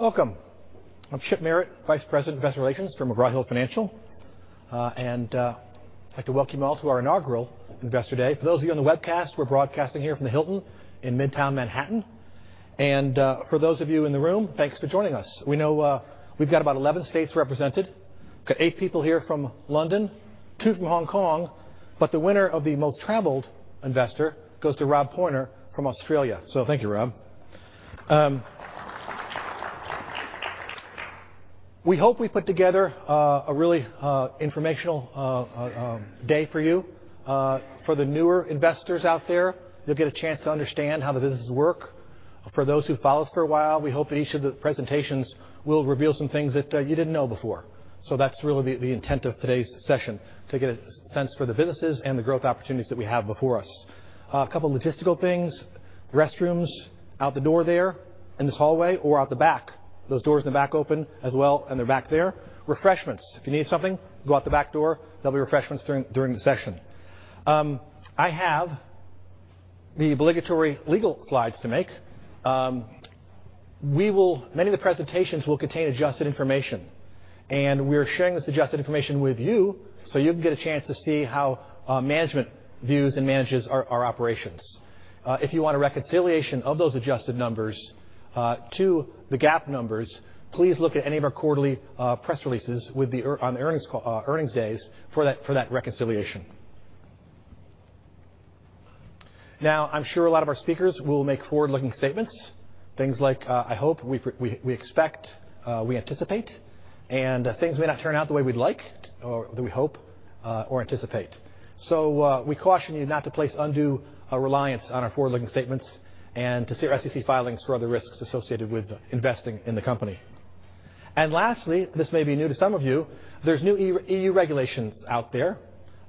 Welcome. I'm Chip Merritt, Vice President of Investor Relations for McGraw Hill Financial, I'd like to welcome you all to our inaugural Investor Day. For those of you on the webcast, we're broadcasting here from the Hilton in midtown Manhattan. For those of you in the room, thanks for joining us. We know we've got about 11 states represented. Got eight people here from London, two from Hong Kong. The winner of the most traveled investor goes to Rob Pointer from Australia. Thank you, Rob. We hope we put together a really informational day for you. For the newer investors out there, you'll get a chance to understand how the businesses work. For those who've followed us for a while, we hope that each of the presentations will reveal some things that you didn't know before. That's really the intent of today's session: to get a sense for the businesses and the growth opportunities that we have before us. A couple logistical things. Restrooms, out the door there in this hallway or out the back. Those doors in the back open as well and they're back there. Refreshments, if you need something, go out the back door. There'll be refreshments during the session. I have the obligatory legal slides to make. Many of the presentations will contain adjusted information, we are sharing this adjusted information with you so you can get a chance to see how management views and manages our operations. If you want a reconciliation of those adjusted numbers to the GAAP numbers, please look at any of our quarterly press releases on earnings days for that reconciliation. I'm sure a lot of our speakers will make forward-looking statements, things like, I hope, we expect, we anticipate, things may not turn out the way we'd like or that we hope or anticipate. We caution you not to place undue reliance on our forward-looking statements and to see our SEC filings for other risks associated with investing in the company. Lastly, this may be new to some of you, there's new EU regulations out there.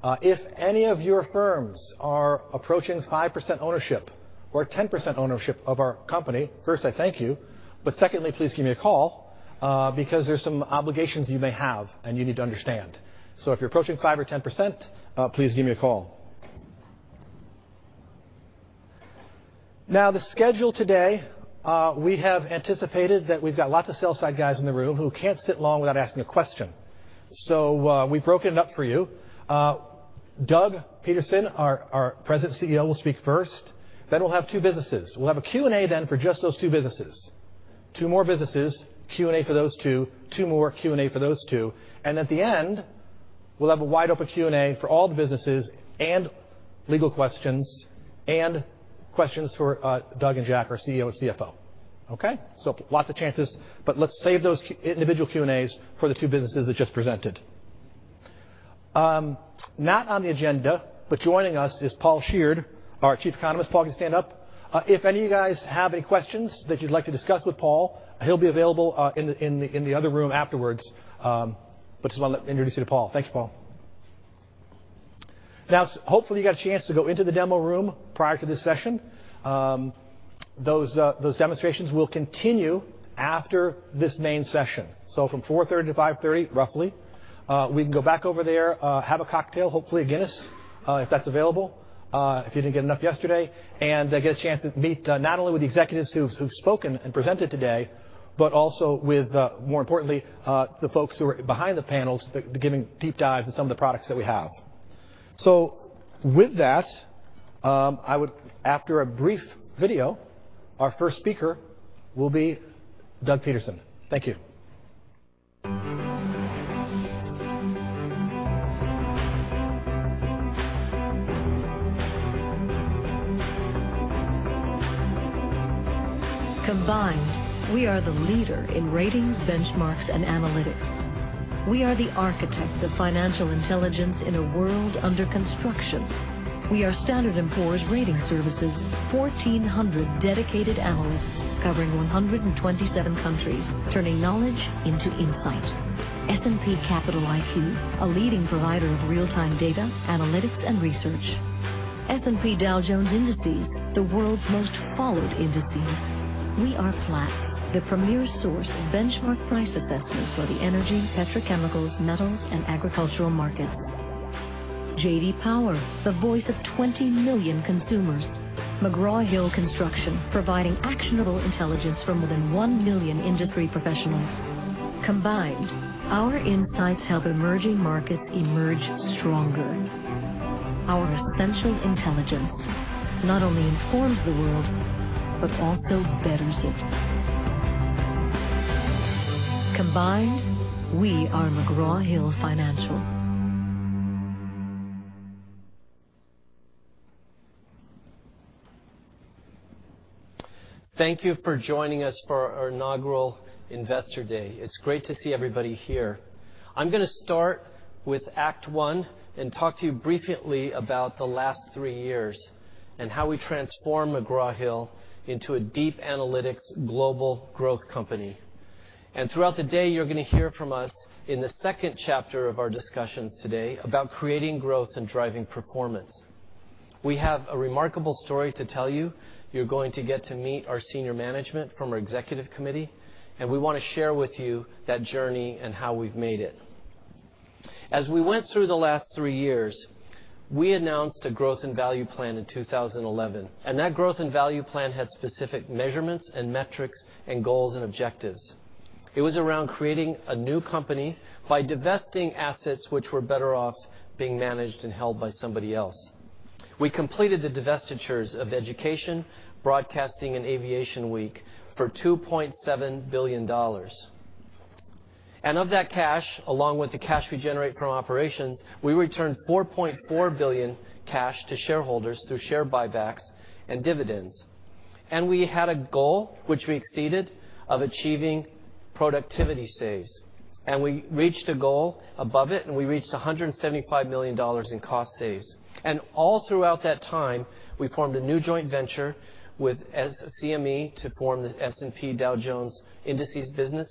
If any of your firms are approaching 5% ownership or 10% ownership of our company, first, I thank you, but secondly, please give me a call because there's some obligations you may have and you need to understand. If you're approaching 5 or 10%, please give me a call. The schedule today, we have anticipated that we've got lots of sell-side guys in the room who can't sit long without asking a question. We've broken it up for you. Doug Peterson, our present CEO, will speak first, then we'll have two businesses. We'll have a Q&A then for just those two businesses. Two more businesses, Q&A for those two more, Q&A for those two, at the end, we'll have a wide-open Q&A for all the businesses and legal questions and questions for Doug and Jack, our CEO and CFO. Okay? Lots of chances, let's save those individual Q&As for the two businesses that just presented. Not on the agenda, but joining us is Paul Sheard, our chief economist. Paul, can you stand up? If any of you guys have any questions that you'd like to discuss with Paul, he'll be available in the other room afterwards. Just want to introduce you to Paul. Thanks, Paul. Hopefully, you got a chance to go into the demo room prior to this session. Those demonstrations will continue after this main session. From 4:30 to 5:30, roughly we can go back over there have a cocktail, hopefully a Guinness if that's available if you didn't get enough yesterday and get a chance to meet not only with the executives who've spoken and presented today, but also with more importantly the folks who are behind the panels giving deep dives in some of the products that we have. With that, after a brief video, our first speaker will be Doug Peterson. Thank you. Combined, we are the leader in ratings, benchmarks, and analytics. We are the architects of financial intelligence in a world under construction. We are Standard & Poor's Ratings Services, 1,400 dedicated analysts covering 127 countries, turning knowledge into insight. S&P Capital IQ, a leading provider of real-time data, analytics, and research. S&P Dow Jones Indices, the world's most followed indices. We are Platts, the premier source of benchmark price assessments for the energy, petrochemicals, metals, and agricultural markets. J.D. Power, the voice of 20 million consumers. McGraw Hill Construction, providing actionable intelligence for more than 1 million industry professionals. Combined, our insights help emerging markets emerge stronger. Our essential intelligence not only informs the world but also betters it. Combined, we are McGraw Hill Financial. Thank you for joining us for our inaugural Investor Day. It's great to see everybody here. I'm going to start with act one and talk to you briefly about the last three years and how we transformed McGraw Hill into a deep analytics global growth company. Throughout the day, you're going to hear from us in the second chapter of our discussions today about creating growth and driving performance. We have a remarkable story to tell you. We want to share with you that journey and how we've made it. As we went through the last three years, we announced a growth and value plan in 2011, that growth and value plan had specific measurements and metrics and goals and objectives. It was around creating a new company by divesting assets which were better off being managed and held by somebody else. We completed the divestitures of Education, Broadcasting, and Aviation Week for $2.7 billion. Of that cash, along with the cash we generate from operations, we returned $4.4 billion cash to shareholders through share buybacks and dividends. We had a goal, which we exceeded, of achieving productivity saves. We reached a goal above it, we reached $175 million in cost saves. All throughout that time, we formed a new joint venture with CME to form the S&P Dow Jones Indices business,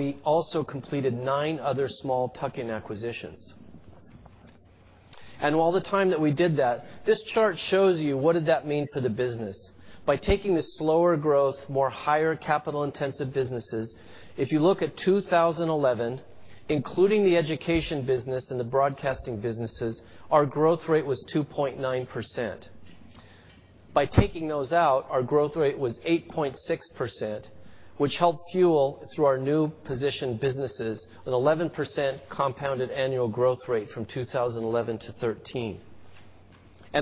we also completed nine other small tuck-in acquisitions. The time that we did that, this chart shows you what did that mean for the business. By taking the slower growth, higher capital-intensive businesses, if you look at 2011, including the McGraw Hill Education business and the McGraw-Hill Broadcasting businesses, our growth rate was 2.9%. By taking those out, our growth rate was 8.6%, which helped fuel, through our new position businesses, an 11% compounded annual growth rate from 2011 to 2013.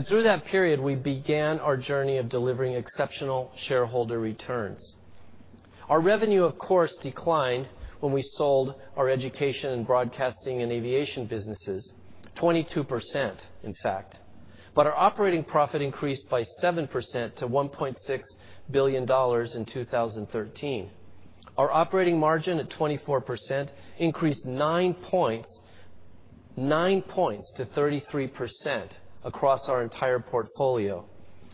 Through that period, we began our journey of delivering exceptional shareholder returns. Our revenue, of course, declined when we sold our McGraw Hill Education and McGraw-Hill Broadcasting and Aviation Week businesses, 22%, in fact. Our operating profit increased by 7% to $1.6 billion in 2013. Our operating margin at 24% increased nine points to 33% across our entire portfolio.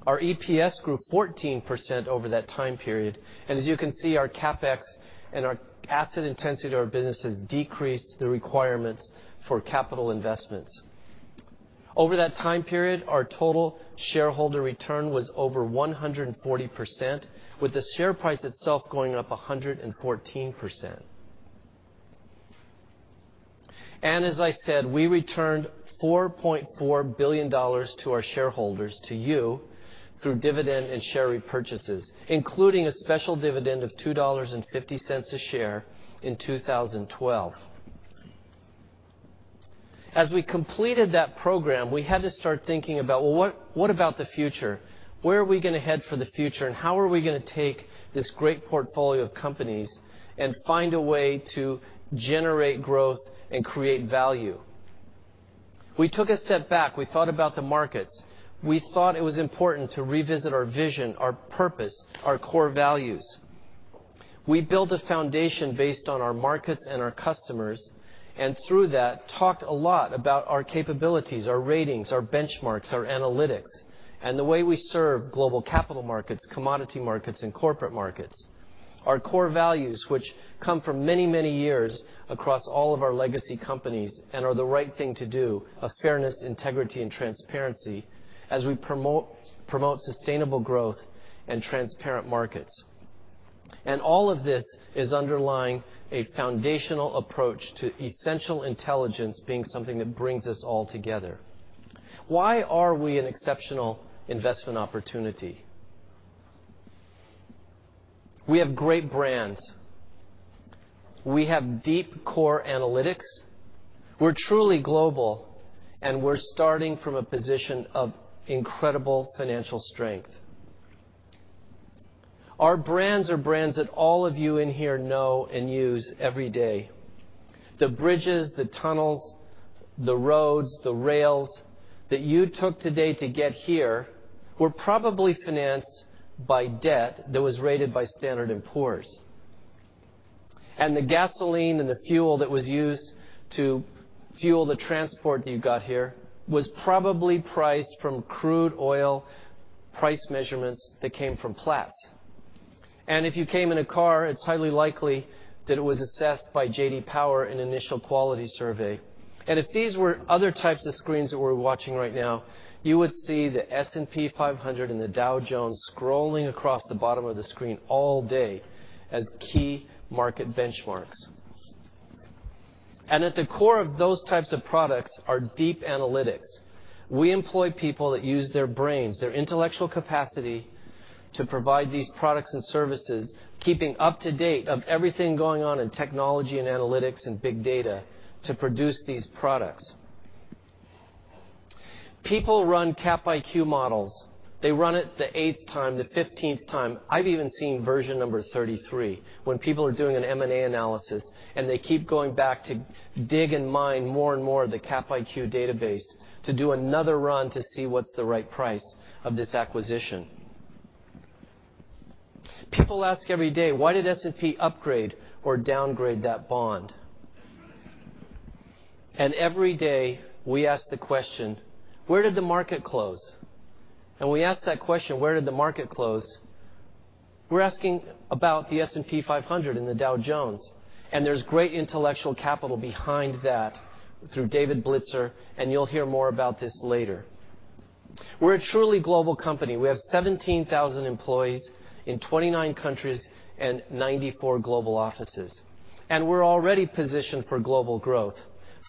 Our EPS grew 14% over that time period, and as you can see, our CapEx and our asset intensity to our businesses decreased the requirements for capital investments. Over that time period, our total shareholder return was over 140%, with the share price itself going up 114%. As I said, we returned $4.4 billion to our shareholders, to you, through dividend and share repurchases, including a special dividend of $2.50 a share in 2012. As we completed that program, we had to start thinking about, well, what about the future? Where are we going to head for the future, and how are we going to take this great portfolio of companies and find a way to generate growth and create value? We took a step back. We thought about the markets. We thought it was important to revisit our vision, our purpose, our core values. We built a foundation based on our markets and our customers, and through that, talked a lot about our capabilities, our ratings, our benchmarks, our analytics, and the way we serve global capital markets, commodity markets, and corporate markets. Our core values, which come from many, many years across all of our legacy companies and are the right thing to do, of fairness, integrity, and transparency, as we promote sustainable growth and transparent markets. All of this is underlying a foundational approach to essential intelligence being something that brings us all together. Why are we an exceptional investment opportunity? We have great brands. We have deep core analytics. We're truly global, and we're starting from a position of incredible financial strength. Our brands are brands that all of you in here know and use every day. The bridges, the tunnels, the roads, the rails that you took today to get here were probably financed by debt that was rated by Standard & Poor's. The gasoline and the fuel that was used to fuel the transport that you got here was probably priced from crude oil price measurements that came from Platts. If you came in a car, it's highly likely that it was assessed by J.D. Power in initial quality survey. If these were other types of screens that we're watching right now, you would see the S&P 500 and the Dow Jones scrolling across the bottom of the screen all day as key market benchmarks. At the core of those types of products are deep analytics. We employ people that use their brains, their intellectual capacity to provide these products and services, keeping up to date of everything going on in technology and analytics and big data to produce these products. People run CapIQ models. They run it the eighth time, the 15th time. I've even seen version number 33 when people are doing an M&A analysis, they keep going back to dig and mine more and more of the CapIQ database to do another run to see what's the right price of this acquisition. People ask every day, why did S&P upgrade or downgrade that bond? Every day we ask the question, where did the market close? We ask that question, where did the market close, we're asking about the S&P 500 and the Dow Jones, and there's great intellectual capital behind that through David Blitzer, and you'll hear more about this later. We're a truly global company. We have 17,000 employees in 29 countries and 94 global offices. We're already positioned for global growth.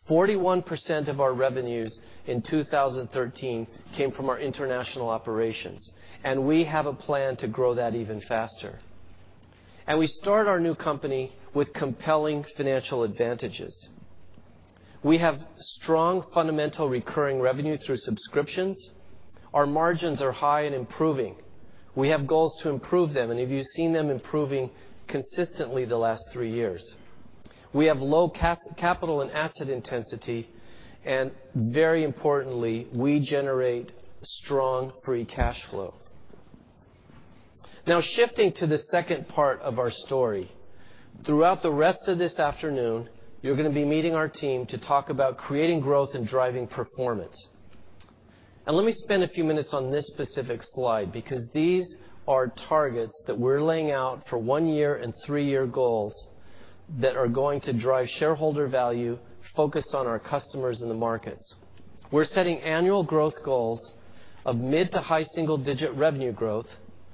41% of our revenues in 2013 came from our international operations, and we have a plan to grow that even faster. We start our new company with compelling financial advantages. We have strong fundamental recurring revenue through subscriptions. Our margins are high and improving. We have goals to improve them, and if you've seen them improving consistently the last three years. We have low capital and asset intensity, and very importantly, we generate strong free cash flow. Now, shifting to the second part of our story. Throughout the rest of this afternoon, you're going to be meeting our team to talk about creating growth and driving performance. Let me spend a few minutes on this specific slide, because these are targets that we're laying out for one year and three-year goals that are going to drive shareholder value focused on our customers in the markets. We're setting annual growth goals of mid to high single-digit revenue growth,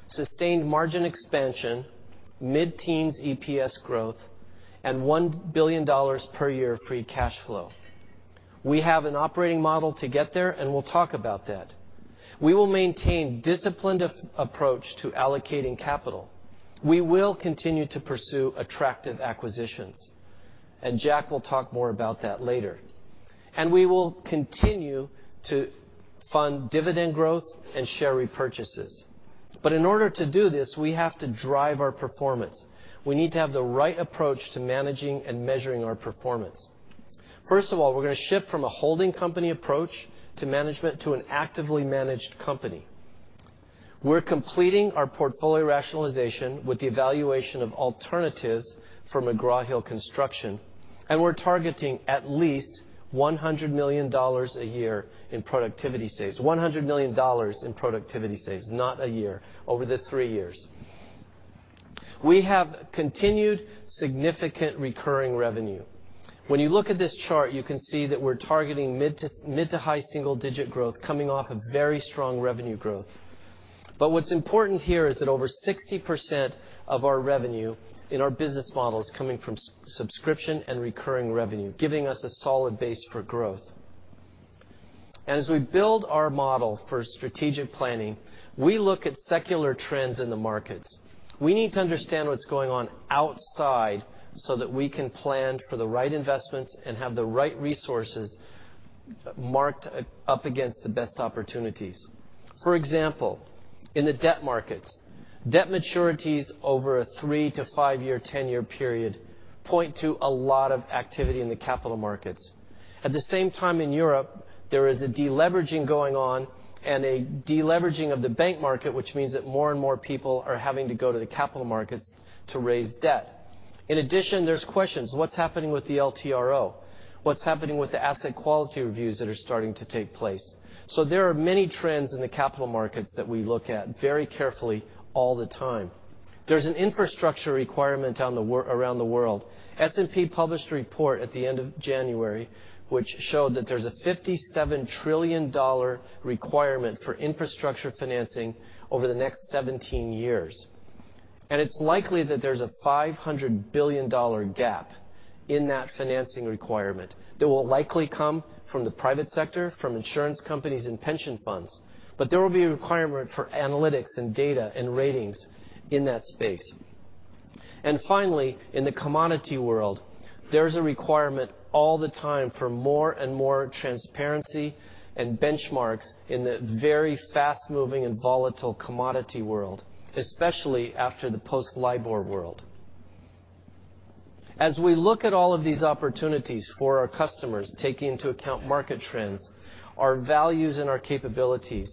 sustained margin expansion, mid-teens EPS growth, and $1 billion per year of free cash flow. We have an operating model to get there, and we'll talk about that. We will maintain disciplined approach to allocating capital. We will continue to pursue attractive acquisitions, and Jack will talk more about that later. We will continue to fund dividend growth and share repurchases. In order to do this, we have to drive our performance. We need to have the right approach to managing and measuring our performance. First of all, we're going to shift from a holding company approach to management to an actively managed company. We're completing our portfolio rationalization with the evaluation of alternatives for McGraw Hill Construction, and we're targeting at least $100 million a year in productivity saves. $100 million in productivity saves, not a year, over the three years. We have continued significant recurring revenue. When you look at this chart, you can see that we're targeting mid to high single-digit growth coming off a very strong revenue growth. What's important here is that over 60% of our revenue in our business model is coming from subscription and recurring revenue, giving us a solid base for growth. As we build our model for strategic planning, we look at secular trends in the markets. We need to understand what's going on outside so that we can plan for the right investments and have the right resources marked up against the best opportunities. For example, in the debt markets, debt maturities over a 3-5 year, 10-year period point to a lot of activity in the capital markets. At the same time in Europe, there is a deleveraging going on and a deleveraging of the bank market, which means that more and more people are having to go to the capital markets to raise debt. In addition, there's questions. What's happening with the LTRO? What's happening with the asset quality reviews that are starting to take place? There are many trends in the capital markets that we look at very carefully all the time. There's an infrastructure requirement around the world. S&P published a report at the end of January, which showed that there's a $57 trillion requirement for infrastructure financing over the next 17 years. It's likely that there's a $500 billion gap in that financing requirement that will likely come from the private sector, from insurance companies and pension funds. There will be a requirement for analytics and data and ratings in that space. Finally, in the commodity world, there's a requirement all the time for more and more transparency and benchmarks in the very fast-moving and volatile commodity world, especially after the post-LIBOR world. As we look at all of these opportunities for our customers, taking into account market trends, our values, and our capabilities,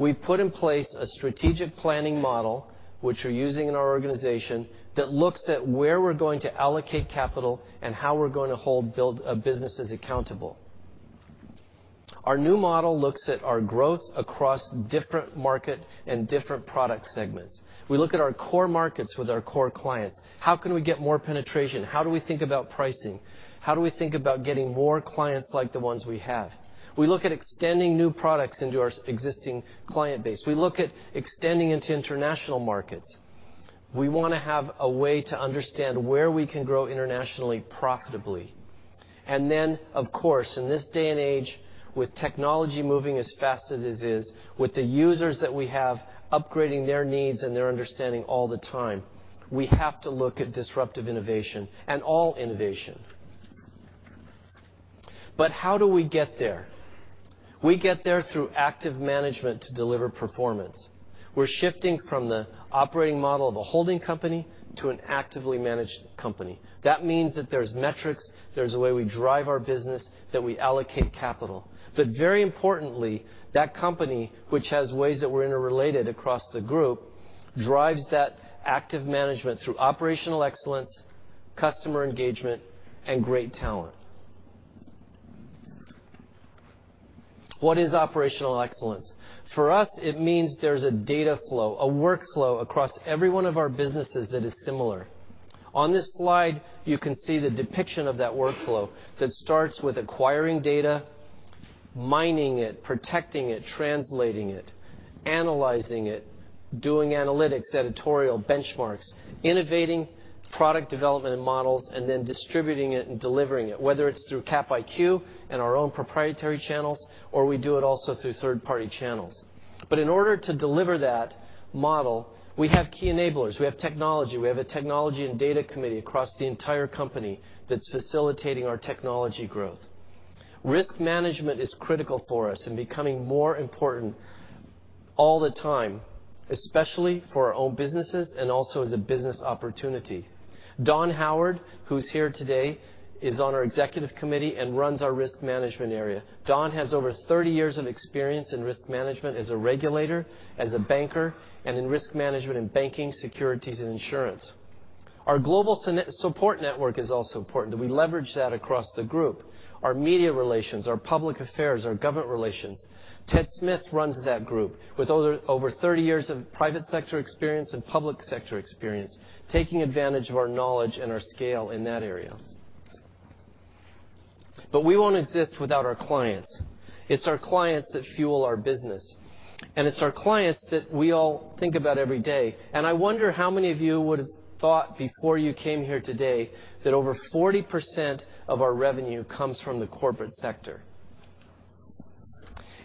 we put in place a strategic planning model, which we're using in our organization that looks at where we're going to allocate capital and how we're going to build businesses accountable. Our new model looks at our growth across different market and different product segments. We look at our core markets with our core clients. How can we get more penetration? How do we think about pricing? How do we think about getting more clients like the ones we have? We look at extending new products into our existing client base. We look at extending into international markets. We want to have a way to understand where we can grow internationally profitably. Of course, in this day and age, with technology moving as fast as it is, with the users that we have upgrading their needs and their understanding all the time, we have to look at disruptive innovation and all innovation. How do we get there? We get there through active management to deliver performance. We're shifting from the operating model of a holding company to an actively managed company. That means that there's metrics, there's a way we drive our business, that we allocate capital. Very importantly, that company, which has ways that we're interrelated across the group, drives that active management through operational excellence, customer engagement, and great talent. What is operational excellence? For us, it means there's a data flow, a workflow across every one of our businesses that is similar. On this slide, you can see the depiction of that workflow that starts with acquiring data, mining it, protecting it, translating it, analyzing it, doing analytics, editorial, benchmarks, innovating, product development, and models, then distributing it and delivering it, whether it's through Cap IQ and our own proprietary channels, or we do it also through third-party channels. In order to deliver that model, we have key enablers. We have technology. We have a technology and data committee across the entire company that's facilitating our technology growth. Risk management is critical for us and becoming more important all the time, especially for our own businesses and also as a business opportunity. Don Howard, who's here today, is on our Executive Committee and runs our risk management area. Don has over 30 years of experience in risk management as a regulator, as a banker, and in risk management in banking, securities, and insurance. Our global support network is also important, that we leverage that across the group. Our media relations, our public affairs, our government relations. Ted Smith runs that group with over 30 years of private sector experience and public sector experience, taking advantage of our knowledge and our scale in that area. We won't exist without our clients. It's our clients that fuel our business, and it's our clients that we all think about every day. I wonder how many of you would have thought before you came here today that over 40% of our revenue comes from the corporate sector.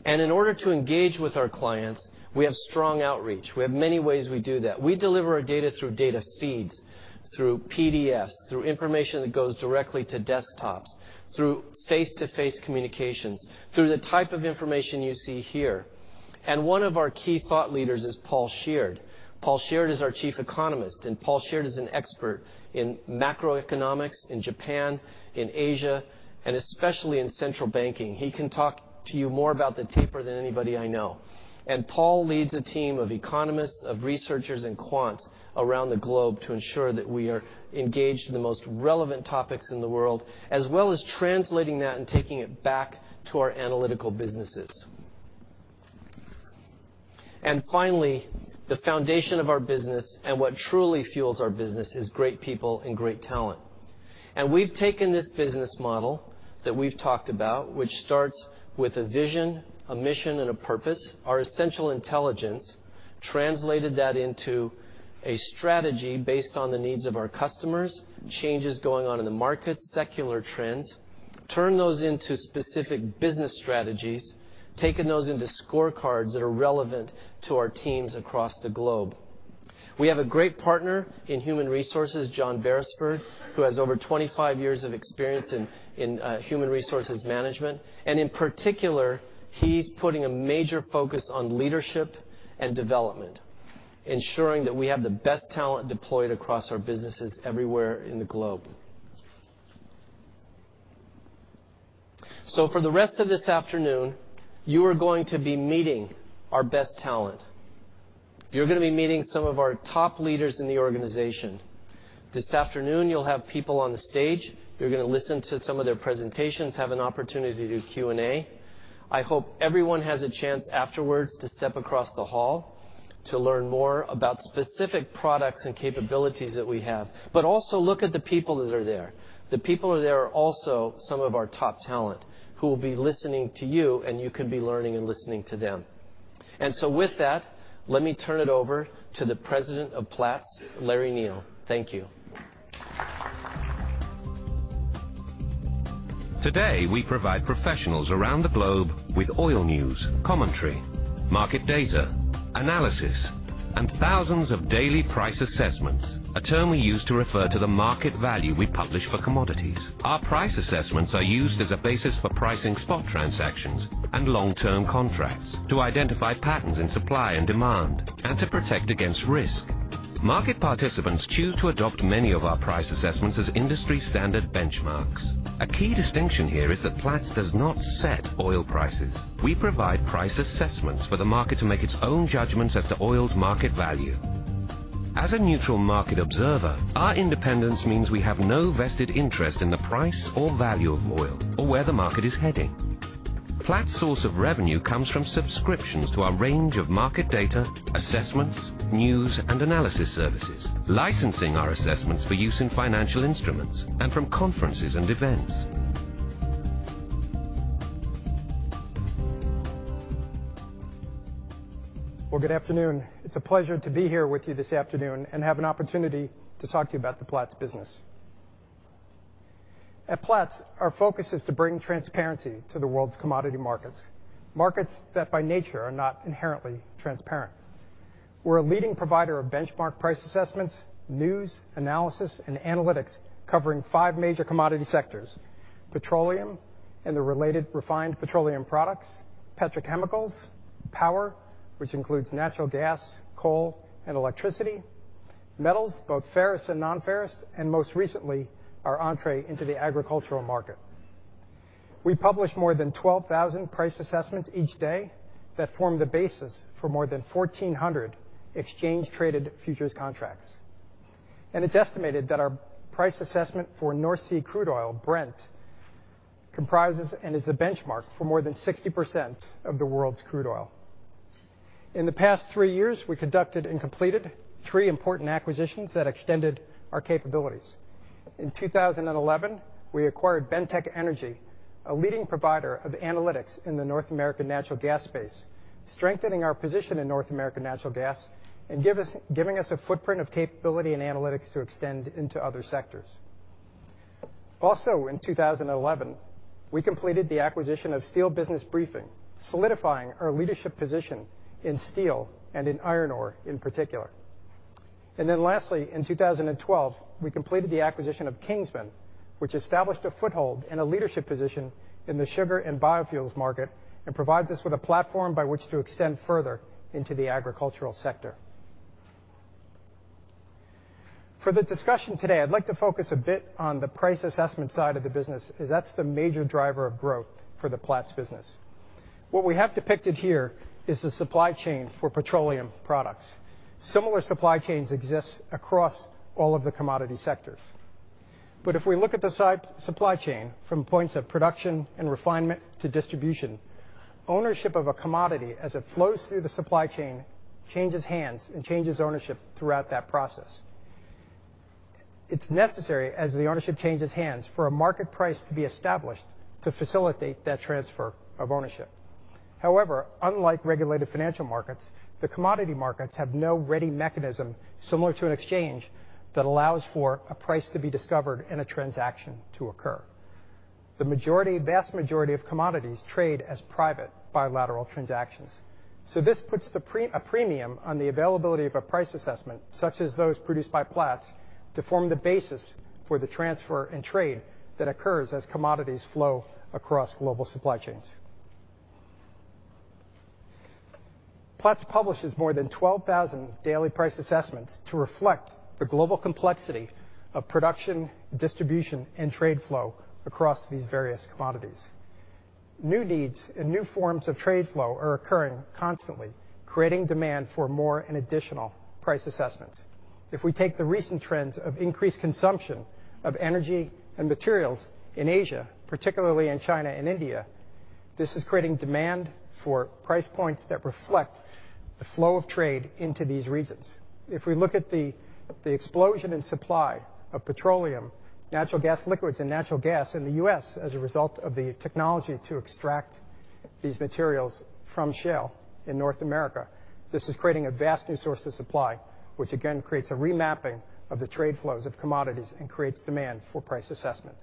In order to engage with our clients, we have strong outreach. We have many ways we do that. We deliver our data through data feeds, through PDFs, through information that goes directly to desktops, through face-to-face communications, through the type of information you see here. One of our key thought leaders is Paul Sheard. Paul Sheard is our Chief Economist, and Paul Sheard is an expert in macroeconomics in Japan, in Asia, and especially in central banking. He can talk to you more about the taper than anybody I know. Paul leads a team of economists, of researchers and quants around the globe to ensure that we are engaged in the most relevant topics in the world, as well as translating that and taking it back to our analytical businesses. Finally, the foundation of our business and what truly fuels our business is great people and great talent. We've taken this business model that we've talked about, which starts with a vision, a mission, and a purpose, our essential intelligence, translated that into a strategy based on the needs of our customers, changes going on in the market, secular trends, turn those into specific business strategies, taken those into scorecards that are relevant to our teams across the globe. We have a great partner in Human Resources, John Berisford, who has over 25 years of experience in human resources management. In particular, he's putting a major focus on leadership and development, ensuring that we have the best talent deployed across our businesses everywhere in the globe. For the rest of this afternoon, you are going to be meeting our best talent. You're going to be meeting some of our top leaders in the organization. This afternoon, you'll have people on the stage. You're going to listen to some of their presentations, have an opportunity to do Q&A. I hope everyone has a chance afterwards to step across the hall to learn more about specific products and capabilities that we have. Also look at the people that are there. The people who are there are also some of our top talent who will be listening to you, and you can be learning and listening to them. With that, let me turn it over to the President of Platts, Larry Neal. Thank you. Today, we provide professionals around the globe with oil news, commentary, market data, analysis, and thousands of daily price assessments, a term we use to refer to the market value we publish for commodities. Our price assessments are used as a basis for pricing spot transactions and long-term contracts to identify patterns in supply and demand and to protect against risk. Market participants choose to adopt many of our price assessments as industry-standard benchmarks. A key distinction here is that Platts does not set oil prices. We provide price assessments for the market to make its own judgments as to oil's market value. As a neutral market observer, our independence means we have no vested interest in the price or value of oil or where the market is heading. Platts' source of revenue comes from subscriptions to our range of market data, assessments, news, and analysis services, licensing our assessments for use in financial instruments and from conferences and events. Well, good afternoon. It's a pleasure to be here with you this afternoon and have an opportunity to talk to you about the Platts business. At Platts, our focus is to bring transparency to the world's commodity markets that by nature are not inherently transparent. We're a leading provider of benchmark price assessments, news, analysis, and analytics covering five major commodity sectors: petroleum and the related refined petroleum products, petrochemicals, power, which includes natural gas, coal, and electricity, metals, both ferrous and non-ferrous, and most recently, our entree into the agricultural market. We publish more than 12,000 price assessments each day that form the basis for more than 1,400 exchange-traded futures contracts. It's estimated that our price assessment for North Sea crude oil, Brent, comprises and is the benchmark for more than 60% of the world's crude oil. In the past three years, we conducted and completed three important acquisitions that extended our capabilities. In 2011, we acquired Bentek Energy, a leading provider of analytics in the North American natural gas space, strengthening our position in North American natural gas and giving us a footprint of capability and analytics to extend into other sectors. Lastly, in 2011, we completed the acquisition of Steel Business Briefing, solidifying our leadership position in steel and in iron ore in particular. In 2012, we completed the acquisition of Kingsman, which established a foothold and a leadership position in the sugar and biofuels market, and provides us with a platform by which to extend further into the agricultural sector. For the discussion today, I'd like to focus a bit on the price assessment side of the business, as that's the major driver of growth for the Platts business. What we have depicted here is the supply chain for petroleum products. Similar supply chains exist across all of the commodity sectors. If we look at the supply chain from points of production and refinement to distribution, ownership of a commodity as it flows through the supply chain changes hands and changes ownership throughout that process. It's necessary as the ownership changes hands, for a market price to be established to facilitate that transfer of ownership. However, unlike regulated financial markets, the commodity markets have no ready mechanism similar to an exchange that allows for a price to be discovered and a transaction to occur. The vast majority of commodities trade as private bilateral transactions. This puts a premium on the availability of a price assessment, such as those produced by Platts, to form the basis for the transfer and trade that occurs as commodities flow across global supply chains. Platts publishes more than 12,000 daily price assessments to reflect the global complexity of production, distribution, and trade flow across these various commodities. New needs and new forms of trade flow are occurring constantly, creating demand for more and additional price assessments. If we take the recent trends of increased consumption of energy and materials in Asia, particularly in China and India, this is creating demand for price points that reflect the flow of trade into these regions. If we look at the explosion in supply of petroleum, natural gas liquids, and natural gas in the U.S. as a result of the technology to extract these materials from shale in North America, this is creating a vast new source of supply, which again creates a remapping of the trade flows of commodities and creates demand for price assessments.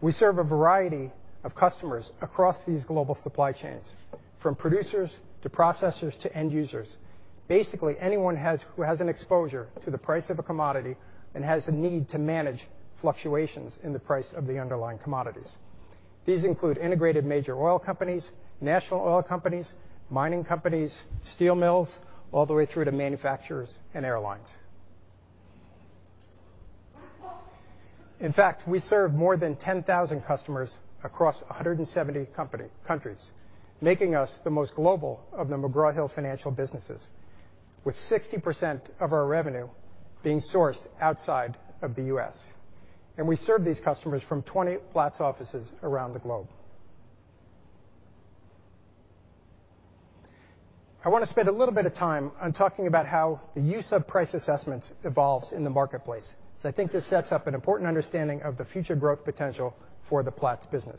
We serve a variety of customers across these global supply chains, from producers to processors to end users. Basically, anyone who has an exposure to the price of a commodity and has a need to manage fluctuations in the price of the underlying commodities. These include integrated major oil companies, national oil companies, mining companies, steel mills, all the way through to manufacturers and airlines. In fact, we serve more than 10,000 customers across 170 countries, making us the most global of the McGraw Hill Financial businesses, with 60% of our revenue being sourced outside of the U.S. We serve these customers from 20 Platts offices around the globe. I want to spend a little bit of time on talking about how the use of price assessments evolves in the marketplace. I think this sets up an important understanding of the future growth potential for the Platts business.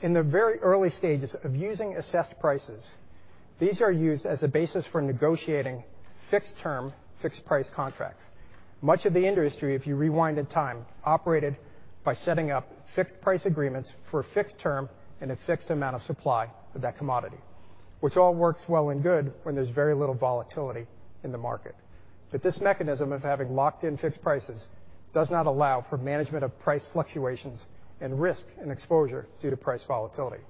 In the very early stages of using assessed prices, these are used as a basis for negotiating fixed-term, fixed-price contracts. Much of the industry, if you rewind in time, operated by setting up fixed price agreements for a fixed term and a fixed amount of supply of that commodity, which all works well and good when there's very little volatility in the market. This mechanism of having locked-in fixed prices does not allow for management of price fluctuations and risk and exposure due to price volatility.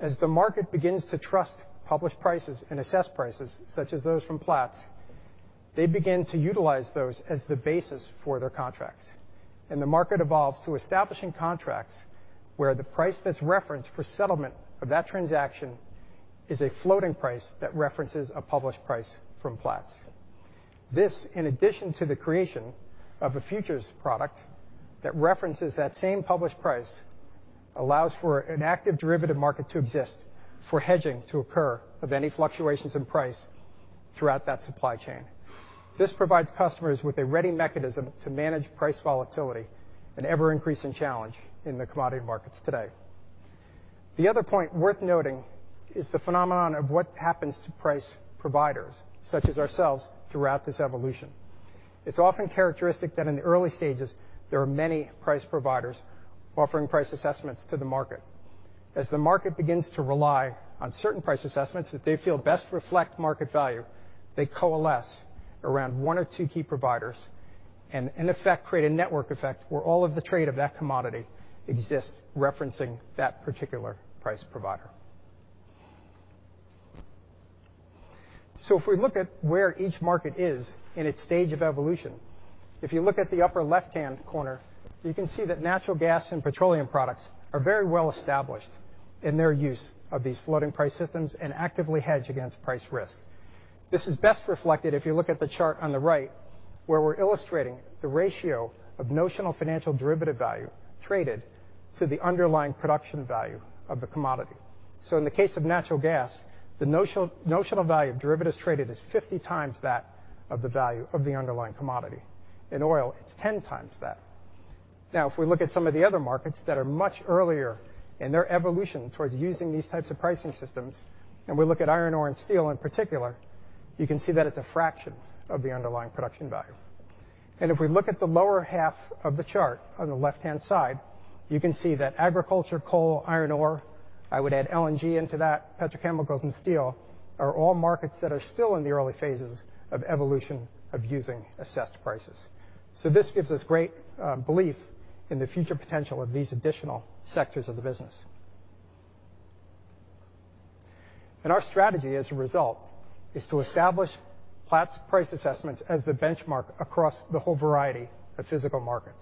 As the market begins to trust published prices and assessed prices, such as those from Platts, they begin to utilize those as the basis for their contracts. The market evolves to establishing contracts where the price that's referenced for settlement of that transaction is a floating price that references a published price from Platts. This, in addition to the creation of a futures product that references that same published price, allows for an active derivative market to exist for hedging to occur of any fluctuations in price throughout that supply chain. This provides customers with a ready mechanism to manage price volatility, an ever-increasing challenge in the commodity markets today. The other point worth noting is the phenomenon of what happens to price providers, such as ourselves, throughout this evolution. It's often characteristic that in the early stages, there are many price providers offering price assessments to the market. As the market begins to rely on certain price assessments that they feel best reflect market value, they coalesce around one or two key providers and in effect, create a network effect where all of the trade of that commodity exists referencing that particular price provider. If we look at where each market is in its stage of evolution, if you look at the upper left-hand corner, you can see that natural gas and petroleum products are very well established in their use of these floating price systems and actively hedge against price risk. This is best reflected if you look at the chart on the right, where we're illustrating the ratio of notional financial derivative value traded to the underlying production value of the commodity. In the case of natural gas, the notional value of derivatives traded is 50 times that of the value of the underlying commodity. In oil, it's 10 times that. If we look at some of the other markets that are much earlier in their evolution towards using these types of pricing systems, and we look at iron ore and steel in particular, you can see that it's a fraction of the underlying production value. If we look at the lower half of the chart on the left-hand side, you can see that agriculture, coal, iron ore, I would add LNG into that, petrochemicals and steel, are all markets that are still in the early phases of evolution of using assessed prices. This gives us great belief in the future potential of these additional sectors of the business. Our strategy, as a result, is to establish Platts price assessments as the benchmark across the whole variety of physical markets.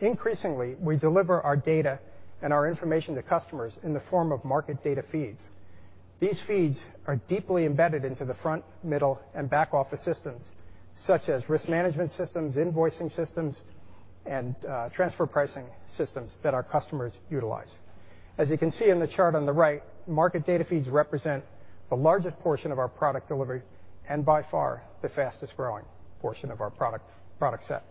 Increasingly, we deliver our data and our information to customers in the form of market data feeds. These feeds are deeply embedded into the front, middle, and back-office systems, such as risk management systems, invoicing systems, and transfer pricing systems that our customers utilize. As you can see in the chart on the right, market data feeds represent the largest portion of our product delivery, and by far the fastest-growing portion of our product set.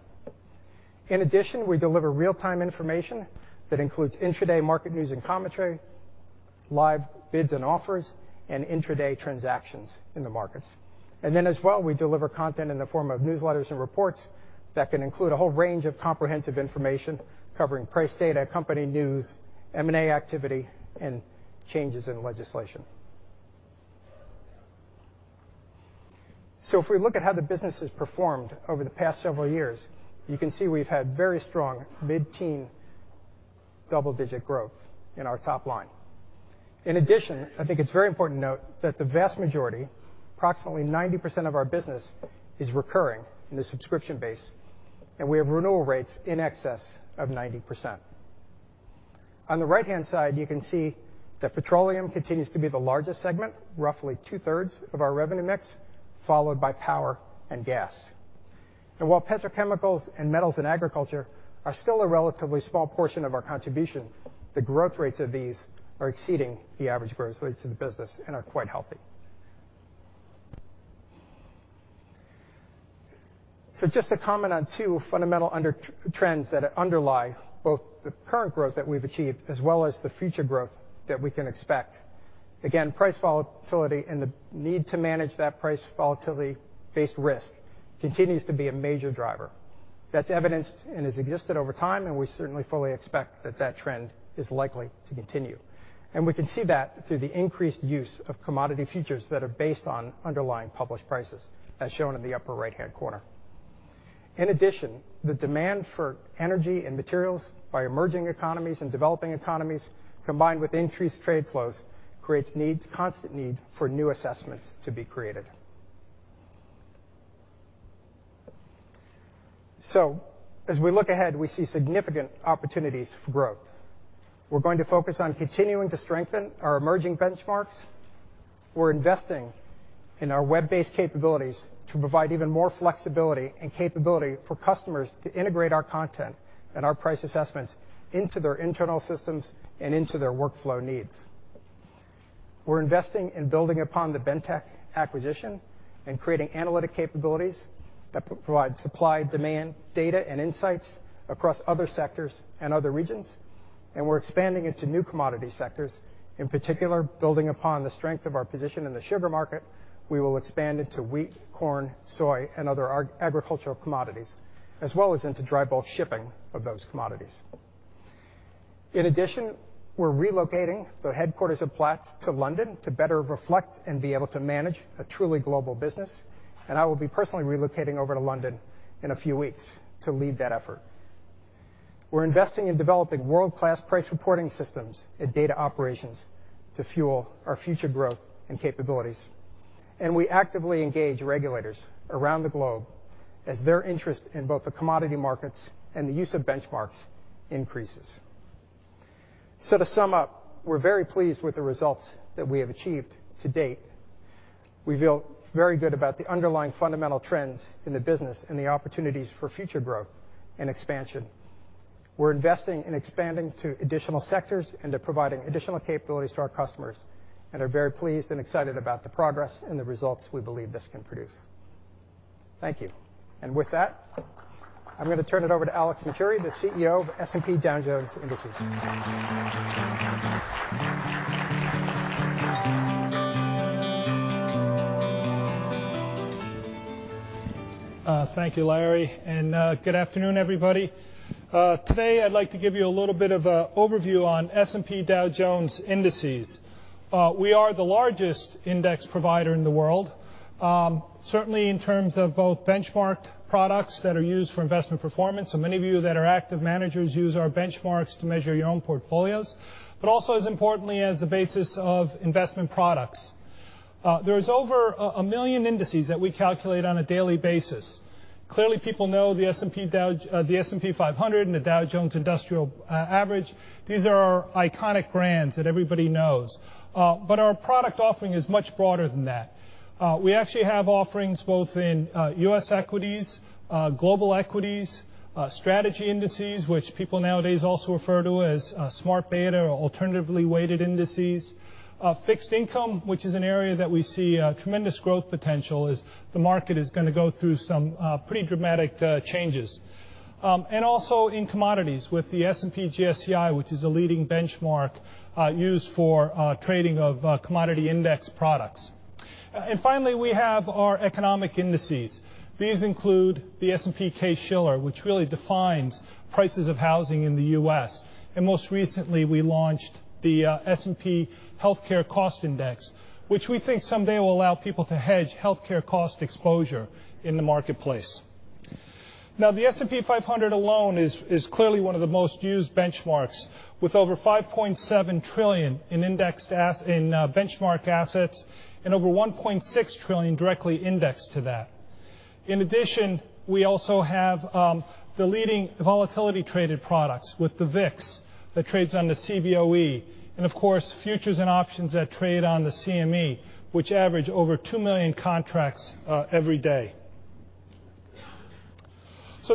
In addition, we deliver real-time information that includes intraday market news and commentary, live bids and offers, and intraday transactions in the markets. As well, we deliver content in the form of newsletters and reports that can include a whole range of comprehensive information covering price data, company news, M&A activity, and changes in legislation. If we look at how the business has performed over the past several years, you can see we've had very strong mid-teen double-digit growth in our top line. In addition, I think it's very important to note that the vast majority, approximately 90% of our business, is recurring in the subscription base, and we have renewal rates in excess of 90%. On the right-hand side, you can see that petroleum continues to be the largest segment, roughly two-thirds of our revenue mix, followed by power and gas. While petrochemicals and metals and agriculture are still a relatively small portion of our contribution, the growth rates of these are exceeding the average growth rates of the business and are quite healthy. Just to comment on two fundamental trends that underlie both the current growth that we've achieved as well as the future growth that we can expect. Again, price volatility and the need to manage that price volatility-based risk continues to be a major driver. That's evidenced and has existed over time, and we certainly fully expect that that trend is likely to continue. We can see that through the increased use of commodity futures that are based on underlying published prices, as shown in the upper right-hand corner. In addition, the demand for energy and materials by emerging economies and developing economies, combined with increased trade flows, creates constant need for new assessments to be created. As we look ahead, we see significant opportunities for growth. We're going to focus on continuing to strengthen our emerging benchmarks. We're investing in our web-based capabilities to provide even more flexibility and capability for customers to integrate our content and our price assessments into their internal systems and into their workflow needs. We're investing in building upon the Bentek acquisition and creating analytic capabilities that provide supply, demand, data, and insights across other sectors and other regions. We're expanding into new commodity sectors. In particular, building upon the strength of our position in the sugar market, we will expand into wheat, corn, soy, and other agricultural commodities, as well as into dry bulk shipping of those commodities. In addition, we're relocating the headquarters of Platts to London to better reflect and be able to manage a truly global business. I will be personally relocating over to London in a few weeks to lead that effort. We're investing in developing world-class price reporting systems and data operations to fuel our future growth and capabilities. We actively engage regulators around the globe as their interest in both the commodity markets and the use of benchmarks increases. To sum up, we're very pleased with the results that we have achieved to date. We feel very good about the underlying fundamental trends in the business and the opportunities for future growth and expansion. We're investing in expanding to additional sectors and to providing additional capabilities to our customers, and are very pleased and excited about the progress and the results we believe this can produce. Thank you. With that, I'm going to turn it over to Alex Matturri, the CEO of S&P Dow Jones Indices. Thank you, Larry. Good afternoon, everybody. Today, I'd like to give you a little bit of a overview on S&P Dow Jones Indices. We are the largest index provider in the world, certainly in terms of both benchmarked products that are used for investment performance. Many of you that are active managers use our benchmarks to measure your own portfolios. Also as importantly as the basis of investment products. There is over a million indices that we calculate on a daily basis. Clearly, people know the S&P 500 and the Dow Jones Industrial Average. These are our iconic brands that everybody knows. Our product offering is much broader than that. We actually have offerings both in U.S. equities, global equities, strategy indices, which people nowadays also refer to as smart beta or alternatively weighted indices. Fixed income, which is an area that we see tremendous growth potential, as the market is going to go through some pretty dramatic changes. Also in commodities with the S&P GSCI, which is a leading benchmark used for trading of commodity index products. Finally, we have our economic indices. These include the S&P Case-Shiller, which really defines prices of housing in the U.S. Most recently, we launched the S&P Healthcare Economic Composite Index, which we think someday will allow people to hedge healthcare cost exposure in the marketplace. Now, the S&P 500 alone is clearly one of the most used benchmarks with over $5.7 trillion in benchmark assets and over $1.6 trillion directly indexed to that. In addition, we also have the leading volatility-traded products with the VIX that trades on the Cboe. Of course, futures and options that trade on the CME, which average over 2 million contracts every day.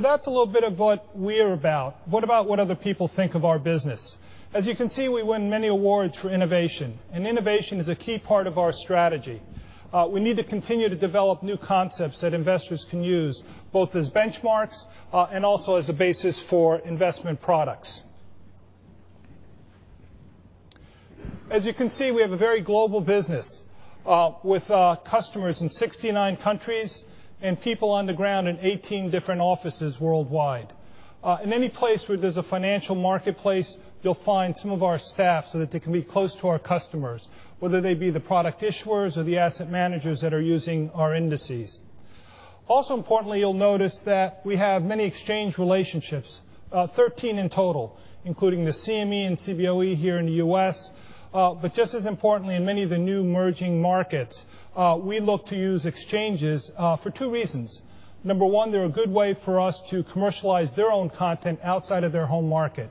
That's a little bit of what we're about. What about what other people think of our business? As you can see, we win many awards for innovation. Innovation is a key part of our strategy. We need to continue to develop new concepts that investors can use, both as benchmarks and also as a basis for investment products. As you can see, we have a very global business, with customers in 69 countries and people on the ground in 18 different offices worldwide. In any place where there's a financial marketplace, you'll find some of our staff so that they can be close to our customers, whether they be the product issuers or the asset managers that are using our indices. Also importantly, you'll notice that we have many exchange relationships, 13 in total, including the CME and Cboe here in the U.S., just as importantly, in many of the new emerging markets. We look to use exchanges for two reasons. Number one, they're a good way for us to commercialize their own content outside of their home market.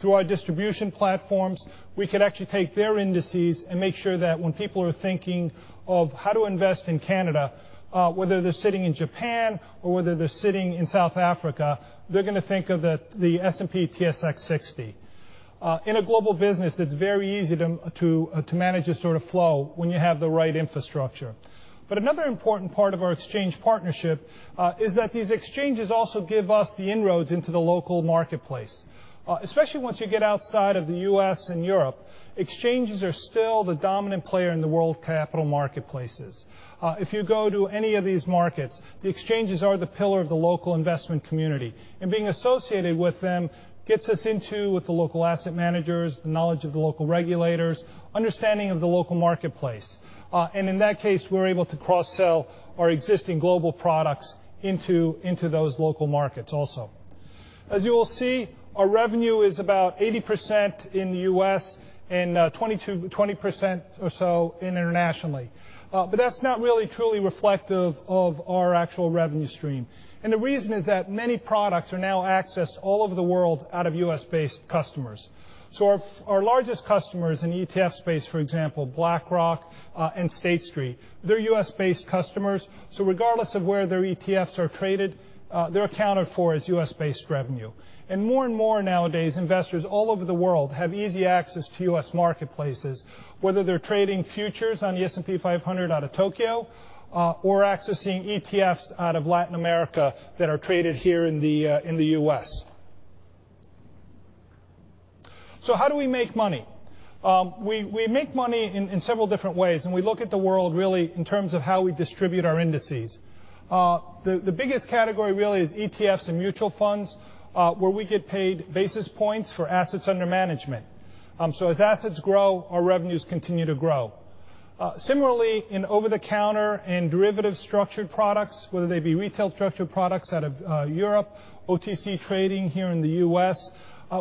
Through our distribution platforms, we could actually take their indices and make sure that when people are thinking of how to invest in Canada, whether they're sitting in Japan or whether they're sitting in South Africa, they're going to think of the S&P/TSX 60. In a global business, it's very easy to manage this sort of flow when you have the right infrastructure. Another important part of our exchange partnership is that these exchanges also give us the inroads into the local marketplace. Especially once you get outside of the U.S. and Europe, exchanges are still the dominant player in the world capital marketplaces. If you go to any of these markets, the exchanges are the pillar of the local investment community, and being associated with them gets us into with the local asset managers, the knowledge of the local regulators, understanding of the local marketplace. In that case, we're able to cross-sell our existing global products into those local markets also. As you will see, our revenue is about 80% in the U.S. and 20% or so internationally. That's not really truly reflective of our actual revenue stream. The reason is that many products are now accessed all over the world out of U.S.-based customers. Our largest customers in the ETF space, for example, BlackRock and State Street. They're U.S.-based customers, regardless of where their ETFs are traded, they're accounted for as U.S.-based revenue. More and more nowadays, investors all over the world have easy access to U.S. marketplaces, whether they're trading futures on the S&P 500 out of Tokyo or accessing ETFs out of Latin America that are traded here in the U.S. How do we make money? We make money in several different ways. We look at the world really in terms of how we distribute our indices. The biggest category really is ETFs and mutual funds, where we get paid basis points for assets under management. As assets grow, our revenues continue to grow. Similarly, in over-the-counter and derivative structured products, whether they be retail structured products out of Europe, OTC trading here in the U.S.,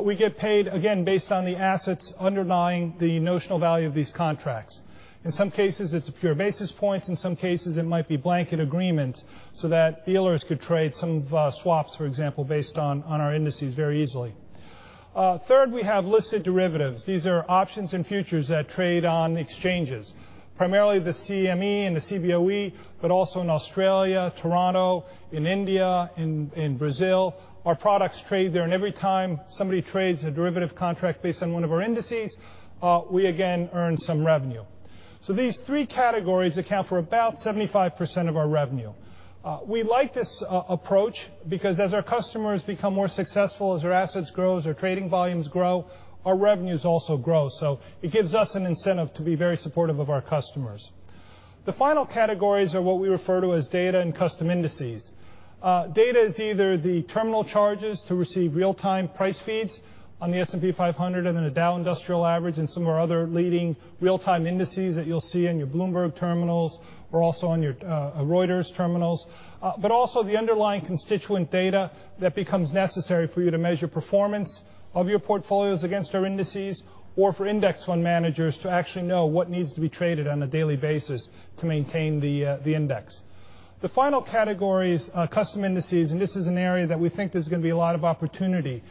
we get paid, again, based on the assets underlying the notional value of these contracts. In some cases, it's pure basis points. In some cases, it might be blanket agreements so that dealers could trade some swaps, for example, based on our indices very easily. Third, we have listed derivatives. These are options and futures that trade on exchanges. Primarily the CME and the Cboe, but also in Australia, Toronto, in India, in Brazil. Our products trade there, and every time somebody trades a derivative contract based on one of our indices, we again earn some revenue. These three categories account for about 75% of our revenue. We like this approach because as our customers become more successful, as their assets grow, as their trading volumes grow, our revenues also grow. It gives us an incentive to be very supportive of our customers. The final categories are what we refer to as data and custom indices. Data is either the terminal charges to receive real-time price feeds on the S&P 500 and the Dow Industrial Average and some of our other leading real-time indices that you'll see in your Bloomberg terminals. We're also on your Reuters terminals. Also the underlying constituent data that becomes necessary for you to measure performance of your portfolios against our indices, or for index fund managers to actually know what needs to be traded on a daily basis to maintain the index. The final category is custom indices, this is an area that we think there's going to be a lot of opportunity.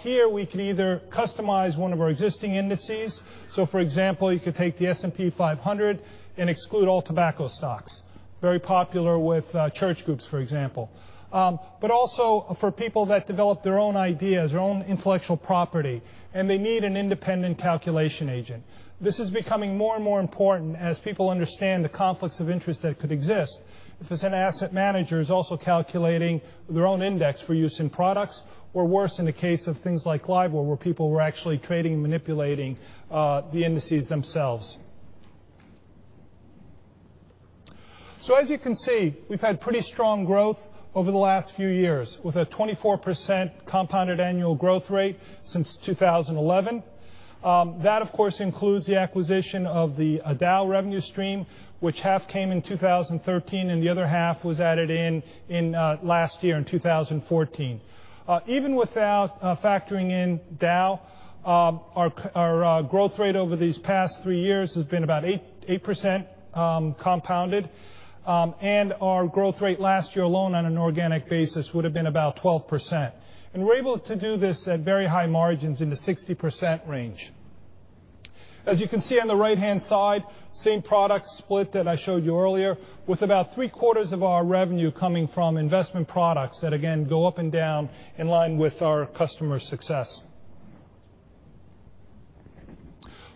Here, we can either customize one of our existing indices. For example, you could take the S&P 500 and exclude all tobacco stocks. Very popular with church groups, for example. Also for people that develop their own ideas, their own intellectual property, and they need an independent calculation agent. This is becoming more and more important as people understand the conflicts of interest that could exist if an asset manager is also calculating their own index for use in products or worse, in the case of things like LIBOR, where people were actually trading, manipulating the indices themselves. As you can see, we've had pretty strong growth over the last few years with a 24% compounded annual growth rate since 2011. That, of course, includes the acquisition of the Dow Revenue stream, which half came in 2013, and the other half was added in last year in 2014. Even without factoring in Dow, our growth rate over these past three years has been about 8% compounded. Our growth rate last year alone on an organic basis would've been about 12%. We're able to do this at very high margins in the 60% range. As you can see on the right-hand side, same product split that I showed you earlier with about three-quarters of our revenue coming from investment products that again, go up and down in line with our customer success.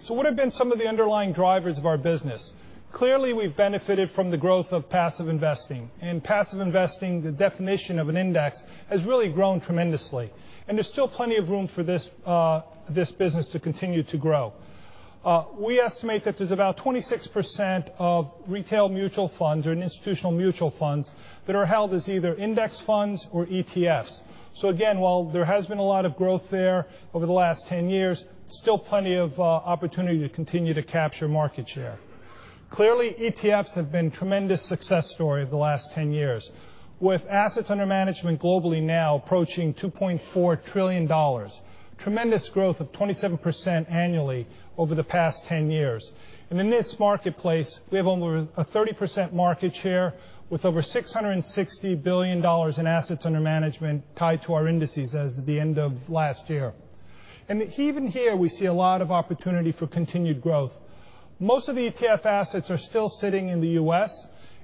What have been some of the underlying drivers of our business? Clearly, we've benefited from the growth of passive investing. In passive investing, the definition of an index has really grown tremendously, and there's still plenty of room for this business to continue to grow. We estimate that there's about 26% of retail mutual funds or institutional mutual funds that are held as either index funds or ETFs. Again, while there has been a lot of growth there over the last 10 years, still plenty of opportunity to continue to capture market share. Clearly, ETFs have been a tremendous success story over the last 10 years with assets under management globally now approaching $2.4 trillion. Tremendous growth of 27% annually over the past 10 years. In this marketplace, we have over a 30% market share with over $660 billion in assets under management tied to our indices as of the end of last year. Even here, we see a lot of opportunity for continued growth. Most of the ETF assets are still sitting in the U.S.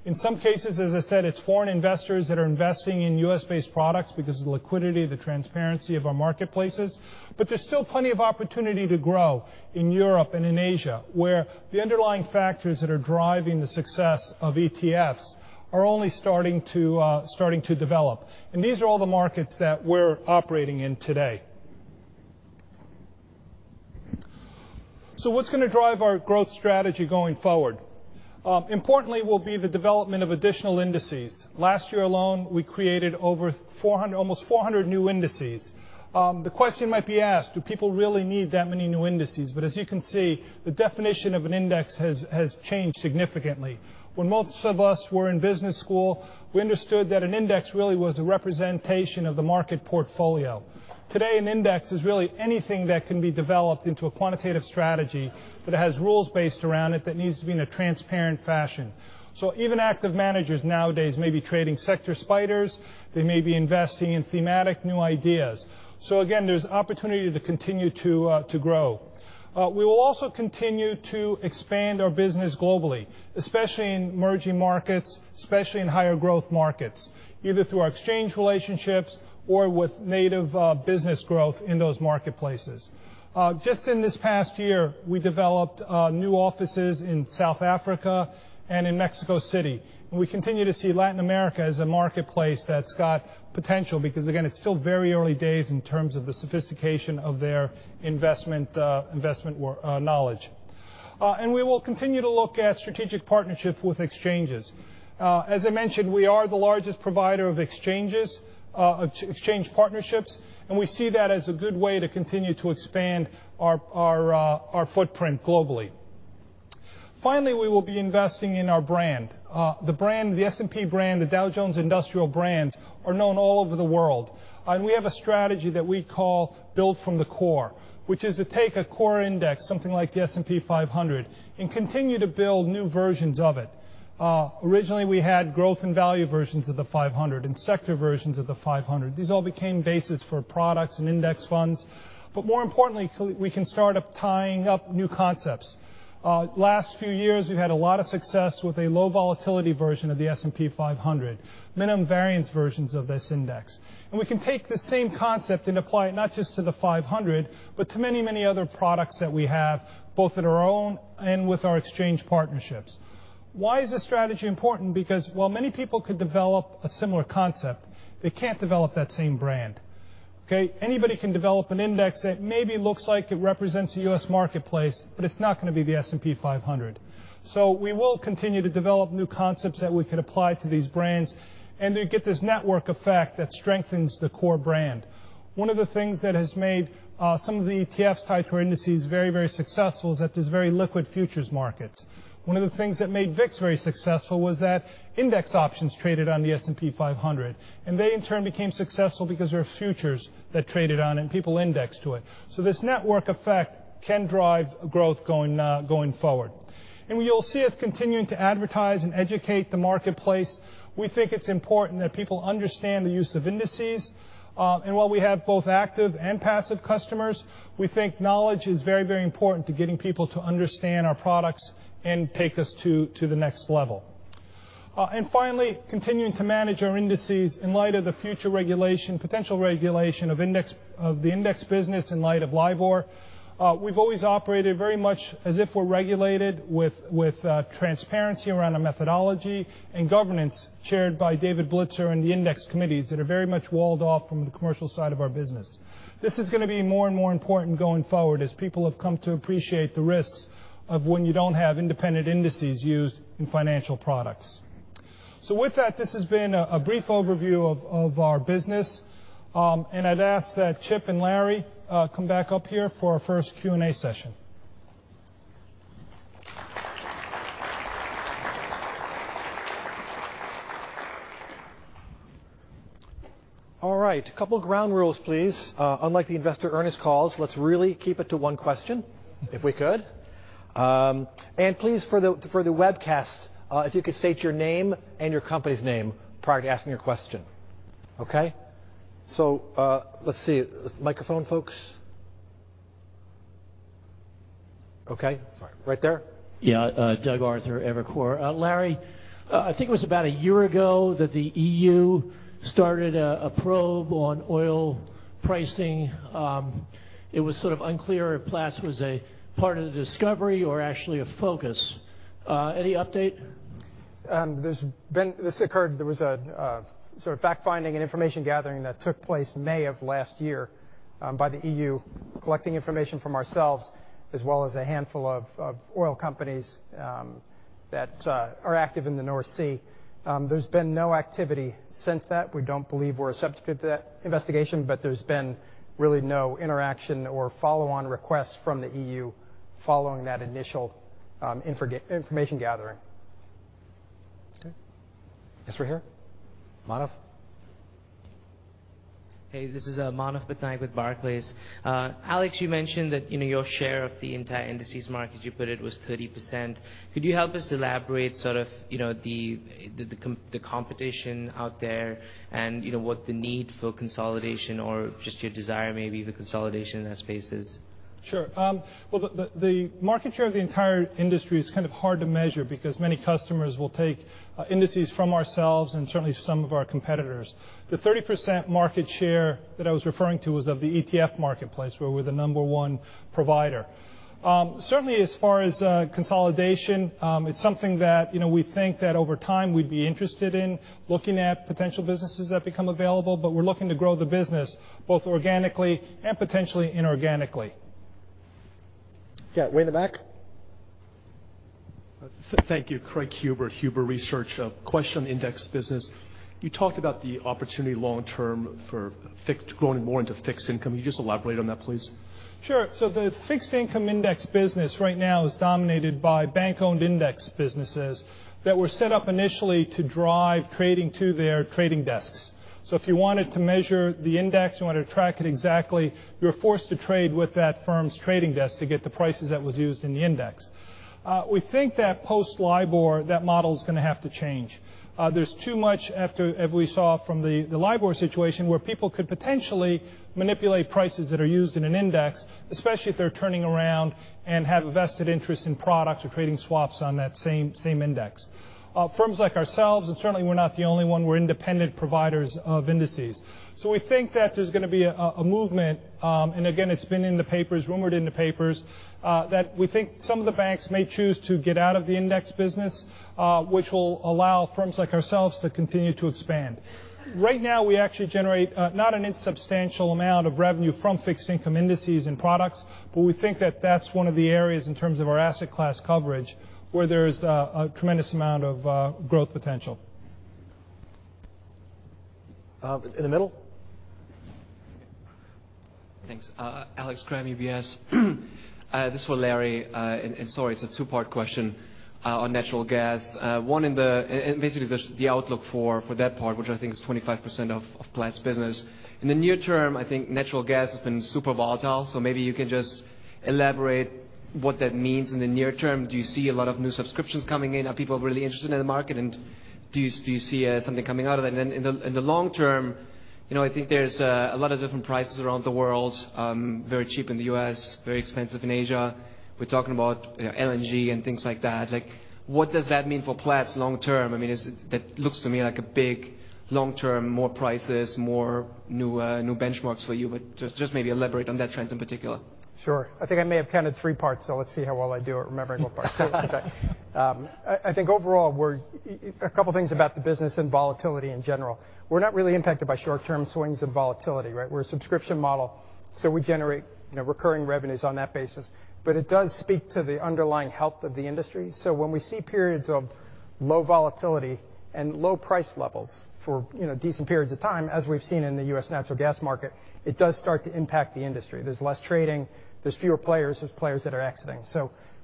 In some cases, as I said, it's foreign investors that are investing in U.S.-based products because of the liquidity, the transparency of our marketplaces. There's still plenty of opportunity to grow in Europe and in Asia, where the underlying factors that are driving the success of ETFs are only starting to develop. These are all the markets that we're operating in today. What's going to drive our growth strategy going forward? Importantly will be the development of additional indices. Last year alone, we created almost 400 new indices. The question might be asked, do people really need that many new indices? As you can see, the definition of an index has changed significantly. When most of us were in business school, we understood that an index really was a representation of the market portfolio. Today, an index is really anything that can be developed into a quantitative strategy that has rules based around it that needs to be in a transparent fashion. Even active managers nowadays may be trading sector SPDRs. They may be investing in thematic new ideas. Again, there's opportunity to continue to grow. We will also continue to expand our business globally, especially in emerging markets, especially in higher growth markets, either through our exchange relationships or with native business growth in those marketplaces. Just in this past year, we developed new offices in South Africa and in Mexico City. We continue to see Latin America as a marketplace that's got potential because, again, it's still very early days in terms of the sophistication of their investment knowledge. We will continue to look at strategic partnerships with exchanges. As I mentioned, we are the largest provider of exchange partnerships, and we see that as a good way to continue to expand our footprint globally. Finally, we will be investing in our brand. The S&P brand, the Dow Jones Industrial brands are known all over the world. We have a strategy that we call Build From the Core, which is to take a core index, something like the S&P 500, and continue to build new versions of it. Originally, we had growth and value versions of the 500 and sector versions of the 500. These all became bases for products and index funds. More importantly, we can start tying up new concepts. Last few years, we've had a lot of success with a low volatility version of the S&P 500, minimum variance versions of this index. We can take the same concept and apply it not just to the 500, but to many, many other products that we have, both at our own and with our exchange partnerships. Why is this strategy important? Because while many people could develop a similar concept, they can't develop that same brand. Okay. Anybody can develop an index that maybe looks like it represents a U.S. marketplace, but it's not going to be the S&P 500. We will continue to develop new concepts that we could apply to these brands and to get this network effect that strengthens the core brand. One of the things that has made some of the ETF-type indices very successful is that there's very liquid futures markets. One of the things that made VIX very successful was that index options traded on the S&P 500, and they in turn became successful because there are futures that traded on and people indexed to it. This network effect can drive growth going forward. You'll see us continuing to advertise and educate the marketplace. We think it's important that people understand the use of indices. While we have both active and passive customers, we think knowledge is very important to getting people to understand our products and take us to the next level. Finally, continuing to manage our indices in light of the future regulation, potential regulation of the index business in light of LIBOR. We've always operated very much as if we're regulated with transparency around our methodology and governance, chaired by David Blitzer and the index committees that are very much walled off from the commercial side of our business. This is going to be more and more important going forward as people have come to appreciate the risks of when you don't have independent indices used in financial products. With that, this has been a brief overview of our business. I'd ask that Chip and Larry come back up here for our first Q&A session. All right. A couple of ground rules, please. Unlike the investor earnings calls, let's really keep it to one question, if we could. Please, for the webcast, if you could state your name and your company's name prior to asking your question. Okay? Let's see. Microphone, folks. Okay. Sorry. Right there. Doug Arthur, Evercore. Larry, I think it was about a year ago that the EU started a probe on oil pricing. It was sort of unclear if Platts was a part of the discovery or actually a focus. Any update? This occurred, there was a sort of fact-finding and information gathering that took place May of last year by the EU, collecting information from ourselves as well as a handful of oil companies that are active in the North Sea. There's been no activity since that. We don't believe we're a substitute to that investigation. There's been really no interaction or follow-on requests from the EU following that initial information gathering. Okay. Yes, sir. Here. Manav. Hey, this is Manav Patnaik with Barclays. Alex, you mentioned that your share of the entire indices market, you put it was 30%. Could you help us elaborate sort of the competition out there and what the need for consolidation or just your desire maybe the consolidation in that space is? Sure. Well, the market share of the entire industry is kind of hard to measure because many customers will take indices from ourselves and certainly some of our competitors. The 30% market share that I was referring to was of the ETF marketplace, where we're the number one provider. Certainly as far as consolidation, it's something that we think that over time we'd be interested in looking at potential businesses that become available, but we're looking to grow the business both organically and potentially inorganically. Yeah. Way in the back. Thank you. Craig Huber Research. Question on index business. You talked about the opportunity long term for growing more into fixed income. Can you just elaborate on that, please? Sure. The fixed income index business right now is dominated by bank-owned index businesses that were set up initially to drive trading to their trading desks. If you wanted to measure the index, you wanted to track it exactly, you were forced to trade with that firm's trading desk to get the prices that was used in the index. We think that post LIBOR, that model is going to have to change. There's too much after, as we saw from the LIBOR situation, where people could potentially manipulate prices that are used in an index, especially if they're turning around and have a vested interest in products or creating swaps on that same index. Firms like ourselves, and certainly we're not the only one, we're independent providers of indices. We think that there's going to be a movement, and again, it's been in the papers, rumored in the papers, that we think some of the banks may choose to get out of the index business, which will allow firms like ourselves to continue to expand. Right now, we actually generate not a substantial amount of revenue from fixed income indices and products, but we think that that's one of the areas in terms of our asset class coverage, where there's a tremendous amount of growth potential. In the middle. Thanks. Alex Kramm, UBS. This is for Larry, sorry, it's a two-part question on natural gas. One in the Basically, the outlook for that part, which I think is 25% of Platts' business. In the near term, I think natural gas has been super volatile, maybe you can just elaborate what that means in the near term, do you see a lot of new subscriptions coming in? Are people really interested in the market, and do you see something coming out of that? In the long term, I think there's a lot of different prices around the world. Very cheap in the U.S., very expensive in Asia. We're talking about LNG and things like that. What does that mean for Platts long term? That looks to me like a big long-term more prices, more new benchmarks for you, but just maybe elaborate on that trend in particular. Sure. I think I may have counted three parts, so let's see how well I do at remembering what part. I think overall, a couple of things about the business and volatility in general. We're not really impacted by short-term swings in volatility, right? We're a subscription model. We generate recurring revenues on that basis. It does speak to the underlying health of the industry. When we see periods of low volatility and low price levels for decent periods of time, as we've seen in the U.S. natural gas market, it does start to impact the industry. There's less trading. There's fewer players. There's players that are exiting.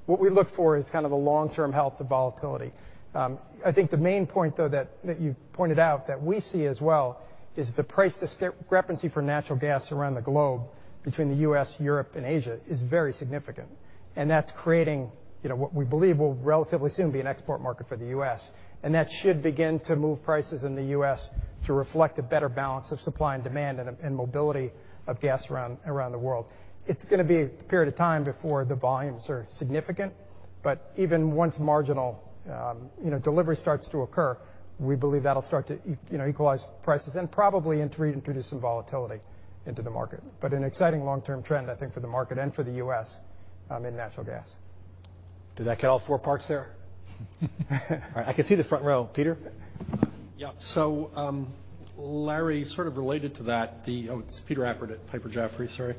What we look for is the long-term health of volatility. I think the main point, though, that you've pointed out that we see as well, is the price discrepancy for natural gas around the globe between the U.S., Europe, and Asia is very significant. That's creating what we believe will relatively soon be an export market for the U.S. That should begin to move prices in the U.S. to reflect a better balance of supply and demand and mobility of gas around the world. It's going to be a period of time before the volumes are significant, but even once marginal delivery starts to occur, we believe that'll start to equalize prices and probably introduce some volatility into the market. An exciting long-term trend, I think, for the market and for the U.S. in natural gas. Did that get all four parts there? All right. I can see the front row. Peter? Yeah. Larry, sort of related to that. Oh, it's Peter Appert at Piper Jaffray, sorry.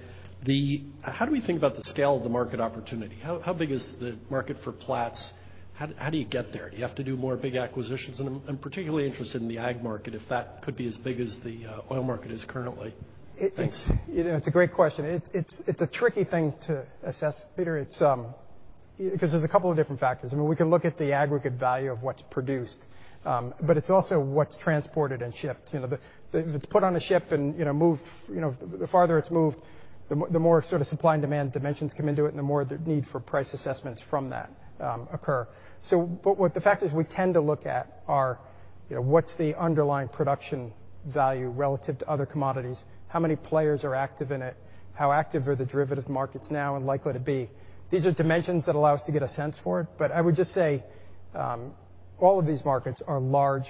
How do we think about the scale of the market opportunity? How big is the market for Platts? How do you get there? Do you have to do more big acquisitions? I'm particularly interested in the ag market, if that could be as big as the oil market is currently. Thanks. It's a great question. It's a tricky thing to assess, Peter, because there's a couple of different factors. We can look at the aggregate value of what's produced. It's also what's transported and shipped. If it's put on a ship and moved, the farther it's moved, the more supply and demand dimensions come into it and the more the need for price assessments from that occur. What the fact is we tend to look at are what's the underlying production value relative to other commodities, how many players are active in it, how active are the derivative markets now and likely to be. These are dimensions that allow us to get a sense for it. I would just say all of these markets are large,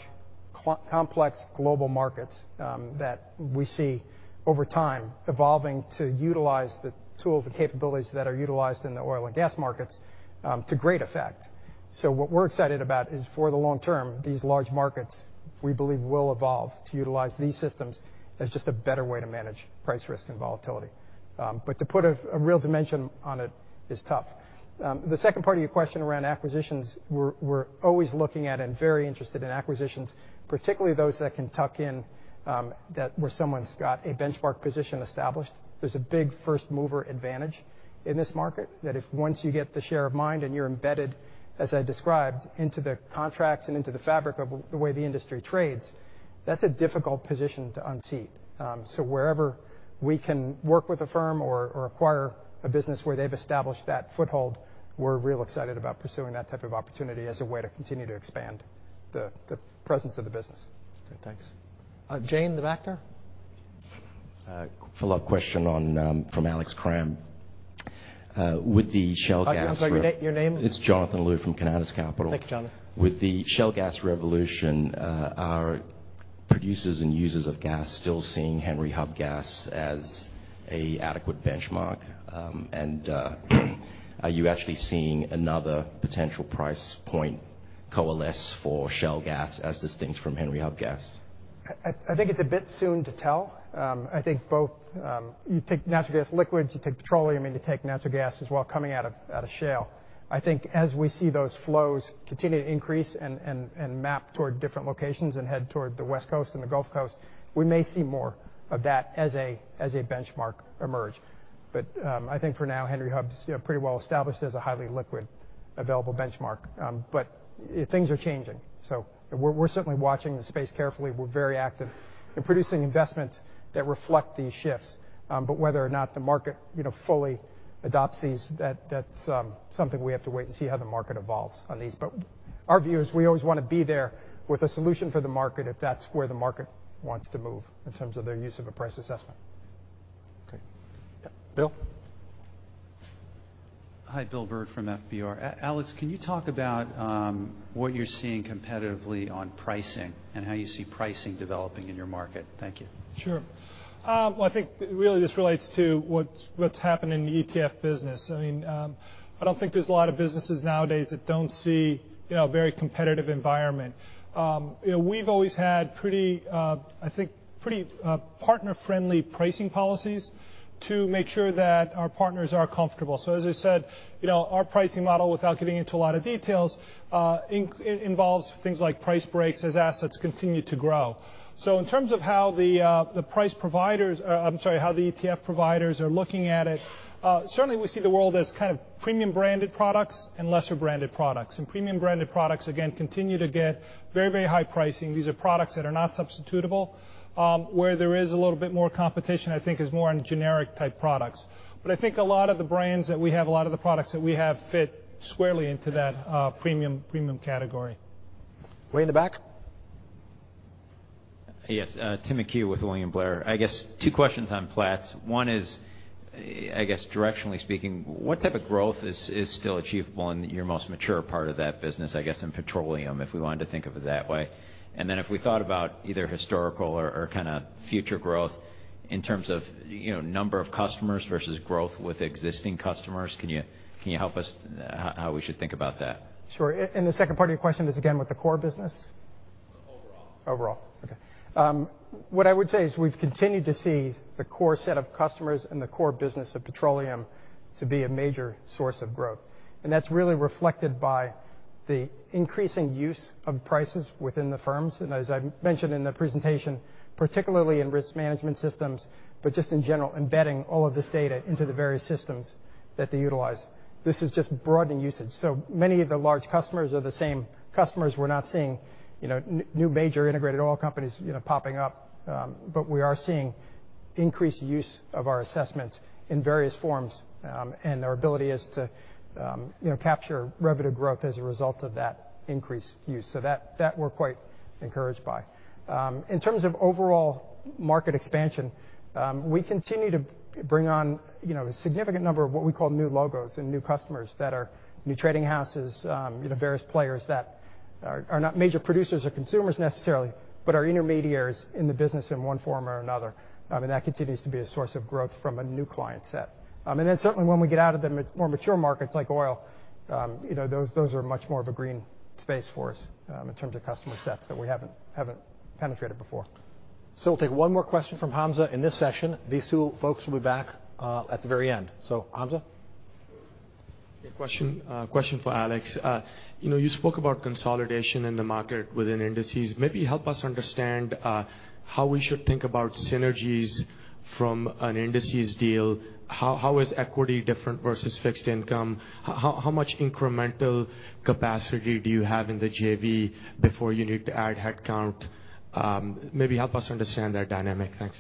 complex global markets that we see over time evolving to utilize the tools and capabilities that are utilized in the oil and gas markets to great effect. What we're excited about is for the long term, these large markets, we believe, will evolve to utilize these systems as just a better way to manage price risk and volatility. To put a real dimension on it is tough. The second part of your question around acquisitions, we're always looking at and very interested in acquisitions, particularly those that can tuck in, where someone's got a benchmark position established. There's a big first-mover advantage in this market that if once you get the share of mind and you're embedded, as I described, into the contracts and into the fabric of the way the industry trades, that's a difficult position to unseat. Wherever we can work with a firm or acquire a business where they've established that foothold, we're real excited about pursuing that type of opportunity as a way to continue to expand the presence of the business. Okay, thanks. Jane, the back there. Follow-up question from Alex Kramm. With the shale gas- I'm sorry, your name is? It's Jonathan Liu from Canaccord Genuity. Thank you, Jonathan. With the shale gas revolution, are producers and users of gas still seeing Henry Hub gas as a adequate benchmark? Are you actually seeing another potential price point coalesce for shale gas as distinct from Henry Hub gas? I think it's a bit soon to tell. I think both. You take natural gas liquids, you take petroleum, and you take natural gas as well coming out of shale. I think as we see those flows continue to increase and map toward different locations and head toward the West Coast and the Gulf Coast, we may see more of that as a benchmark emerge. I think for now, Henry Hub's pretty well established as a highly liquid available benchmark. Things are changing. We're certainly watching the space carefully. We're very active in producing investments that reflect these shifts. Whether or not the market fully adopts these, that's something we have to wait and see how the market evolves on these. Our view is we always want to be there with a solution for the market if that's where the market wants to move in terms of their use of a price assessment. Okay. Bill? Hi, Bill Bird from FBR. Alex, can you talk about what you're seeing competitively on pricing and how you see pricing developing in your market? Thank you. Well, I think really this relates to what's happening in the ETF business. I don't think there's a lot of businesses nowadays that don't see a very competitive environment. We've always had, I think, pretty partner-friendly pricing policies to make sure that our partners are comfortable. As I said, our pricing model, without getting into a lot of details, involves things like price breaks as assets continue to grow. In terms of how the ETF providers are looking at it, certainly we see the world as premium branded products and lesser branded products. Premium branded products, again, continue to get very, very high pricing. These are products that are not substitutable. Where there is a little bit more competition, I think, is more on generic type products. I think a lot of the brands that we have, a lot of the products that we have fit squarely into that premium category. Way in the back? Yes. Tim McHugh with William Blair. Two questions on Platts. Directionally speaking, what type of growth is still achievable in your most mature part of that business, in petroleum, if we wanted to think of it that way? If we thought about either historical or kind of future growth in terms of number of customers versus growth with existing customers, can you help us how we should think about that? Sure. The second part of your question is again with the core business? Overall. Overall. What I would say is we've continued to see the core set of customers and the core business of petroleum to be a major source of growth. That's really reflected by the increasing use of prices within the firms. As I mentioned in the presentation, particularly in risk management systems, just in general, embedding all of this data into the various systems that they utilize. This is just broadening usage. Many of the large customers are the same customers. We're not seeing new major integrated oil companies popping up, we are seeing increased use of our assessments in various forms, and our ability is to capture revenue growth as a result of that increased use. That we're quite encouraged by. In terms of overall market expansion, we continue to bring on a significant number of what we call new logos and new customers that are new trading houses, various players that are not major producers or consumers necessarily, but are intermediaries in the business in one form or another. That continues to be a source of growth from a new client set. Certainly when we get out of the more mature markets like oil, those are much more of a green space for us in terms of customer sets that we haven't penetrated before. We'll take one more question from Hamzah in this session. These two folks will be back at the very end. Hamzah? Yeah. Question for Alex. You spoke about consolidation in the market within indices. Maybe help us understand how we should think about synergies from an indices deal. How is equity different versus fixed income? How much incremental capacity do you have in the JV before you need to add headcount? Maybe help us understand that dynamic. Thanks.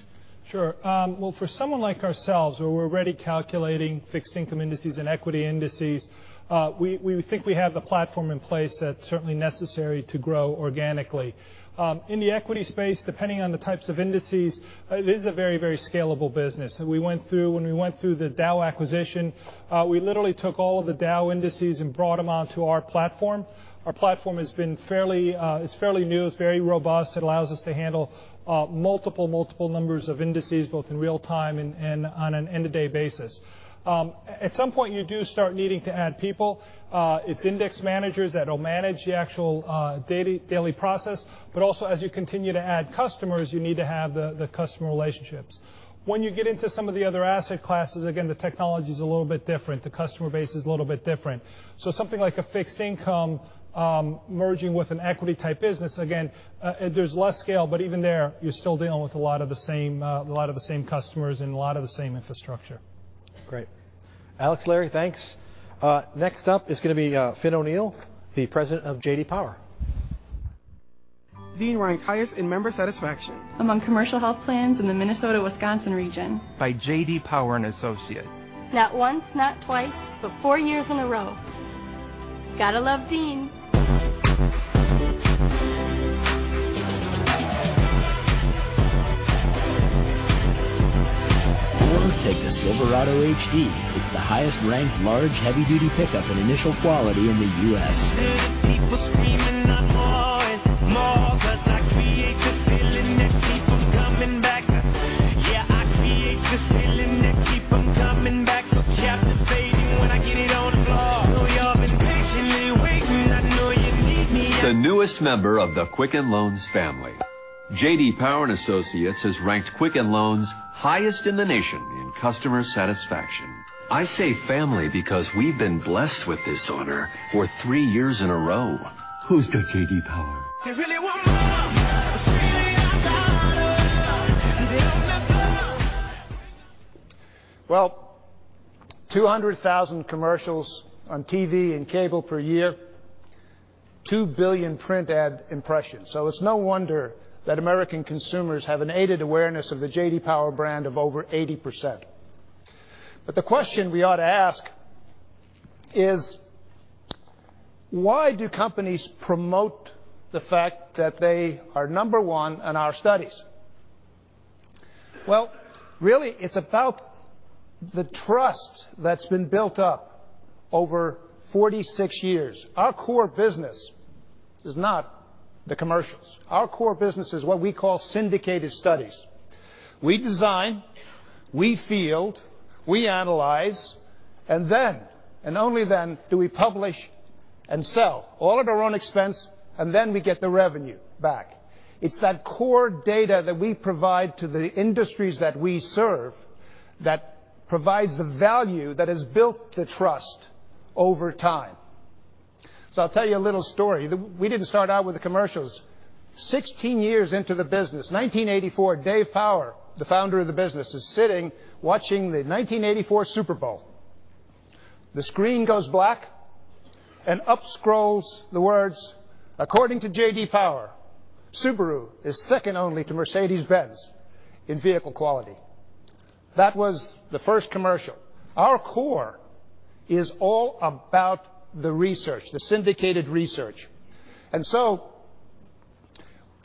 Sure. Well, for someone like ourselves, where we're already calculating fixed income indices and equity indices, we think we have the platform in place that's certainly necessary to grow organically. In the equity space, depending on the types of indices, it is a very scalable business. When we went through the Dow acquisition, we literally took all of the Dow indices and brought them onto our platform. Our platform is fairly new, it's very robust. It allows us to handle multiple numbers of indices both in real time and on an end-of-day basis. At some point, you do start needing to add people. It's index managers that'll manage the actual daily process, but also as you continue to add customers, you need to have the customer relationships. When you get into some of the other asset classes, again, the technology's a little bit different. The customer base is a little bit different. Something like a fixed income merging with an equity type business, again, there's less scale, but even there, you're still dealing with a lot of the same customers and a lot of the same infrastructure. Great. Alex, Larry, thanks. Next up is going to be Fin O'Neill, the President of J.D. Power. Dean ranks highest in member satisfaction. Among commercial health plans in the Minnesota, Wisconsin region. By J.D. Power and Associates. Not once, not twice, but four years in a row. Gotta love Dean. Take the Silverado HD with the highest ranked large, heavy duty pickup and initial quality in the U.S. People screaming out more and more, because I create the feeling that keep them coming back. Yeah, I create the feeling that keep them coming back. Chapter eight, when I get it on the floor. Know y'all been patiently waiting. I know you need me- The newest member of the Quicken Loans family. J.D. Power and Associates has ranked Quicken Loans highest in the nation in customer satisfaction. I say family because we've been blessed with this honor for three years in a row. Who's got J.D. Power? They really want more. Oh, sweetie, I got it. Well, 200,000 commercials on TV and cable per year, 2 billion print ad impressions. It's no wonder that American consumers have an aided awareness of the J.D. Power brand of over 80%. The question we ought to ask is, why do companies promote the fact that they are number one in our studies? Well, really, it's about the trust that's been built up over 46 years. Our core business is not the commercials. Our core business is what we call syndicated studies. We design, we field, we analyze, then, and only then, do we publish and sell all at our own expense, then we get the revenue back. It's that core data that we provide to the industries that we serve that provides the value that has built the trust over time. I'll tell you a little story. We didn't start out with the commercials. 16 years into the business, 1984, Dave Power, the founder of the business, is sitting, watching the 1984 Super Bowl. The screen goes black and up scrolls the words, "According to J.D. Power, Subaru is second only to Mercedes-Benz in vehicle quality. That was the first commercial. Our core is all about the research, the syndicated research.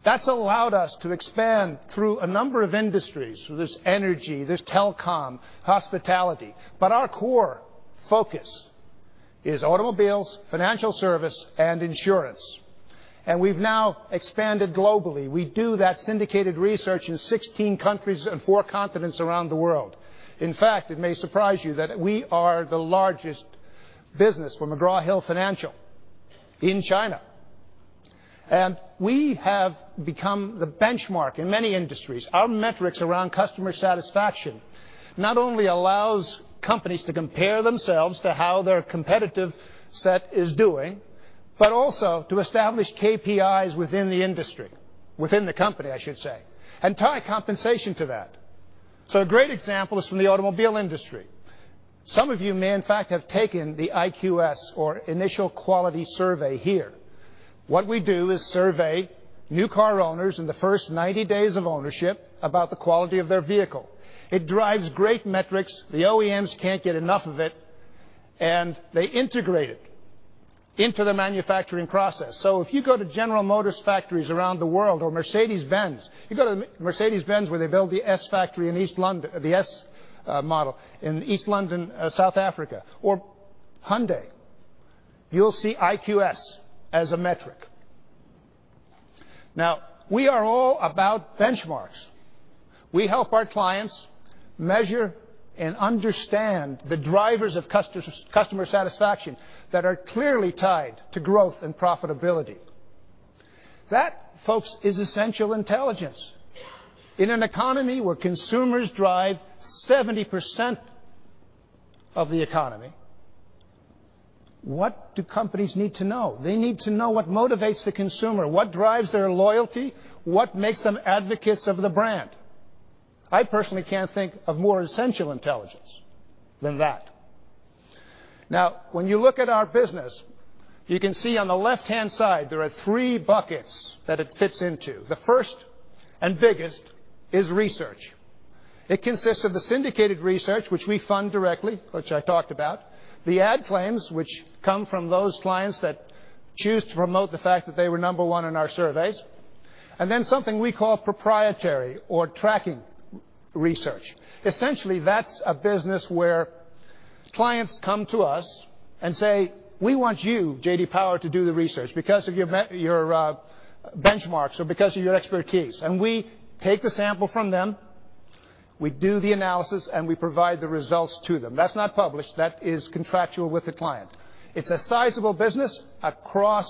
That's allowed us to expand through a number of industries. There's energy, there's telecom, hospitality. Our core focus is automobiles, financial service, and insurance. We've now expanded globally. We do that syndicated research in 16 countries and four continents around the world. In fact, it may surprise you that we are the largest business for McGraw Hill Financial in China. We have become the benchmark in many industries. Our metrics around customer satisfaction not only allows companies to compare themselves to how their competitive set is doing, but also to establish KPIs within the industry, within the company, I should say, and tie compensation to that. A great example is from the automobile industry. Some of you may, in fact, have taken the IQS or Initial Quality Survey here. What we do is survey new car owners in the first 90 days of ownership about the quality of their vehicle. It drives great metrics. The OEMs can't get enough of it, and they integrate it into the manufacturing process. If you go to General Motors factories around the world or Mercedes-Benz, you go to Mercedes-Benz, where they build the S model in East London, South Africa, or Hyundai. You'll see IQS as a metric. We are all about benchmarks. We help our clients measure and understand the drivers of customer satisfaction that are clearly tied to growth and profitability. That, folks, is essential intelligence. In an economy where consumers drive 70% of the economy, what do companies need to know? They need to know what motivates the consumer, what drives their loyalty, what makes them advocates of the brand. I personally can't think of more essential intelligence than that. When you look at our business, you can see on the left-hand side there are three buckets that it fits into. The first and biggest is research. It consists of the syndicated research, which we fund directly, which I talked about, the ad claims, which come from those clients that choose to promote the fact that they were number one in our surveys, and then something we call proprietary or tracking research. Essentially, that's a business where clients come to us and say, "We want you, J.D. Power, to do the research because of your benchmarks or because of your expertise." We take the sample from them, we do the analysis, and we provide the results to them. That's not published. That is contractual with the client. It's a sizable business across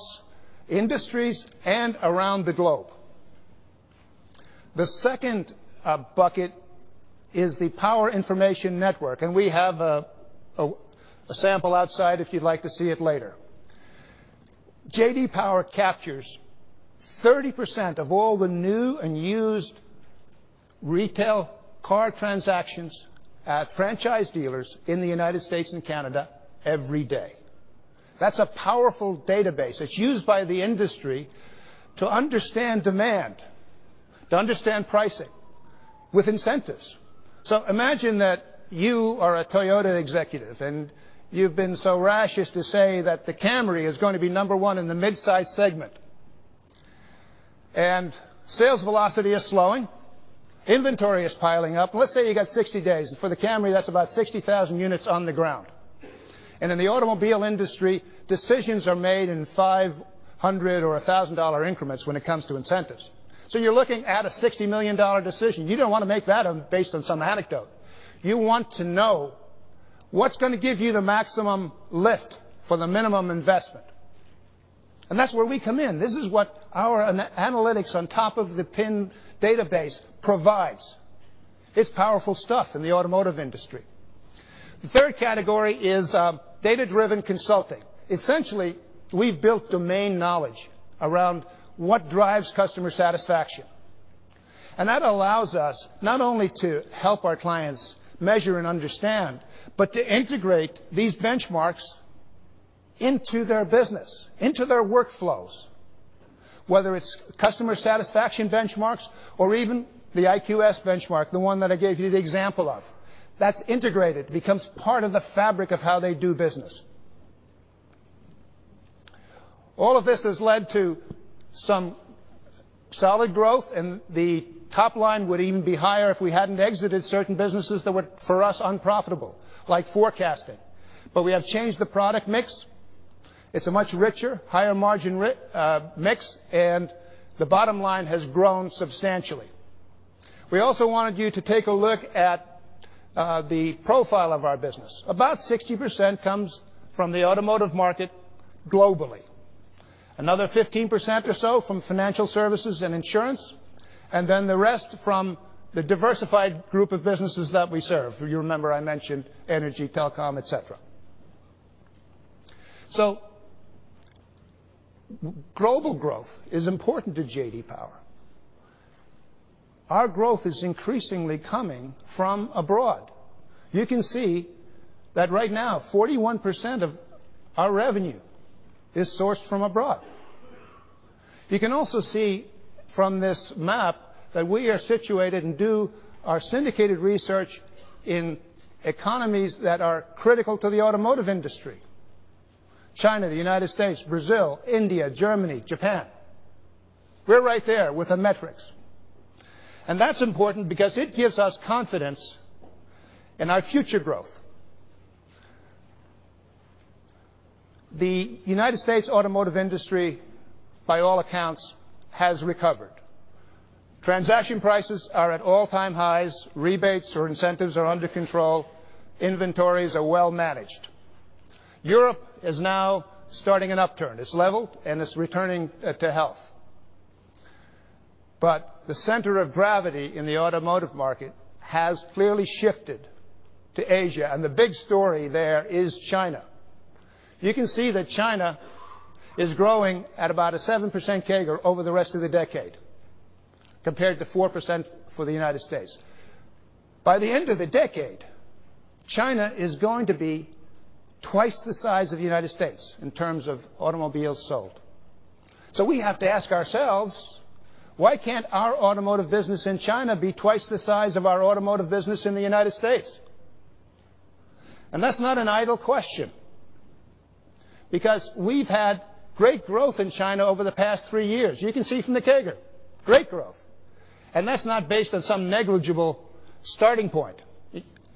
industries and around the globe. The second bucket is the Power Information Network. We have a sample outside if you'd like to see it later. J.D. Power captures 30% of all the new and used retail car transactions at franchise dealers in the U.S. and Canada every day. That's a powerful database. It's used by the industry to understand demand, to understand pricing with incentives. Imagine that you are a Toyota executive, and you've been so rash as to say that the Camry is going to be number one in the mid-size segment. Sales velocity is slowing, inventory is piling up. Let's say you got 60 days, and for the Camry, that's about 60,000 units on the ground. In the automobile industry, decisions are made in $500 or $1,000 increments when it comes to incentives. You're looking at a $60 million decision. You don't want to make that based on some anecdote. You want to know what's going to give you the maximum lift for the minimum investment, and that's where we come in. This is what our analytics on top of the PIN database provides. It's powerful stuff in the automotive industry. The third category is data-driven consulting. Essentially, we've built domain knowledge around what drives customer satisfaction. That allows us not only to help our clients measure and understand, but to integrate these benchmarks into their business, into their workflows, whether it's customer satisfaction benchmarks or even the IQS benchmark, the one that I gave you the example of. That's integrated, becomes part of the fabric of how they do business. All of this has led to some solid growth. The top line would even be higher if we hadn't exited certain businesses that were for us unprofitable, like forecasting. We have changed the product mix. It's a much richer, higher margin mix. The bottom line has grown substantially. We also wanted you to take a look at the profile of our business. About 60% comes from the automotive market globally, another 15% or so from financial services and insurance. The rest from the diversified group of businesses that we serve. You remember I mentioned energy, telecom, et cetera. Global growth is important to J.D. Power. Our growth is increasingly coming from abroad. You can see that right now, 41% of our revenue is sourced from abroad. You can also see from this map that we are situated and do our syndicated research in economies that are critical to the automotive industry: China, the U.S., Brazil, India, Germany, Japan. We're right there with the metrics. That's important because it gives us confidence in our future growth. The U.S. automotive industry, by all accounts, has recovered. Transaction prices are at all-time highs, rebates or incentives are under control, inventories are well managed. Europe is now starting an upturn. It's leveled, and it's returning to health. The center of gravity in the automotive market has clearly shifted to Asia. The big story there is China. You can see that China is growing at about a 7% CAGR over the rest of the decade, compared to 4% for the U.S. By the end of the decade, China is going to be twice the size of the United States in terms of automobiles sold. We have to ask ourselves, "Why can't our automotive business in China be twice the size of our automotive business in the United States?" That's not an idle question, because we've had great growth in China over the past three years. You can see from the CAGR, great growth. That's not based on some negligible starting point.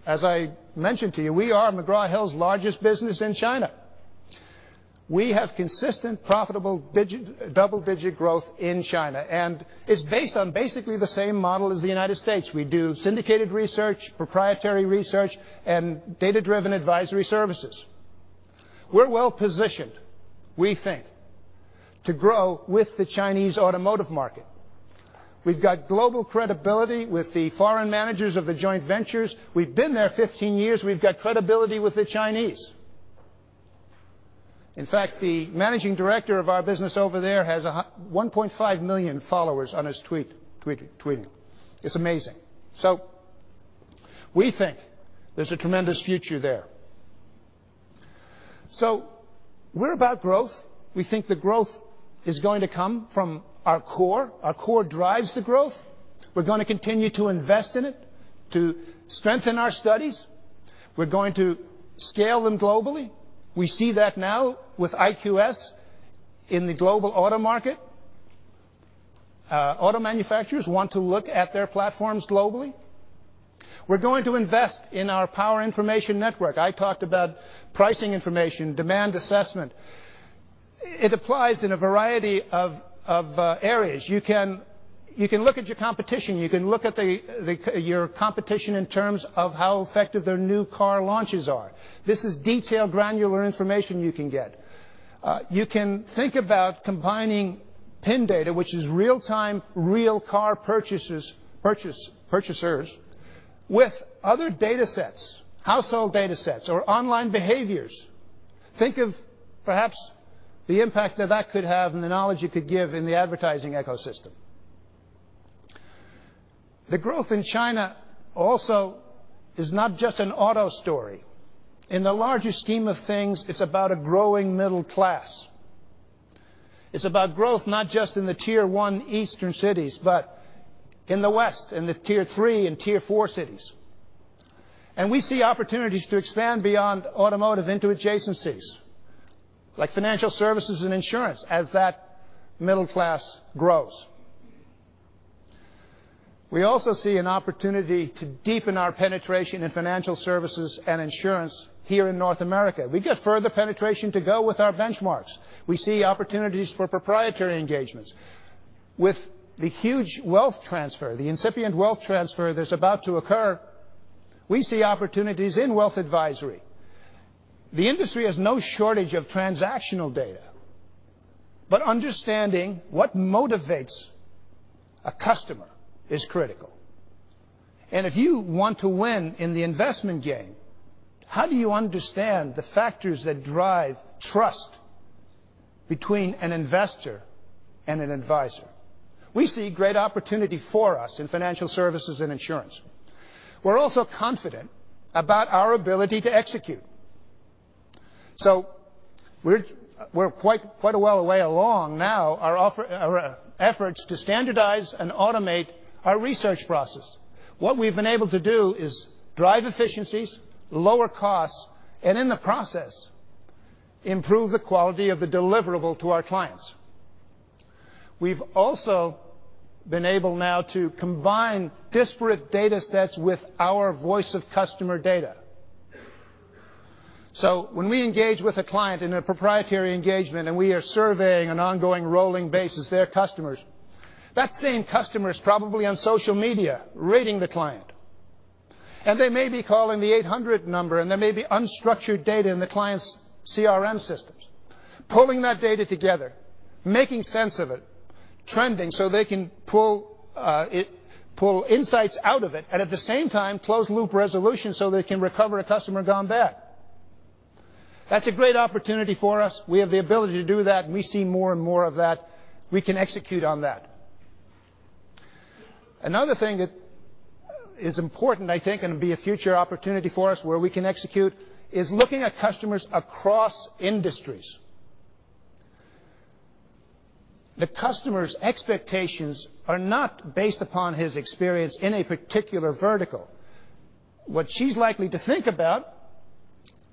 As I mentioned to you, we are McGraw Hill's largest business in China. We have consistent, profitable, double-digit growth in China. It's based on basically the same model as the United States. We do syndicated research, proprietary research, and data-driven advisory services. We're well-positioned, we think, to grow with the Chinese automotive market. We've got global credibility with the foreign managers of the joint ventures. We've been there 15 years. We've got credibility with the Chinese. In fact, the managing director of our business over there has 1.5 million followers on his tweet. It's amazing. We think there's a tremendous future there. We're about growth. We think the growth is going to come from our core. Our core drives the growth. We're going to continue to invest in it, to strengthen our studies. We're going to scale them globally. We see that now with IQS in the global auto market. Auto manufacturers want to look at their platforms globally. We're going to invest in our Power Information Network. I talked about pricing information, demand assessment. It applies in a variety of areas. You can look at your competition. You can look at your competition in terms of how effective their new car launches are. This is detailed, granular information you can get. You can think about combining PIN data, which is real-time, real car purchasers, with other datasets, household datasets, or online behaviors. Think of perhaps the impact that that could have and the knowledge it could give in the advertising ecosystem. The growth in China also is not just an auto story. In the larger scheme of things, it's about a growing middle class. It's about growth, not just in the tier 1 eastern cities, but in the west, in the tier 3 and tier 4 cities. We see opportunities to expand beyond automotive into adjacencies, like financial services and insurance, as that middle class grows. We also see an opportunity to deepen our penetration in financial services and insurance here in North America. We get further penetration to go with our benchmarks. We see opportunities for proprietary engagements. With the huge wealth transfer, the incipient wealth transfer that is about to occur, we see opportunities in wealth advisory. The industry has no shortage of transactional data. Understanding what motivates a customer is critical. If you want to win in the investment game, how do you understand the factors that drive trust between an investor and an advisor? We see great opportunity for us in financial services and insurance. We're also confident about our ability to execute. We're quite a well way along now our efforts to standardize and automate our research process. What we've been able to do is drive efficiencies, lower costs. In the process, improve the quality of the deliverable to our clients. We've also been able now to combine disparate data sets with our voice of customer data. When we engage with a client in a proprietary engagement and we are surveying an ongoing rolling basis, their customers, that same customer is probably on social media rating the client. They may be calling the 800 number, there may be unstructured data in the client's CRM systems. Pulling that data together, making sense of it, trending so they can pull insights out of it, and at the same time, close loop resolution so they can recover a customer gone bad. That's a great opportunity for us. We have the ability to do that, and we see more and more of that. We can execute on that. Another thing that is important, I think, and be a future opportunity for us where we can execute is looking at customers across industries. The customer's expectations are not based upon his experience in a particular vertical. What she's likely to think about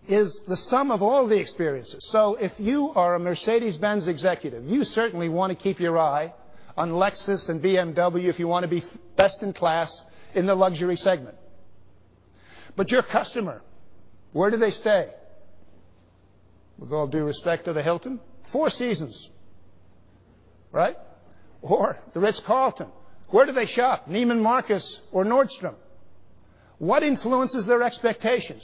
is the sum of all the experiences. If you are a Mercedes-Benz executive, you certainly want to keep your eye on Lexus and BMW if you want to be best in class in the luxury segment. Your customer, where do they stay? With all due respect to the Hilton, Four Seasons, right? Or the Ritz-Carlton. Where do they shop? Neiman Marcus or Nordstrom. What influences their expectations?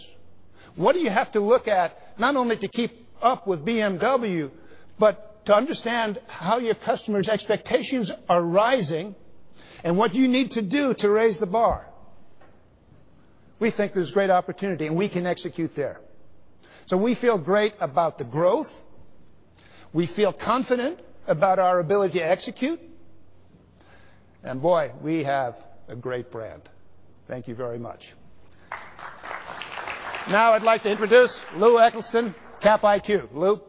What do you have to look at not only to keep up with BMW, but to understand how your customers' expectations are rising and what you need to do to raise the bar? We think there's great opportunity, we can execute there. We feel great about the growth. We feel confident about our ability to execute. Boy, we have a great brand. Thank you very much. Now I'd like to introduce Lou Eccleston, Capital IQ. Lou.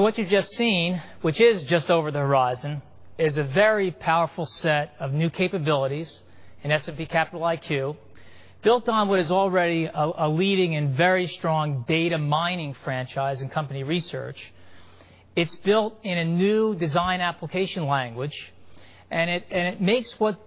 What you've just seen, which is just over the horizon, is a very powerful set of new capabilities in S&P Capital IQ, built on what is already a leading and very strong data mining franchise and company research. It's built in a new design application language, it makes what's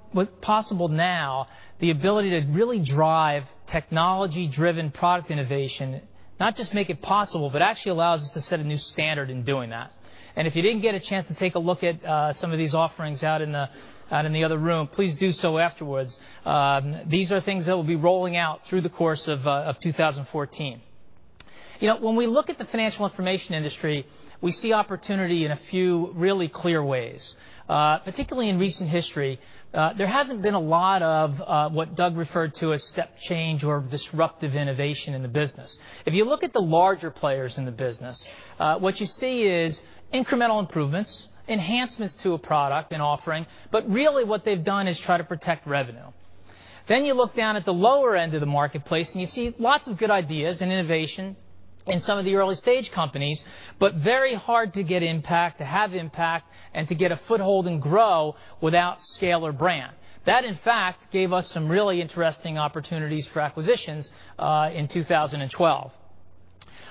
possible now the ability to really drive technology-driven product innovation. Not just make it possible, but actually allows us to set a new standard in doing that. If you didn't get a chance to take a look at some of these offerings out in the other room, please do so afterwards. These are things that we'll be rolling out through the course of 2014. When we look at the financial information industry, we see opportunity in a few really clear ways. Particularly in recent history, there hasn't been a lot of what Doug referred to as step change or disruptive innovation in the business. If you look at the larger players in the business, what you see is incremental improvements, enhancements to a product and offering, but really what they've done is try to protect revenue. You look down at the lower end of the marketplace, and you see lots of good ideas and innovation in some of the early-stage companies, but very hard to get impact, to have impact, and to get a foothold and grow without scale or brand. That, in fact, gave us some really interesting opportunities for acquisitions in 2012.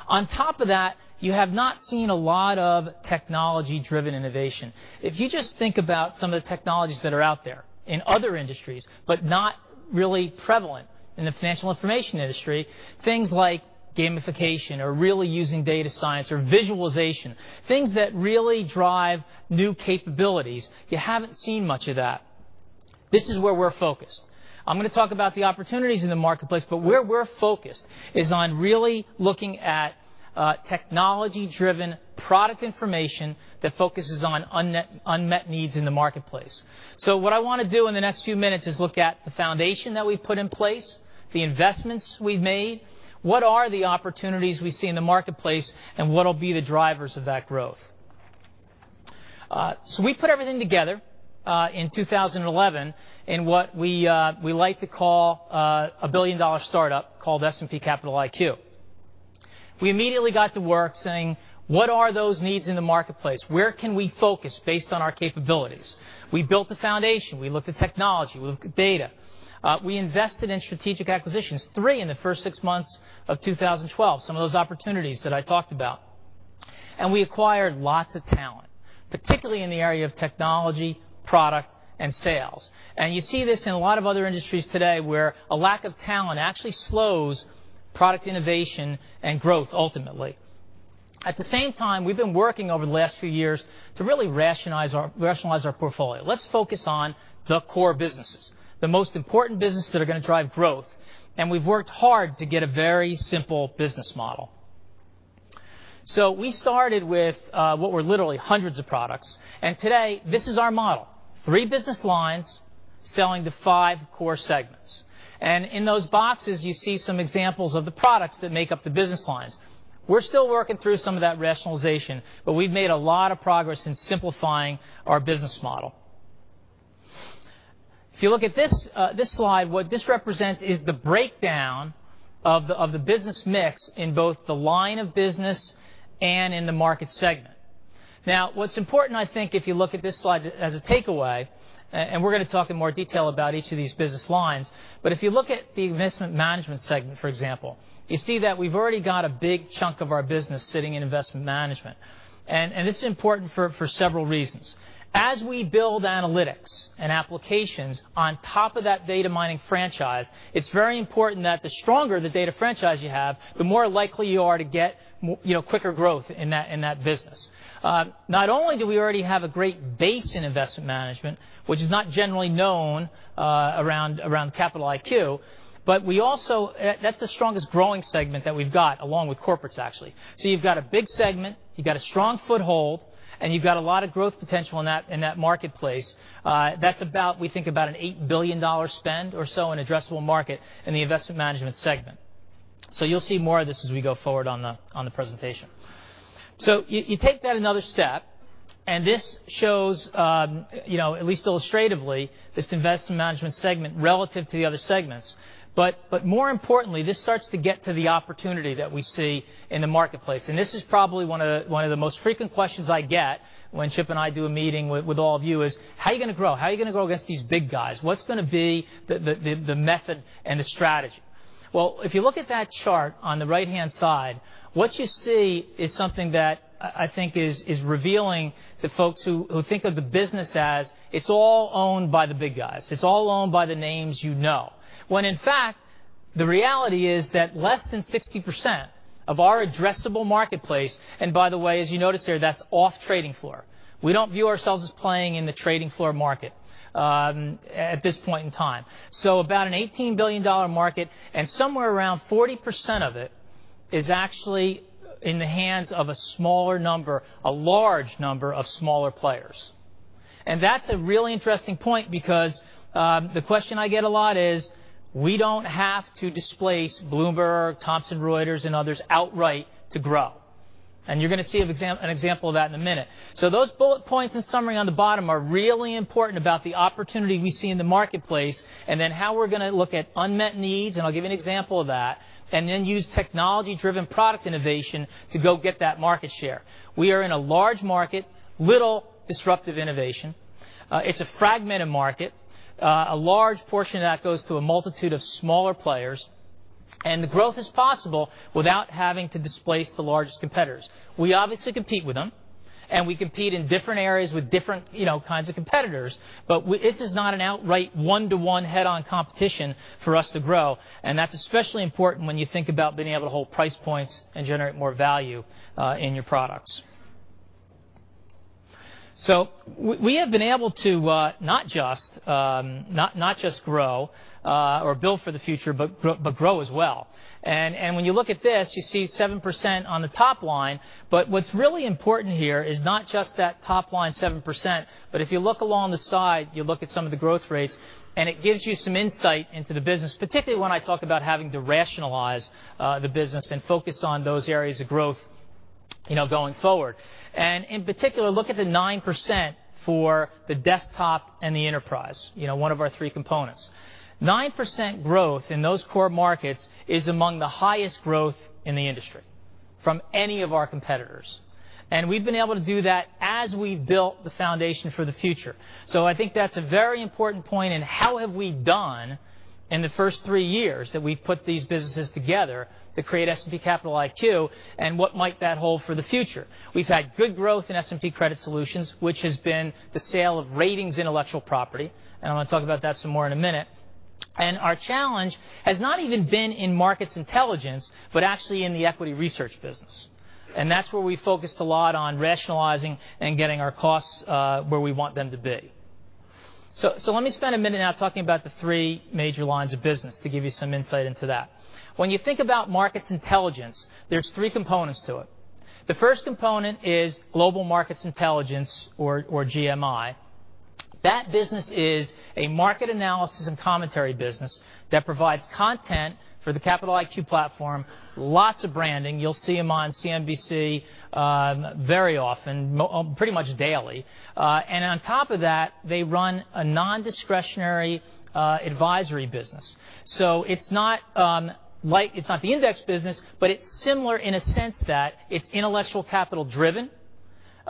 On top of that, you have not seen a lot of technology-driven innovation. If you just think about some of the technologies that are out there in other industries, but not really prevalent in the financial information industry, things like gamification or really using data science or visualization, things that really drive new capabilities, you haven't seen much of that. This is where we're focused. I'm going to talk about the opportunities in the marketplace, but where we're focused is on really looking at technology-driven product information that focuses on unmet needs in the marketplace. What I want to do in the next few minutes is look at the foundation that we've put in place, the investments we've made, what are the opportunities we see in the marketplace, and what will be the drivers of that growth. We put everything together in 2011 in what we like to call a billion-dollar startup called S&P Capital IQ. We immediately got to work saying, "What are those needs in the marketplace? Where can we focus based on our capabilities?" We built the foundation. We looked at technology. We looked at data. We invested in strategic acquisitions, three in the first six months of 2012, some of those opportunities that I talked about. We acquired lots of talent, particularly in the area of technology, product, and sales. You see this in a lot of other industries today where a lack of talent actually slows product innovation and growth ultimately. At the same time, we've been working over the last few years to really rationalize our portfolio. Let's focus on the core businesses, the most important businesses that are going to drive growth, we've worked hard to get a very simple business model. We started with what were literally hundreds of products, today this is our model, three business lines selling to five core segments. In those boxes, you see some examples of the products that make up the business lines. We're still working through some of that rationalization, we've made a lot of progress in simplifying our business model. If you look at this slide, what this represents is the breakdown of the business mix in both the line of business and in the market segment. Now, what's important, I think, if you look at this slide as a takeaway, we're going to talk in more detail about each of these business lines, if you look at the investment management segment, for example, you see that we've already got a big chunk of our business sitting in investment management. This is important for several reasons. As we build analytics and applications on top of that data mining franchise, it's very important that the stronger the data franchise you have, the more likely you are to get quicker growth in that business. Not only do we already have a great base in Investment Management, which is not generally known around Capital IQ, but that's the strongest growing segment that we've got, along with Corporates, actually. You've got a big segment, you've got a strong foothold, and you've got a lot of growth potential in that marketplace. That's about, we think, about an $8 billion spend or so in addressable market in the Investment Management segment. You'll see more of this as we go forward on the presentation. You take that another step, and this shows, at least illustratively, this Investment Management segment relative to the other segments. More importantly, this starts to get to the opportunity that we see in the marketplace, and this is probably one of the most frequent questions I get when Chip and I do a meeting with all of you is, how are you going to grow? How are you going to grow against these big guys? What's going to be the method and the strategy? If you look at that chart on the right-hand side, what you see is something that I think is revealing to folks who think of the business as it's all owned by the big guys. It's all owned by the names you know. When in fact, the reality is that less than 60% of our addressable marketplace, and by the way, as you notice there, that's off trading floor. We don't view ourselves as playing in the trading floor market at this point in time. About an $18 billion market, and somewhere around 40% of it is actually in the hands of a large number of smaller players. That's a really interesting point because the question I get a lot is, we don't have to displace Bloomberg, Thomson Reuters, and others outright to grow. You're going to see an example of that in a minute. Those bullet points and summary on the bottom are really important about the opportunity we see in the marketplace, and then how we're going to look at unmet needs, and I'll give you an example of that, and then use technology-driven product innovation to go get that market share. We are in a large market, little disruptive innovation. It's a fragmented market. A large portion of that goes to a multitude of smaller players, and the growth is possible without having to displace the largest competitors. We obviously compete with them, and we compete in different areas with different kinds of competitors. This is not an outright one-to-one head-on competition for us to grow, and that's especially important when you think about being able to hold price points and generate more value in your products. We have been able to not just grow or build for the future, but grow as well. When you look at this, you see 7% on the top line. What's really important here is not just that top-line 7%, but if you look along the side, you look at some of the growth rates, it gives you some insight into the business, particularly when I talk about having to rationalize the business and focus on those areas of growth going forward. In particular, look at the 9% for the desktop and the enterprise, one of our three components. 9% growth in those core markets is among the highest growth in the industry from any of our competitors. We've been able to do that as we've built the foundation for the future. I think that's a very important point in how have we done in the first three years that we've put these businesses together to create S&P Capital IQ and what might that hold for the future. We've had good growth in S&P Credit Solutions, which has been the sale of ratings intellectual property, I want to talk about that some more in a minute. Our challenge has not even been in Markets Intelligence, but actually in the equity research business. That's where we focused a lot on rationalizing and getting our costs where we want them to be. Let me spend a minute now talking about the three major lines of business to give you some insight into that. When you think about Markets Intelligence, there's three components to it. The first component is Global Markets Intelligence, or GMI. That business is a market analysis and commentary business that provides content for the Capital IQ platform, lots of branding. You'll see them on CNBC very often, pretty much daily. On top of that, they run a non-discretionary advisory business. It's not the index business, but it's similar in a sense that it's intellectual capital-driven,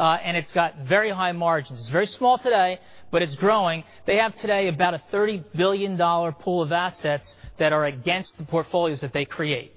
it's got very high margins. It's very small today, but it's growing. They have today about a $30 billion pool of assets that are against the portfolios that they create.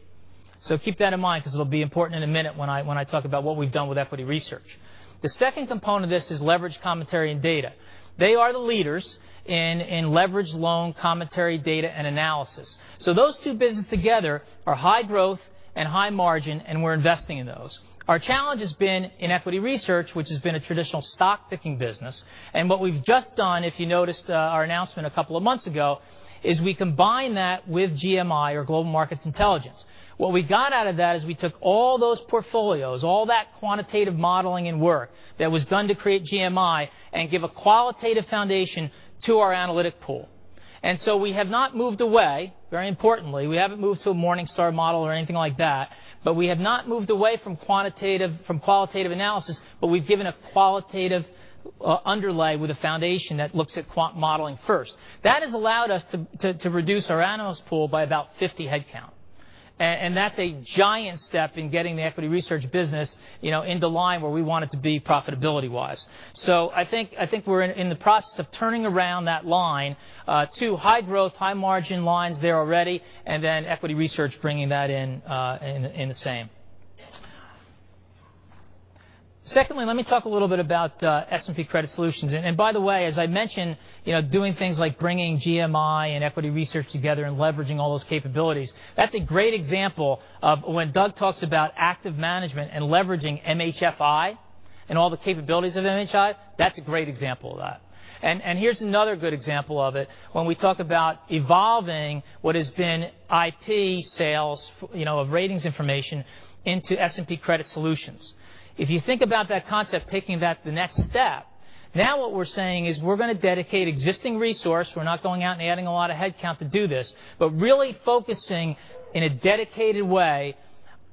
Keep that in mind because it'll be important in a minute when I talk about what we've done with equity research. The second component of this is leverage commentary and data. They are the leaders in leverage loan commentary, data, and analysis. Those two businesses together are high growth and high margin, we're investing in those. Our challenge has been in equity research, which has been a traditional stock-picking business. What we've just done, if you noticed our announcement a couple of months ago, is we combine that with GMI or Global Markets Intelligence. What we got out of that is we took all those portfolios, all that quantitative modeling and work that was done to create GMI and give a qualitative foundation to our analytic pool. We have not moved away, very importantly, we haven't moved to a Morningstar model or anything like that, but we have not moved away from qualitative analysis, but we've given a qualitative underlay with a foundation that looks at quant modeling first. That has allowed us to reduce our analyst pool by about 50 headcount. That's a giant step in getting the equity research business into line where we want it to be profitability-wise. I think we're in the process of turning around that line to high growth, high margin lines there already, and then equity research bringing that in the same. Secondly, let me talk a little bit about S&P Credit Solutions. By the way, as I mentioned, doing things like bringing GMI and equity research together and leveraging all those capabilities, that's a great example of when Doug talks about active management and leveraging MHFI and all the capabilities of MHFI, that's a great example of that. Here's another good example of it. When we talk about evolving what has been IP sales of ratings information into S&P Credit Solutions. If you think about that concept, taking that to the next step, now what we're saying is we're going to dedicate existing resource. We're not going out and adding a lot of headcount to do this, but really focusing in a dedicated way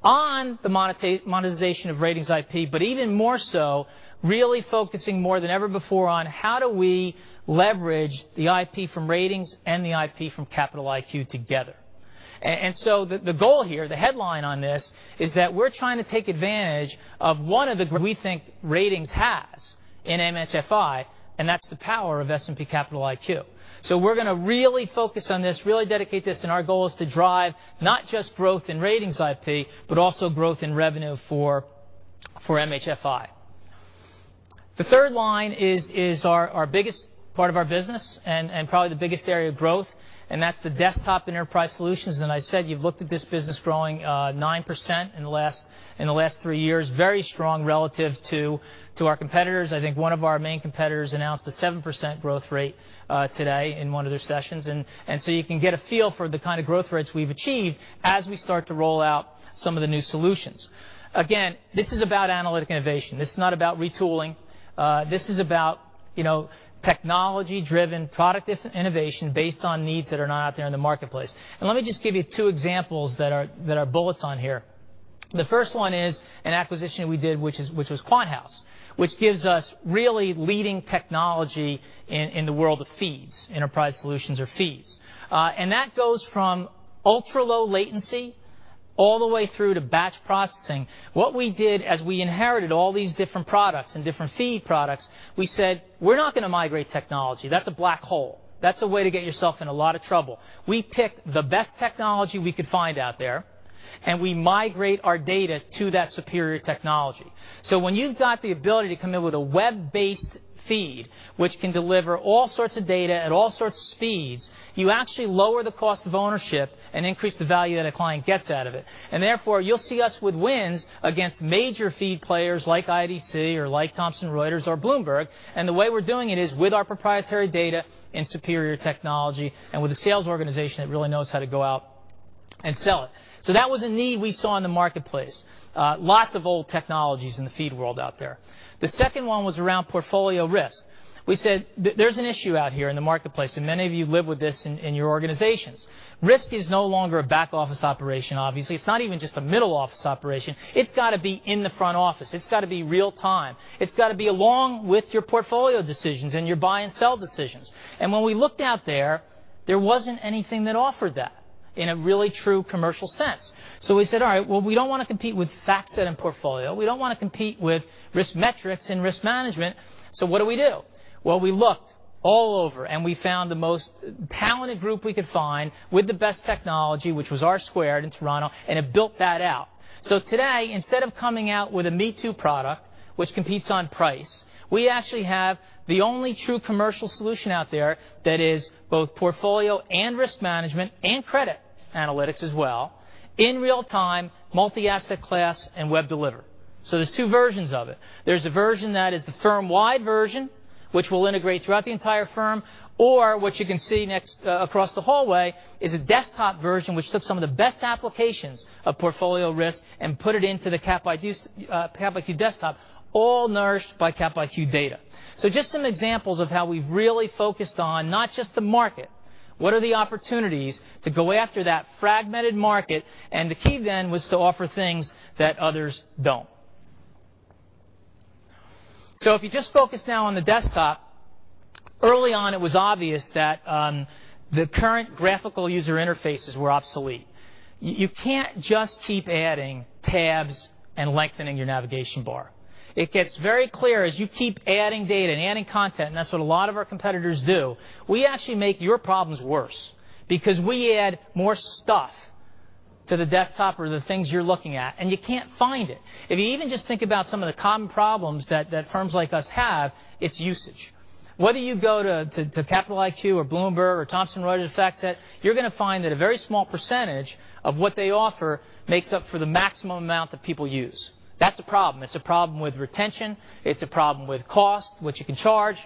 on the monetization of ratings IP, but even more so, really focusing more than ever before on how do we leverage the IP from ratings and the IP from Capital IQ together. The goal here, the headline on this, is that we're trying to take advantage of one of the we think ratings has in MHFI, and that's the power of S&P Capital IQ. We're going to really focus on this, really dedicate this, and our goal is to drive not just growth in ratings IP, but also growth in revenue for MHFI. The third line is our biggest part of our business and probably the biggest area of growth, and that's the desktop and enterprise solutions. I said you've looked at this business growing 9% in the last three years. Very strong relative to our competitors. I think one of our main competitors announced a 7% growth rate today in one of their sessions. You can get a feel for the kind of growth rates we've achieved as we start to roll out some of the new solutions. Again, this is about analytic innovation. This is not about retooling. This is about technology-driven product innovation based on needs that are not out there in the marketplace. Let me just give you two examples that are bullets on here. The first one is an acquisition we did, which was QuantHouse, which gives us really leading technology in the world of feeds, enterprise solutions or feeds. That goes from ultra-low latency all the way through to batch processing. What we did as we inherited all these different products and different feed products, we said, "We're not going to migrate technology. That's a black hole. That's a way to get yourself in a lot of trouble." We picked the best technology we could find out there, we migrate our data to that superior technology. When you've got the ability to come in with a web-based feed, which can deliver all sorts of data at all sorts of speeds, you actually lower the cost of ownership and increase the value that a client gets out of it. Therefore, you'll see us with wins against major feed players like IDC or like Thomson Reuters or Bloomberg. The way we're doing it is with our proprietary data and superior technology and with a sales organization that really knows how to go out and sell it. That was a need we saw in the marketplace. Lots of old technologies in the feed world out there. The second one was around portfolio risk. We said there's an issue out here in the marketplace, and many of you live with this in your organizations. Risk is no longer a back-office operation, obviously. It's not even just a middle-office operation. It's got to be in the front office. It's got to be real time. It's got to be along with your portfolio decisions and your buy and sell decisions. When we looked out there wasn't anything that offered that in a really true commercial sense. We said, "All right. We don't want to compete with FactSet and portfolio. We don't want to compete with RiskMetrics and risk management. What do we do?" We looked all over, and we found the most talented group we could find with the best technology, which was R Squared in Toronto, and have built that out. Today, instead of coming out with a me-too product, which competes on price, we actually have the only true commercial solution out there that is both portfolio and risk management and credit analytics as well in real time, multi-asset class, and web delivered. There's 2 versions of it. There's a version that is the firm-wide version, which we'll integrate throughout the entire firm, or what you can see across the hallway is a desktop version, which took some of the best applications of portfolio risk and put it into the Capital IQ desktop, all nourished by Capital IQ data. Just some examples of how we've really focused on not just the market, what are the opportunities to go after that fragmented market, and the key then was to offer things that others don't. If you just focus now on the desktop, early on, it was obvious that the current graphical user interfaces were obsolete. You can't just keep adding tabs and lengthening your navigation bar. It gets very clear as you keep adding data and adding content, and that's what a lot of our competitors do. We actually make your problems worse because we add more stuff to the desktop or the things you're looking at, and you can't find it. If you even just think about some of the common problems that firms like us have, it's usage. Whether you go to Capital IQ or Bloomberg or Thomson Reuters, FactSet, you're going to find that a very small % of what they offer makes up for the maximum amount that people use. That's a problem. It's a problem with retention. It's a problem with cost, what you can charge.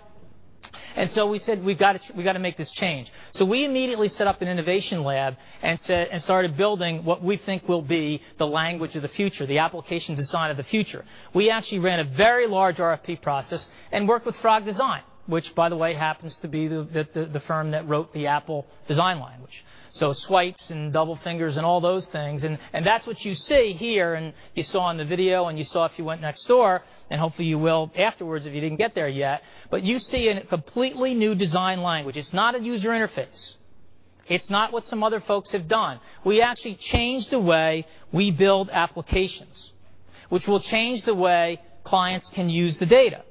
We said, we've got to make this change. We immediately set up an innovation lab and started building what we think will be the language of the future, the application design of the future. We actually ran a very large RFP process and worked with frog design, which, by the way, happens to be the firm that wrote the Apple design language. Swipes and double fingers and all those things, and that's what you see here and you saw in the video and you saw if you went next door, and hopefully you will afterwards if you didn't get there yet. You see a completely new design language. It's not a user interface. It's not what some other folks have done. We actually changed the way we build applications, which will change the way clients can use the data.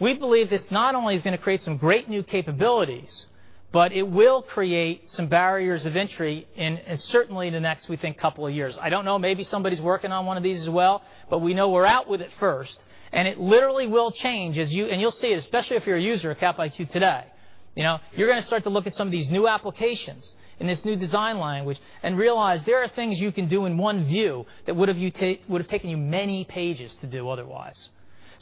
We believe this not only is going to create some great new capabilities, but it will create some barriers of entry in certainly the next, we think, couple of years. I don't know, maybe somebody's working on one of these as well, but we know we're out with it first, and it literally will change as you and you'll see it, especially if you're a user of Capital IQ today. You're going to start to look at some of these new applications and this new design language and realize there are things you can do in one view that would have taken you many pages to do otherwise.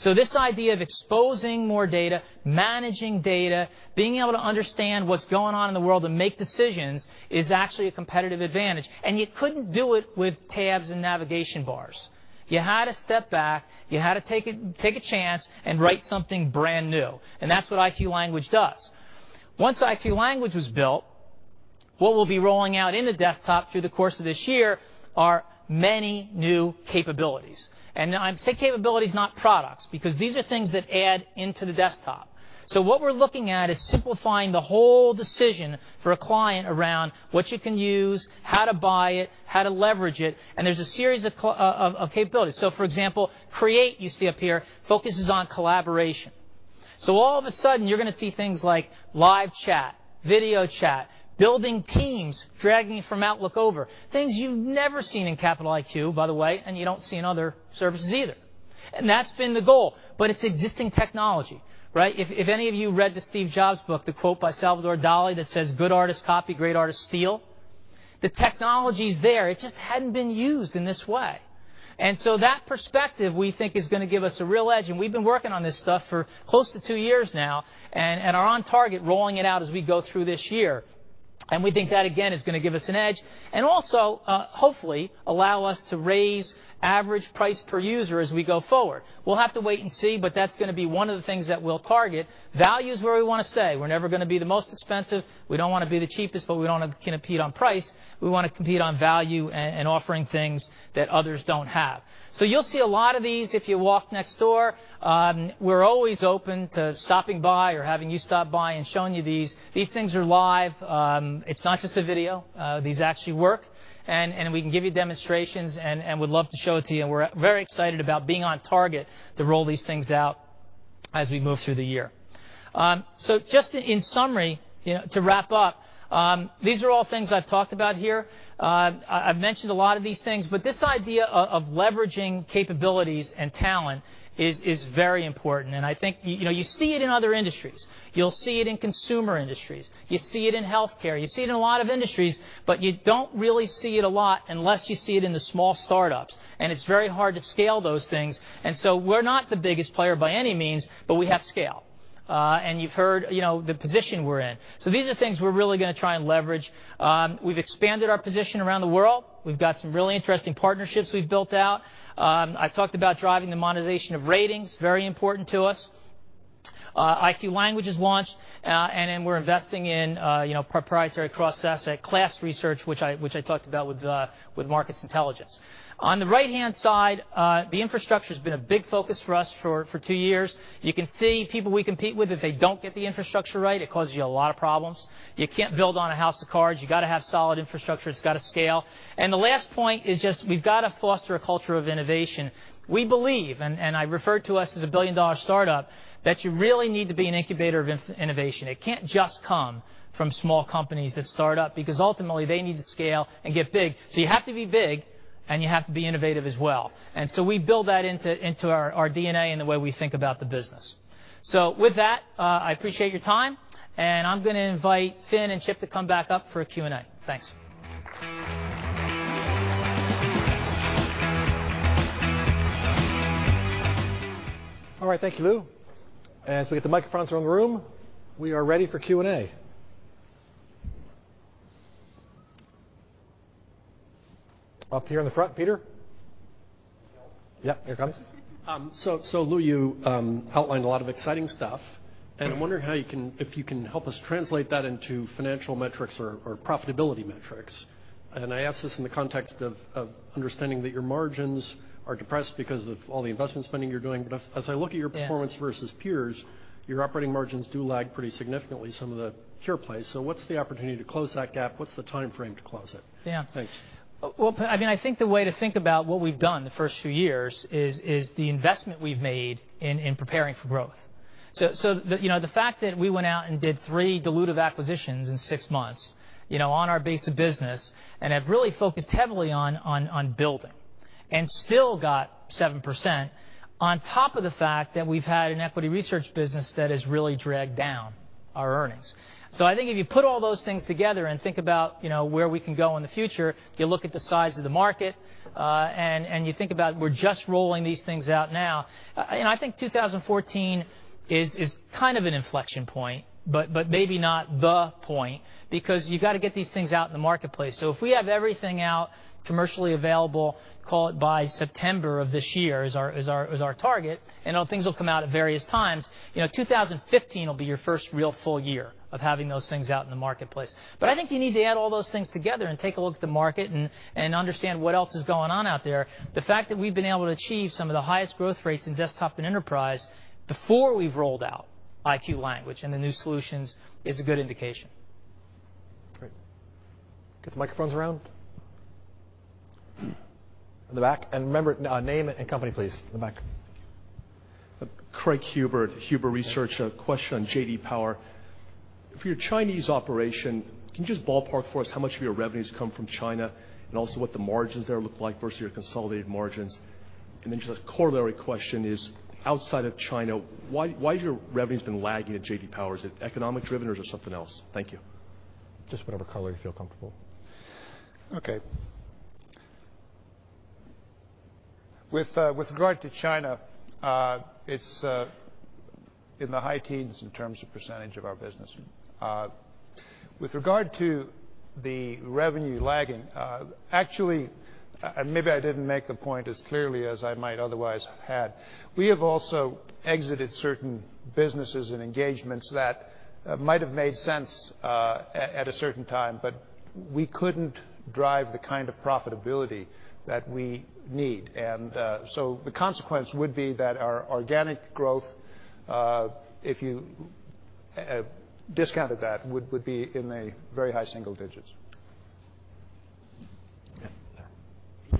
This idea of exposing more data, managing data, being able to understand what's going on in the world and make decisions is actually a competitive advantage, and you couldn't do it with tabs and navigation bars. You had to step back, you had to take a chance, and write something brand new, and that's what IQ Language does. Once IQ Language was built, what we'll be rolling out in the desktop through the course of this year are many new capabilities. I say capabilities, not products, because these are things that add into the desktop. What we're looking at is simplifying the whole decision for a client around what you can use, how to buy it, how to leverage it, and there's a series of capabilities. For example, Create, you see up here, focuses on collaboration. All of a sudden, you're going to see things like live chat, video chat, building teams, dragging from Outlook over. Things you've never seen in Capital IQ, by the way, and you don't see in other services either. That's been the goal, but it's existing technology. If any of you read the Steve Jobs book, the quote by Salvador Dalí that says, "Good artists copy, great artists steal." The technology's there. It just hadn't been used in this way. That perspective, we think, is going to give us a real edge, and we've been working on this stuff for close to two years now and are on target rolling it out as we go through this year. We think that, again, is going to give us an edge, and also, hopefully, allow us to raise average price per user as we go forward. We'll have to wait and see, but that's going to be one of the things that we'll target. Value is where we want to stay. We're never going to be the most expensive. We don't want to be the cheapest, but we don't want to compete on price. We want to compete on value and offering things that others don't have. You'll see a lot of these if you walk next door. We're always open to stopping by or having you stop by and showing you these. These things are live. It's not just a video. These actually work, and we can give you demonstrations, and would love to show it to you. We're very excited about being on target to roll these things out as we move through the year. Just in summary, to wrap up, these are all things I've talked about here. I've mentioned a lot of these things, but this idea of leveraging capabilities and talent is very important. I think you see it in other industries. You'll see it in consumer industries. You see it in healthcare. You see it in a lot of industries, but you don't really see it a lot unless you see it in the small startups, and it's very hard to scale those things. We're not the biggest player by any means, but we have scale. You've heard the position we're in. These are things we're really going to try and leverage. We've expanded our position around the world. We've got some really interesting partnerships we've built out. I've talked about driving the monetization of ratings, very important to us. IQ Language is launched, and we're investing in proprietary cross-asset class research, which I talked about with Markets Intelligence. On the right-hand side, the infrastructure's been a big focus for us for two years. You can see people we compete with, if they don't get the infrastructure right, it causes you a lot of problems. You can't build on a house of cards. You got to have solid infrastructure. It's got to scale. The last point is just we've got to foster a culture of innovation. We believe, and I referred to us as a billion-dollar startup, that you really need to be an incubator of innovation. It can't just come from small companies that start up, because ultimately they need to scale and get big. You have to be big, and you have to be innovative as well. We build that into our DNA and the way we think about the business. With that, I appreciate your time, and I'm going to invite Fin and Chip to come back up for a Q&A. Thanks. All right. Thank you, Lou. As we get the microphones around the room, we are ready for Q&A. Up here in the front, Peter? Yeah, here it comes. Lou, you outlined a lot of exciting stuff, and I'm wondering if you can help us translate that into financial metrics or profitability metrics. I ask this in the context of understanding that your margins are depressed because of all the investment spending you're doing. As I look at your performance versus peers, your operating margins do lag pretty significantly some of the pure plays. What's the opportunity to close that gap? What's the timeframe to close it? Yeah. Thanks. I think the way to think about what we've done the first few years is the investment we've made in preparing for growth. The fact that we went out and did three dilutive acquisitions in six months on our base of business and have really focused heavily on building and still got 7%, on top of the fact that we've had an equity research business that has really dragged down our earnings. I think if you put all those things together and think about where we can go in the future, you look at the size of the market, and you think about we're just rolling these things out now. I think 2014 is kind of an inflection point, but maybe not the point, because you've got to get these things out in the marketplace. If we have everything out commercially available, call it by September of this year is our target, and things will come out at various times, 2015 will be your first real full year of having those things out in the marketplace. I think you need to add all those things together and take a look at the market and understand what else is going on out there. The fact that we've been able to achieve some of the highest growth rates in desktop and enterprise before we've rolled out IQ Language and the new solutions is a good indication. Great. Get the microphones around. In the back. Remember, name and company, please. In the back. Craig Huber Research. A question on J.D. Power. For your Chinese operation, can you just ballpark for us how much of your revenues come from China and also what the margins there look like versus your consolidated margins? Just a corollary question is, outside of China, why has your revenues been lagging at J.D. Power? Is it economic driven or is it something else? Thank you. Just whatever color you feel comfortable. Okay. With regard to China, it's in the high teens in terms of percentage of our business. With regard to the revenue lagging, actually, maybe I didn't make the point as clearly as I might otherwise had. We have also exited certain businesses and engagements that might have made sense at a certain time, but we couldn't drive the kind of profitability that we need. The consequence would be that our organic growth, if you discounted that, would be in the very high single digits. Okay. There.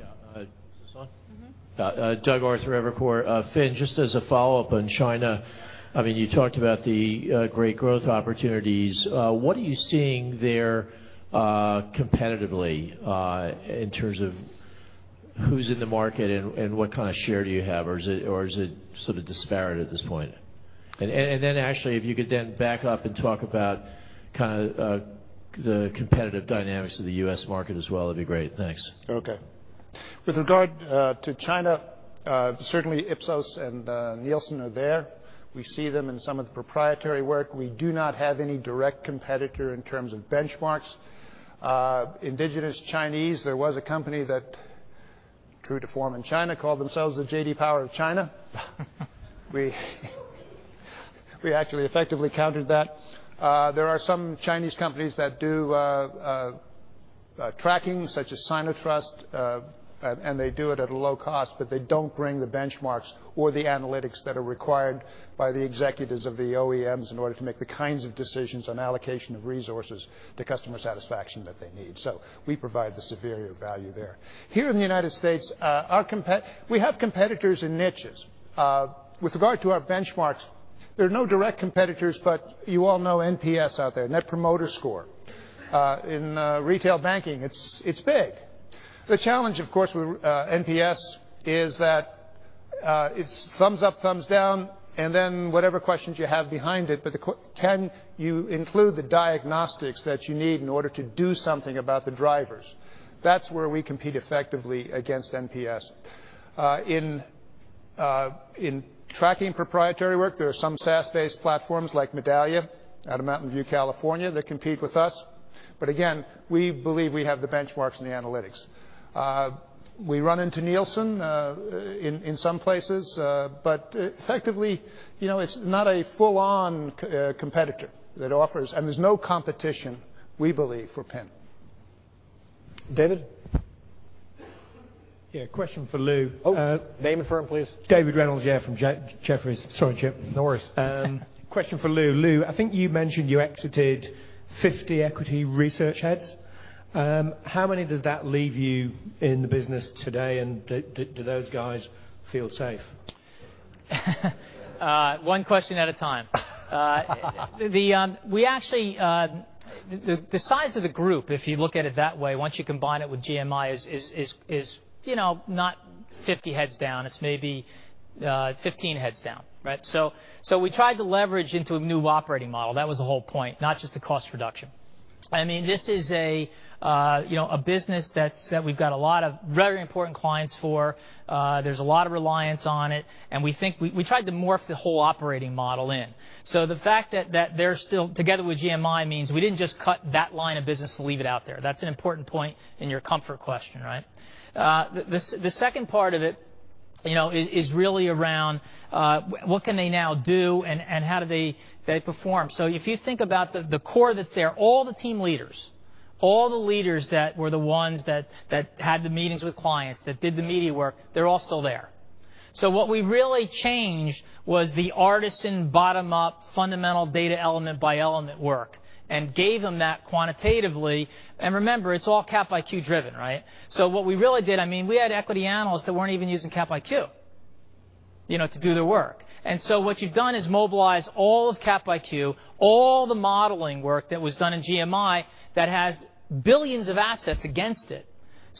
Yeah. Is this on? Doug Arthur, Evercore. Finn, just as a follow-up on China, you talked about the great growth opportunities. What are you seeing there competitively in terms of who's in the market and what kind of share do you have, or is it sort of disparate at this point? Actually, if you could then back up and talk about kind of the competitive dynamics of the U.S. market as well, it'd be great. Thanks. Okay. With regard to China, certainly Ipsos and Nielsen are there. We see them in some of the proprietary work. We do not have any direct competitor in terms of benchmarks. Indigenous Chinese, there was a company that grew to form in China, called themselves the J.D. Power of China. We actually effectively countered that. There are some Chinese companies that do tracking, such as SinoTrust, and they do it at a low cost, but they don't bring the benchmarks or the analytics that are required by the executives of the OEMs in order to make the kinds of decisions on allocation of resources to customer satisfaction that they need. We provide the superior value there. Here in the United States, we have competitors in niches. With regard to our benchmarks, there are no direct competitors, but you all know NPS out there, Net Promoter Score. In retail banking, it's big. The challenge, of course, with NPS is that it's thumbs up, thumbs down, and then whatever questions you have behind it, but can you include the diagnostics that you need in order to do something about the drivers? That's where we compete effectively against NPS. In tracking proprietary work, there are some SaaS-based platforms like Medallia out of Mountain View, California, that compete with us. Again, we believe we have the benchmarks and the analytics. We run into Nielsen in some places, but effectively, it's not a full-on competitor that offers. There's no competition, we believe, for PIN. David? Yeah, question for Lou. Oh, name and firm, please. David Reynolds, yeah, from Jefferies. Sorry, Chip. No worries. Question for Lou. Lou, I think you mentioned you exited 50 equity research heads. How many does that leave you in the business today, and do those guys feel safe? One question at a time. The size of the group, if you look at it that way, once you combine it with GMI, is not 50 heads down. It's maybe 15 heads down, right? We tried to leverage into a new operating model. That was the whole point, not just a cost reduction. This is a business that we've got a lot of very important clients for. There's a lot of reliance on it, and we tried to morph the whole operating model in. The fact that they're still together with GMI means we didn't just cut that line of business to leave it out there. That's an important point in your comfort question, right? The second part of it is really around what can they now do and how do they perform. If you think about the core that's there, all the team leaders, all the leaders that were the ones that had the meetings with clients, that did the media work, they're all still there. What we really changed was the artisan, bottom-up, fundamental data element by element work and gave them that quantitatively. Remember, it's all Cap IQ driven, right? What we really did, we had equity analysts that weren't even using Cap IQ. To do their work. What you've done is mobilize all of Capital IQ, all the modeling work that was done in GMI that has billions of assets against it.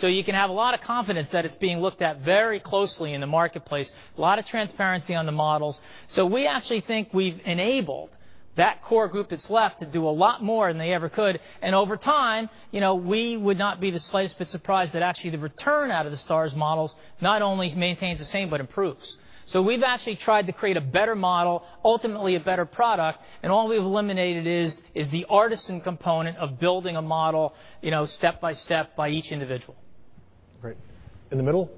You can have a lot of confidence that it's being looked at very closely in the marketplace, a lot of transparency on the models. We actually think we've enabled that core group that's left to do a lot more than they ever could. Over time, we would not be the slightest bit surprised that actually the return out of the STARS models not only maintains the same but improves. We've actually tried to create a better model, ultimately a better product, and all we've eliminated is the artisan component of building a model, step by step, by each individual. Great. In the middle.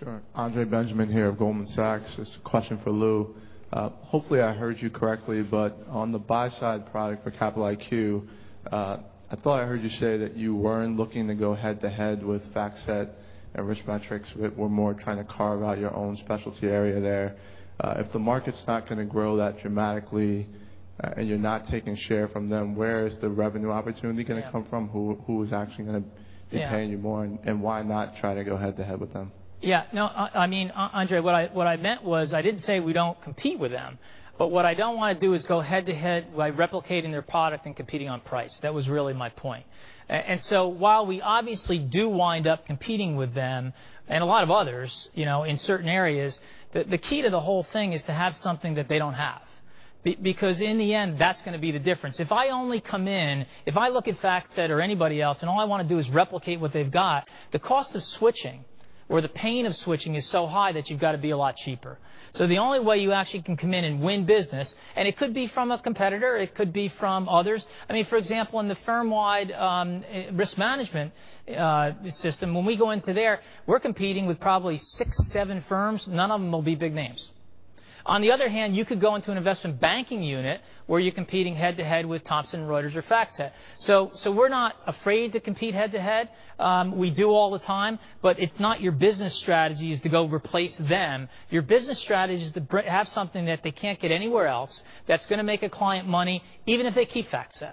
Sure. Andre Benjamin here of Goldman Sachs. This is a question for Lou. Hopefully, I heard you correctly, but on the buy-side product for Capital IQ, I thought I heard you say that you weren't looking to go head to head with FactSet and RiskMetrics, but were more trying to carve out your own specialty area there. If the market's not going to grow that dramatically, and you're not taking share from them, where is the revenue opportunity going to come from? Yeah. Who is actually going to be- Yeah Why not try to go head to head with them? Yeah, no. Andre, what I meant was, I didn't say we don't compete with them, but what I don't want to do is go head to head by replicating their product and competing on price. That was really my point. While we obviously do wind up competing with them, and a lot of others in certain areas, the key to the whole thing is to have something that they don't have. Because in the end, that's going to be the difference. If I only come in, if I look at FactSet or anybody else, and all I want to do is replicate what they've got, the cost of switching or the pain of switching is so high that you've got to be a lot cheaper. The only way you actually can come in and win business, and it could be from a competitor, it could be from others. For example, in the firm-wide risk management system, when we go into there, we're competing with probably 6, 7 firms. None of them will be big names. On the other hand, you could go into an investment banking unit, where you're competing head to head with Thomson Reuters or FactSet. We're not afraid to compete head to head. We do all the time, it's not your business strategy is to go replace them. Your business strategy is to have something that they can't get anywhere else that's going to make a client money, even if they keep FactSet.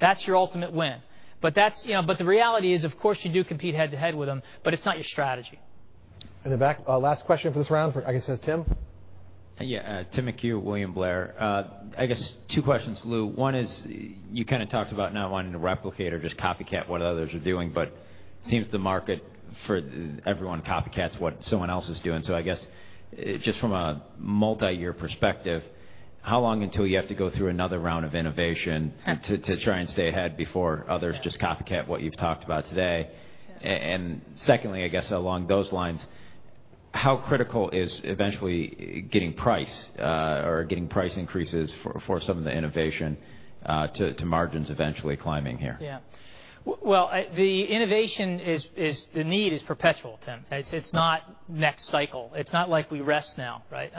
That's your ultimate win. The reality is, of course, you do compete head to head with them, it's not your strategy. In the back. Last question for this round, I guess that's Tim. Tim McHugh, William Blair. I guess 2 questions, Lou. One is, you talked about not wanting to replicate or just copycat what others are doing, seems the market for everyone copycats what someone else is doing. I guess, just from a multi-year perspective, how long until you have to go through another round of innovation- Yeah to try and stay ahead before others just copycat what you've talked about today? Yeah. Secondly, I guess along those lines, how critical is eventually getting price, or getting price increases for some of the innovation to margins eventually climbing here? Well, the innovation is the need is perpetual, Tim. It's not next cycle. It's not like we rest now, right?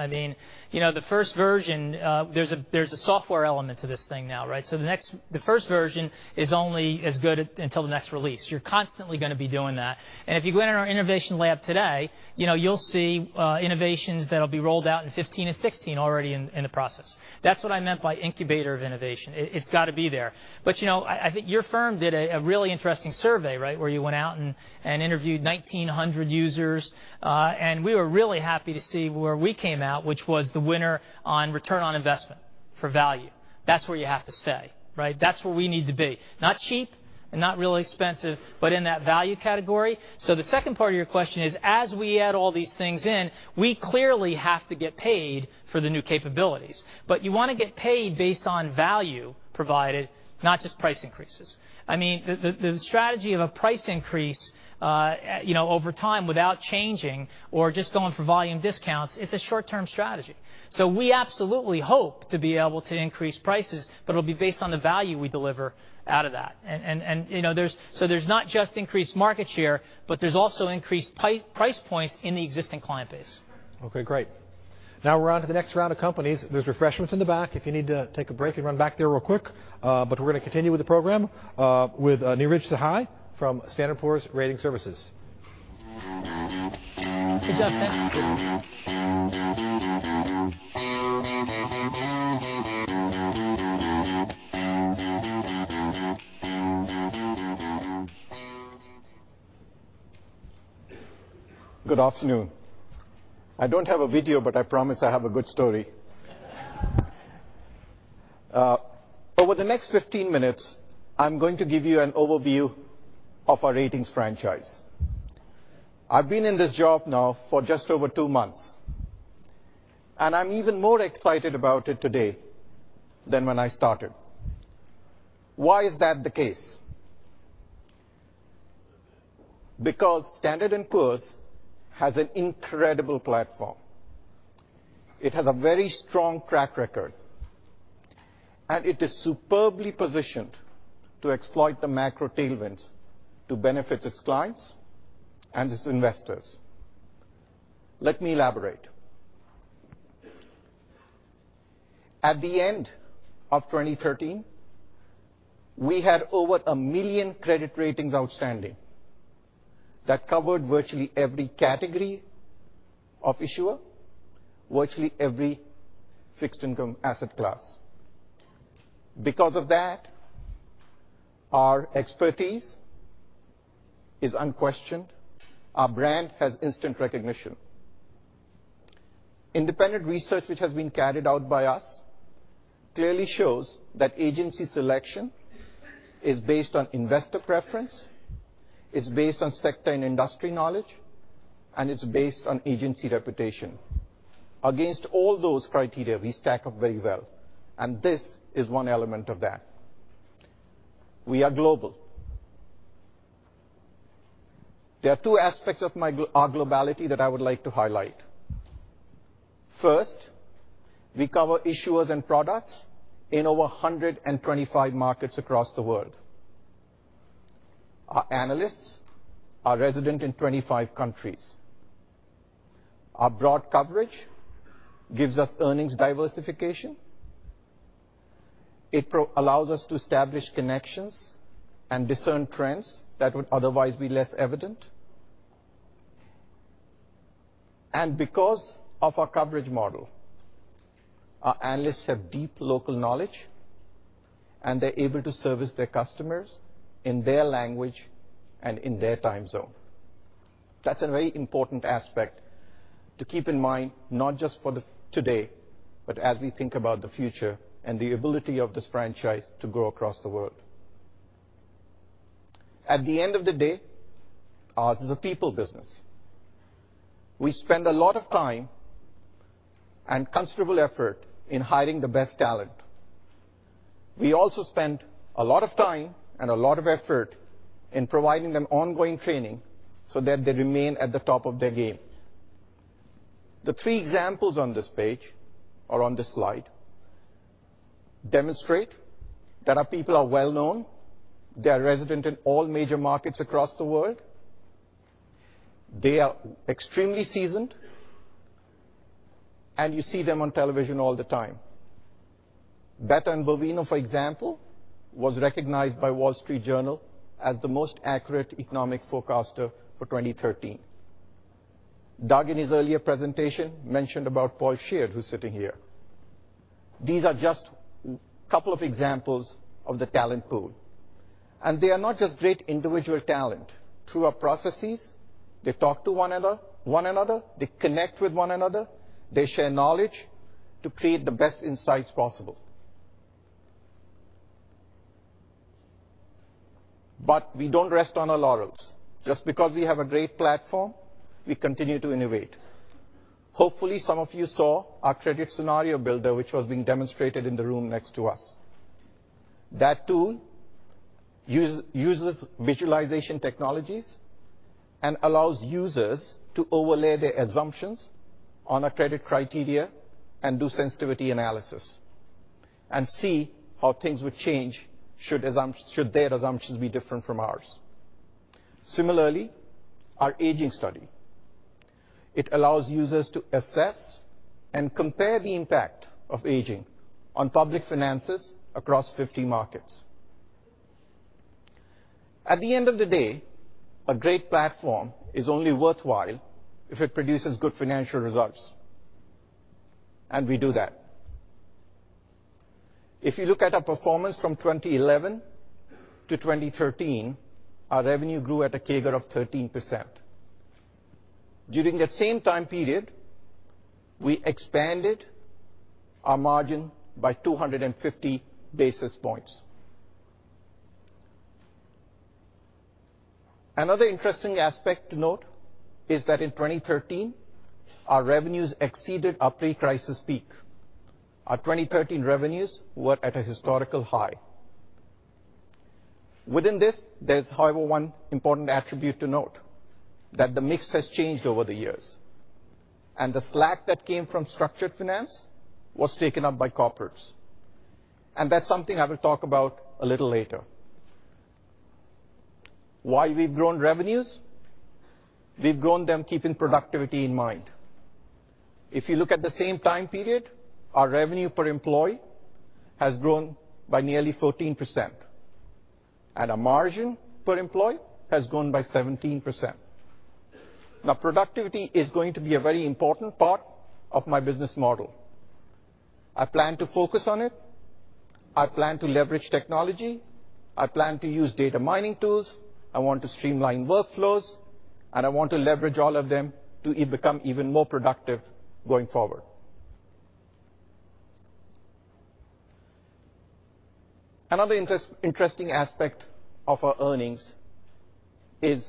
The first version, there's a software element to this thing now, right? The first version is only as good until the next release. You're constantly going to be doing that. If you go in our innovation lab today, you'll see innovations that'll be rolled out in 2015 and 2016 already in the process. That's what I meant by incubator of innovation. It's got to be there. I think your firm did a really interesting survey, right? Where you went out and interviewed 1,900 users. We were really happy to see where we came out, which was the winner on return on investment for value. That's where you have to stay, right? That's where we need to be. Not cheap and not really expensive, but in that value category. The second part of your question is, as we add all these things in, we clearly have to get paid for the new capabilities. You want to get paid based on value provided, not just price increases. The strategy of a price increase over time without changing or just going for volume discounts, it's a short-term strategy. We absolutely hope to be able to increase prices, but it'll be based on the value we deliver out of that. There's not just increased market share, but there's also increased price points in the existing client base. Okay, great. Now we're on to the next round of companies. There's refreshments in the back if you need to take a break and run back there real quick. We're going to continue with the program with Neeraj Sahai from Standard & Poor's Ratings Services. Good afternoon. I don't have a video, but I promise I have a good story. Over the next 15 minutes, I'm going to give you an overview of our ratings franchise. I've been in this job now for just over two months, and I'm even more excited about it today than when I started. Why is that the case? Because Standard & Poor's has an incredible platform. It has a very strong track record, and it is superbly positioned to exploit the macro tailwinds to benefit its clients and its investors. Let me elaborate. At the end of 2013, we had over 1 million credit ratings outstanding that covered virtually every category of issuer, virtually every fixed-income asset class. Because of that, our expertise is unquestioned. Our brand has instant recognition. Independent research, which has been carried out by us, clearly shows that agency selection is based on investor preference, it's based on sector and industry knowledge, and it's based on agency reputation. Against all those criteria, we stack up very well, and this is one element of that. We are global. There are two aspects of our globality that I would like to highlight. First, we cover issuers and products in over 125 markets across the world. Our analysts are resident in 25 countries. Our broad coverage gives us earnings diversification. It allows us to establish connections and discern trends that would otherwise be less evident. Because of our coverage model, our analysts have deep local knowledge, and they're able to service their customers in their language and in their time zone. That's a very important aspect to keep in mind, not just for today, but as we think about the future and the ability of this franchise to grow across the world. At the end of the day, ours is a people business. We spend a lot of time and considerable effort in hiring the best talent. We also spend a lot of time and a lot of effort in providing them ongoing training so that they remain at the top of their game. The three examples on this page or on this slide demonstrate that our people are well-known. They are resident in all major markets across the world. They are extremely seasoned, and you see them on television all the time. Beth Ann Bovino, for example, was recognized by Wall Street Journal as the most accurate economic forecaster for 2013. Doug, in his earlier presentation, mentioned about Paul Sheard, who's sitting here. These are just a couple of examples of the talent pool. They are not just great individual talent. Through our processes, they talk to one another, they connect with one another, they share knowledge to create the best insights possible. We don't rest on our laurels. Just because we have a great platform, we continue to innovate. Hopefully, some of you saw our Credit Scenario Builder, which was being demonstrated in the room next to us. That tool uses visualization technologies and allows users to overlay their assumptions on a credit criteria and do sensitivity analysis and see how things would change should their assumptions be different from ours. Similarly, our aging study. It allows users to assess and compare the impact of aging on public finances across 50 markets. At the end of the day, a great platform is only worthwhile if it produces good financial results, and we do that. If you look at our performance from 2011 to 2013, our revenue grew at a CAGR of 13%. During that same time period, we expanded our margin by 250 basis points. Another interesting aspect to note is that in 2013, our revenues exceeded our pre-crisis peak. Our 2013 revenues were at a historical high. Within this, there's however one important attribute to note, that the mix has changed over the years, and the slack that came from structured finance was taken up by corporates. That's something I will talk about a little later. While we've grown revenues, we've grown them keeping productivity in mind. If you look at the same time period, our revenue per employee has grown by nearly 14%, and our margin per employee has grown by 17%. Productivity is going to be a very important part of my business model. I plan to focus on it. I plan to leverage technology. I plan to use data mining tools. I want to streamline workflows, and I want to leverage all of them to become even more productive going forward. Another interesting aspect of our earnings is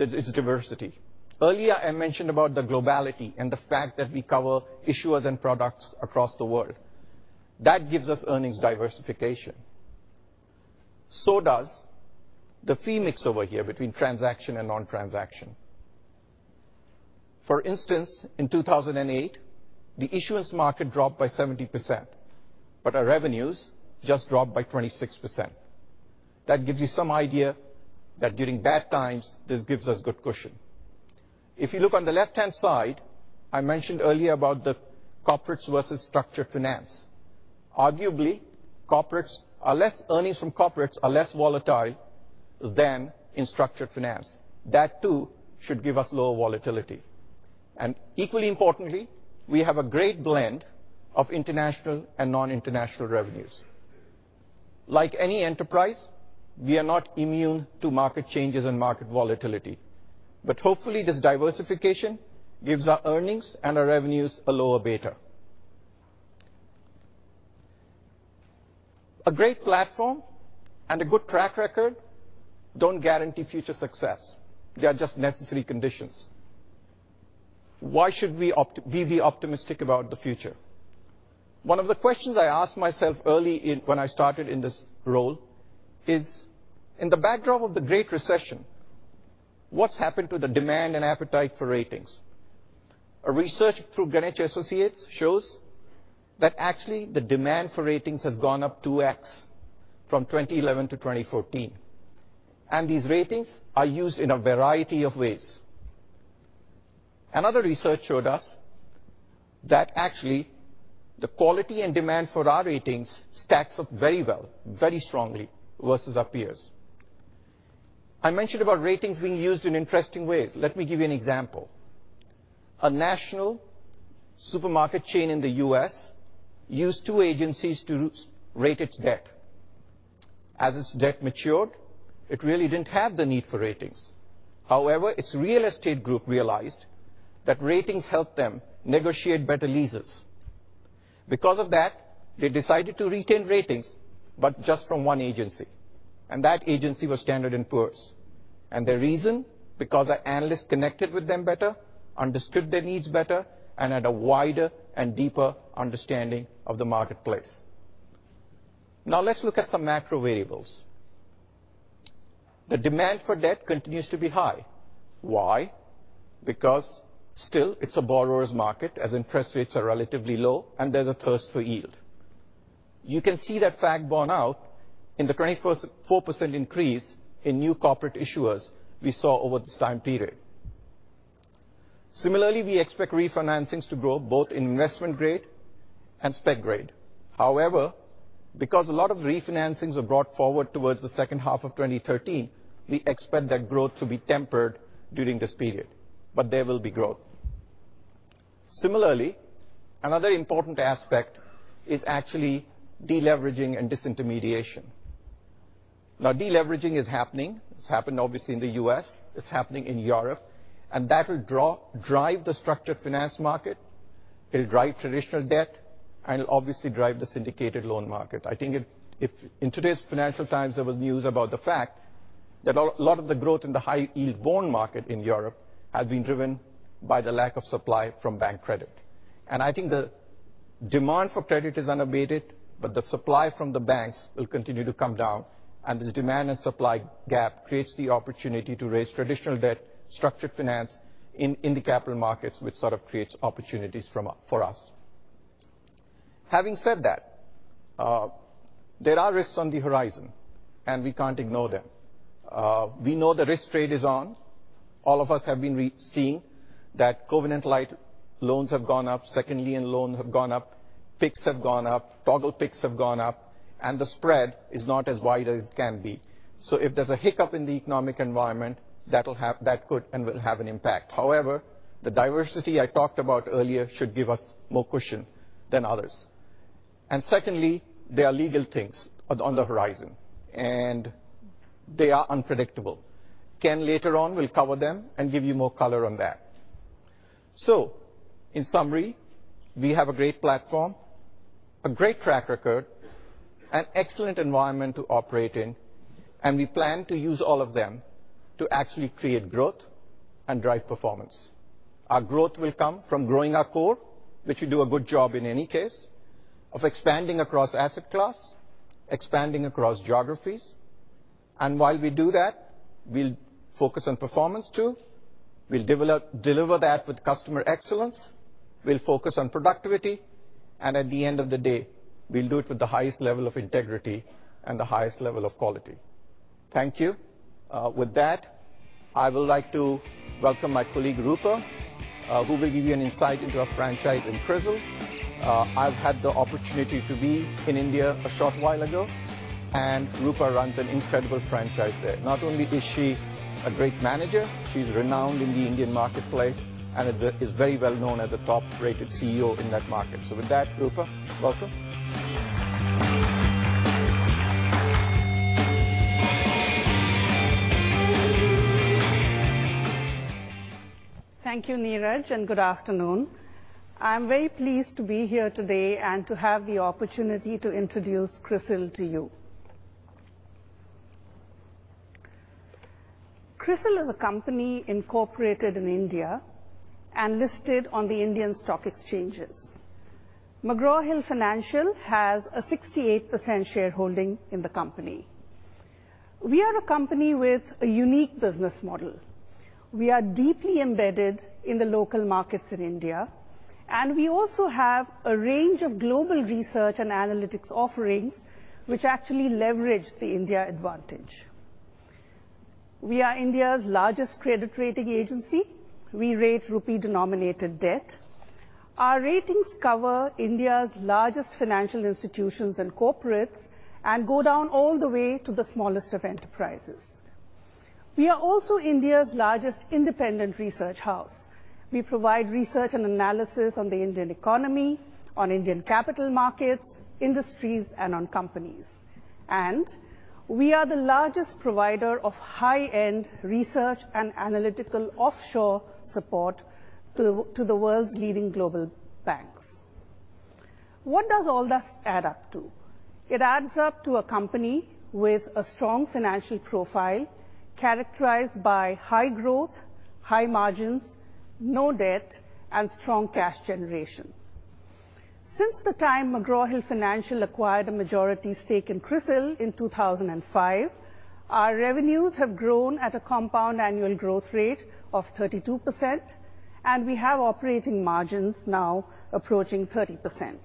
its diversity. Earlier, I mentioned about the globality and the fact that we cover issuers and products across the world. That gives us earnings diversification. So does the fee mix over here between transaction and non-transaction. For instance, in 2008, the issuance market dropped by 70%, but our revenues just dropped by 26%. That gives you some idea that during bad times, this gives us good cushion. If you look on the left-hand side, I mentioned earlier about the corporates versus structured finance. Arguably, earnings from corporates are less volatile than in structured finance. That too should give us lower volatility. Equally importantly, we have a great blend of international and non-international revenues. Like any enterprise, we are not immune to market changes and market volatility. Hopefully, this diversification gives our earnings and our revenues a lower beta. A great platform and a good track record don't guarantee future success. They are just necessary conditions. Why should we be optimistic about the future? One of the questions I asked myself early when I started in this role is, in the backdrop of the Great Recession, what's happened to the demand and appetite for ratings? A research through Greenwich Associates shows that actually the demand for ratings has gone up 2x from 2011 to 2014. These ratings are used in a variety of ways. Another research showed us that actually the quality and demand for our ratings stacks up very well, very strongly versus our peers. I mentioned about ratings being used in interesting ways. Let me give you an example. A national supermarket chain in the U.S. used two agencies to rate its debt. As its debt matured, it really didn't have the need for ratings. However, its real estate group realized that ratings helped them negotiate better leases. Because of that, they decided to retain ratings, but just from one agency, and that agency was Standard & Poor's. The reason? Because our analysts connected with them better, understood their needs better, and had a wider and deeper understanding of the marketplace. Let's look at some macro variables. The demand for debt continues to be high. Why? Still it's a borrower's market, as interest rates are relatively low, and there's a thirst for yield. You can see that fact borne out in the 24% increase in new corporate issuers we saw over this time period. Similarly, we expect refinancings to grow both in investment grade and spec grade. However, because a lot of refinancings are brought forward towards the second half of 2013, we expect that growth to be tempered during this period. There will be growth. Similarly, another important aspect is actually de-leveraging and disintermediation. De-leveraging is happening. It's happened, obviously, in the U.S., it's happening in Europe. That will drive the structured finance market, it'll drive traditional debt, and it'll obviously drive the syndicated loan market. I think if, in today's Financial Times, there was news about the fact that a lot of the growth in the high-yield bond market in Europe has been driven by the lack of supply from bank credit. I think the demand for credit is unabated, but the supply from the banks will continue to come down. The demand and supply gap creates the opportunity to raise traditional debt structured finance in the capital markets, which sort of creates opportunities for us. Having said that, there are risks on the horizon, and we can't ignore them. We know the risk trade is on. All of us have been seeing that covenant-light loans have gone up. Secondly, loans have gone up, PIKs have gone up, toggle PIKs have gone up, and the spread is not as wide as it can be. If there's a hiccup in the economic environment, that could and will have an impact. However, the diversity I talked about earlier should give us more cushion than others. Secondly, there are legal things on the horizon, and they are unpredictable. Ken, later on, will cover them and give you more color on that. In summary, we have a great platform, a great track record, an excellent environment to operate in, and we plan to use all of them to actually create growth and drive performance. Our growth will come from growing our core, which should do a good job in any case, of expanding across asset class, expanding across geographies. While we do that, we'll focus on performance, too. We'll deliver that with customer excellence. We'll focus on productivity. At the end of the day, we'll do it with the highest level of integrity and the highest level of quality. Thank you. With that, I would like to welcome my colleague, Roopa, who will give you an insight into our franchise in CRISIL. I've had the opportunity to be in India a short while ago, and Roopa runs an incredible franchise there. Not only is she a great manager, she's renowned in the Indian marketplace and is very well-known as a top-rated CEO in that market. With that, Roopa, welcome. Thank you, Neeraj, and good afternoon. I'm very pleased to be here today and to have the opportunity to introduce CRISIL to you. CRISIL is a company incorporated in India and listed on the Indian stock exchanges. McGraw Hill Financial has a 68% shareholding in the company. We are a company with a unique business model. We are deeply embedded in the local markets in India, and we also have a range of global research and analytics offerings, which actually leverage the India advantage. We are India's largest credit rating agency. We rate rupee-denominated debt. Our ratings cover India's largest financial institutions and corporates and go down all the way to the smallest of enterprises. We are also India's largest independent research house. We provide research and analysis on the Indian economy, on Indian capital markets, industries, and on companies. We are the largest provider of high-end research and analytical offshore support to the world's leading global banks. What does all this add up to? It adds up to a company with a strong financial profile characterized by high growth, high margins, no debt, and strong cash generation. Since the time McGraw Hill Financial acquired a majority stake in CRISIL in 2005, our revenues have grown at a compound annual growth rate of 32%, and we have operating margins now approaching 30%.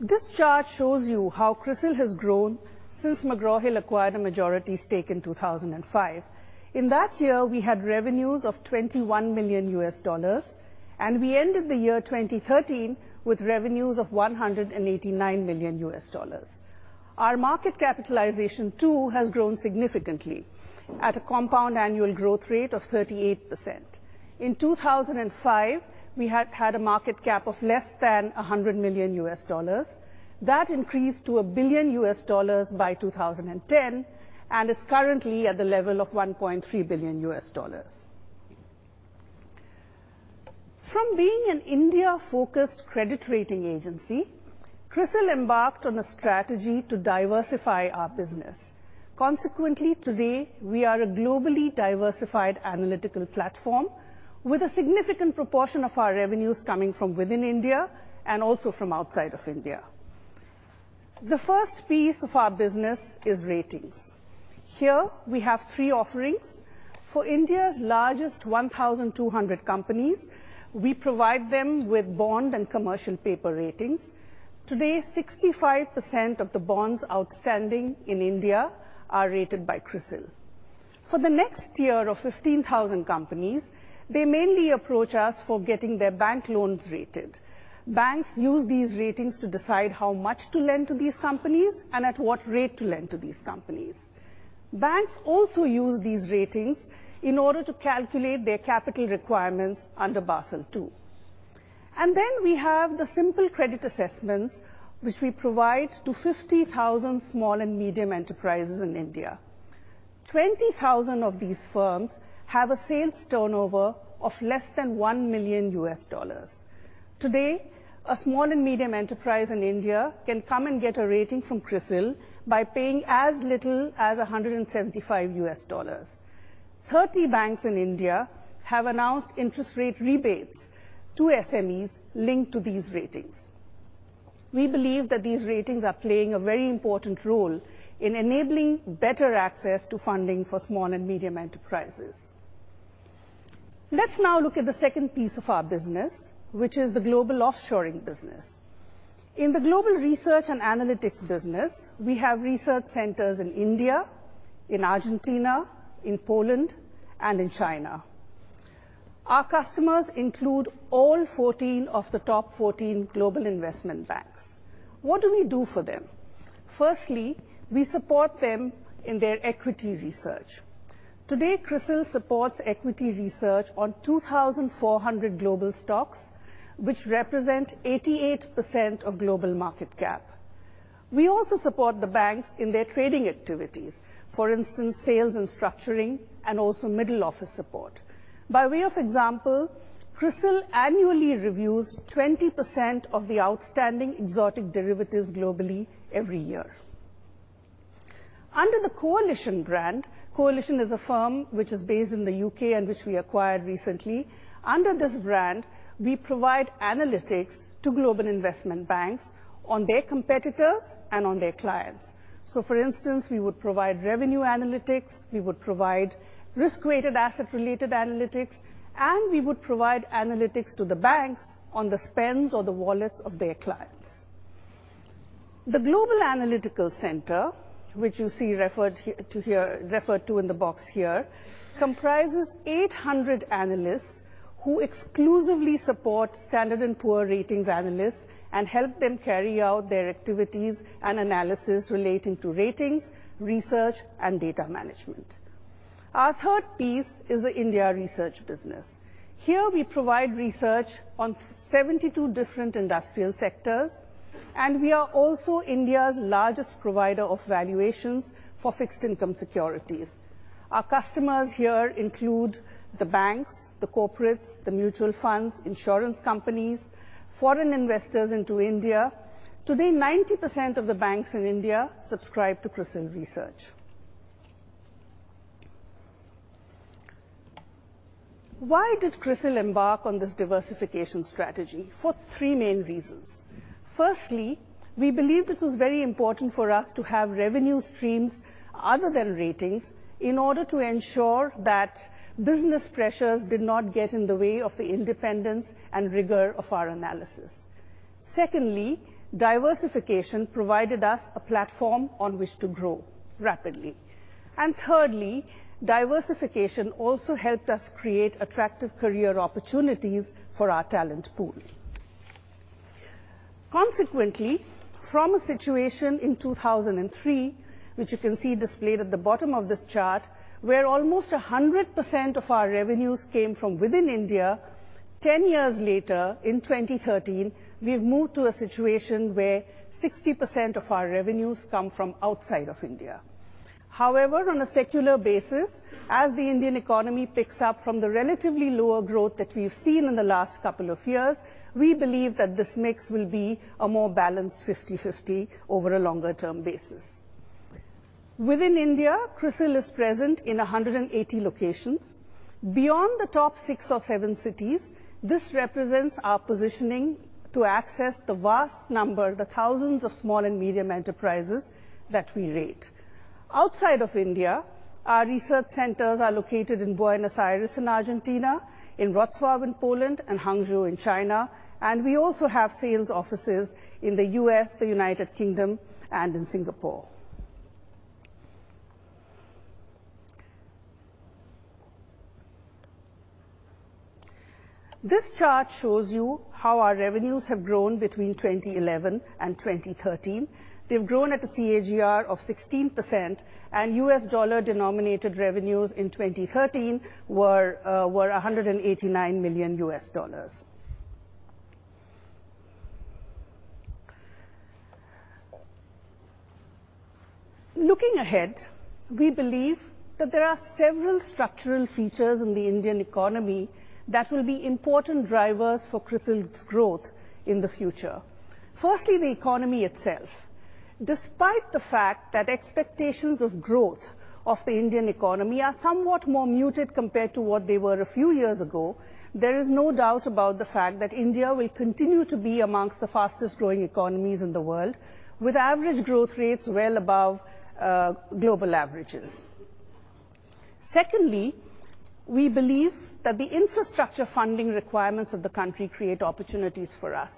This chart shows you how CRISIL has grown since McGraw Hill acquired a majority stake in 2005. In that year, we had revenues of $21 million, and we ended the year 2013 with revenues of $189 million. Our market capitalization too has grown significantly at a compound annual growth rate of 38%. In 2005, we had a market cap of less than $100 million. That increased to $1 billion by 2010 and is currently at the level of $1.3 billion. From being an India-focused credit rating agency, CRISIL embarked on a strategy to diversify our business. Consequently, today, we are a globally diversified analytical platform with a significant proportion of our revenues coming from within India and also from outside of India. The first piece of our business is ratings. Here, we have three offerings. For India's largest 1,200 companies, we provide them with bond and commercial paper ratings. Today, 65% of the bonds outstanding in India are rated by CRISIL. For the next tier of 15,000 companies, they mainly approach us for getting their bank loans rated. Banks use these ratings to decide how much to lend to these companies and at what rate to lend to these companies. Banks also use these ratings in order to calculate their capital requirements under Basel II. We have the simple credit assessments which we provide to 50,000 small and medium enterprises in India. 20,000 of these firms have a sales turnover of less than $1 million. Today, a small and medium enterprise in India can come and get a rating from CRISIL by paying as little as $175. 30 banks in India have announced interest rate rebates to SMEs linked to these ratings. We believe that these ratings are playing a very important role in enabling better access to funding for small and medium enterprises. Let's now look at the second piece of our business, which is the global offshoring business. In the global research and analytics business, we have research centers in India, in Argentina, in Poland, and in China. Our customers include all 14 of the top 14 global investment banks. What do we do for them? Firstly, we support them in their equity research. Today, CRISIL supports equity research on 2,400 global stocks, which represent 88% of global market cap. We also support the banks in their trading activities, for instance, sales and structuring, and also middle office support. By way of example, CRISIL annually reviews 20% of the outstanding exotic derivatives globally every year. Under the Coalition brand, Coalition is a firm which is based in the U.K. and which we acquired recently. Under this brand, we provide analytics to global investment banks on their competitor and on their clients. For instance, we would provide revenue analytics, we would provide risk-weighted asset-related analytics, and we would provide analytics to the banks on the spends or the wallets of their clients. The Global Analytical Centre, which you see referred to in the box here, comprises 800 analysts who exclusively support Standard & Poor's ratings analysts and help them carry out their activities and analysis relating to ratings, research, and data management. Our third piece is the India research business. Here, we provide research on 72 different industrial sectors, and we are also India's largest provider of valuations for fixed income securities. Our customers here include the banks, the corporates, the mutual funds, insurance companies, foreign investors into India. Today, 90% of the banks in India subscribe to CRISIL research. Why did CRISIL embark on this diversification strategy? For three main reasons. Firstly, we believed it was very important for us to have revenue streams other than ratings in order to ensure that business pressures did not get in the way of the independence and rigor of our analysis. Secondly, diversification provided us a platform on which to grow rapidly. Thirdly, diversification also helped us create attractive career opportunities for our talent pool. Consequently, from a situation in 2003, which you can see displayed at the bottom of this chart, where almost 100% of our revenues came from within India, 10 years later in 2013, we've moved to a situation where 60% of our revenues come from outside of India. However, on a secular basis, as the Indian economy picks up from the relatively lower growth that we've seen in the last couple of years, we believe that this mix will be a more balanced 50/50 over a longer-term basis. Within India, CRISIL is present in 180 locations. Beyond the top six or seven cities, this represents our positioning to access the vast number, the thousands of small and medium enterprises that we rate. Outside of India, our research centers are located in Buenos Aires in Argentina, in Wrocław in Poland, and Hangzhou in China, and we also have sales offices in the U.S., the United Kingdom, and in Singapore. This chart shows you how our revenues have grown between 2011 and 2013. They've grown at a CAGR of 16%, and U.S. dollar-denominated revenues in 2013 were $189 million U.S. Looking ahead, we believe that there are several structural features in the Indian economy that will be important drivers for CRISIL's growth in the future. Firstly, the economy itself. Despite the fact that expectations of growth of the Indian economy are somewhat more muted compared to what they were a few years ago, there is no doubt about the fact that India will continue to be amongst the fastest-growing economies in the world, with average growth rates well above global averages. Secondly, we believe that the infrastructure funding requirements of the country create opportunities for us.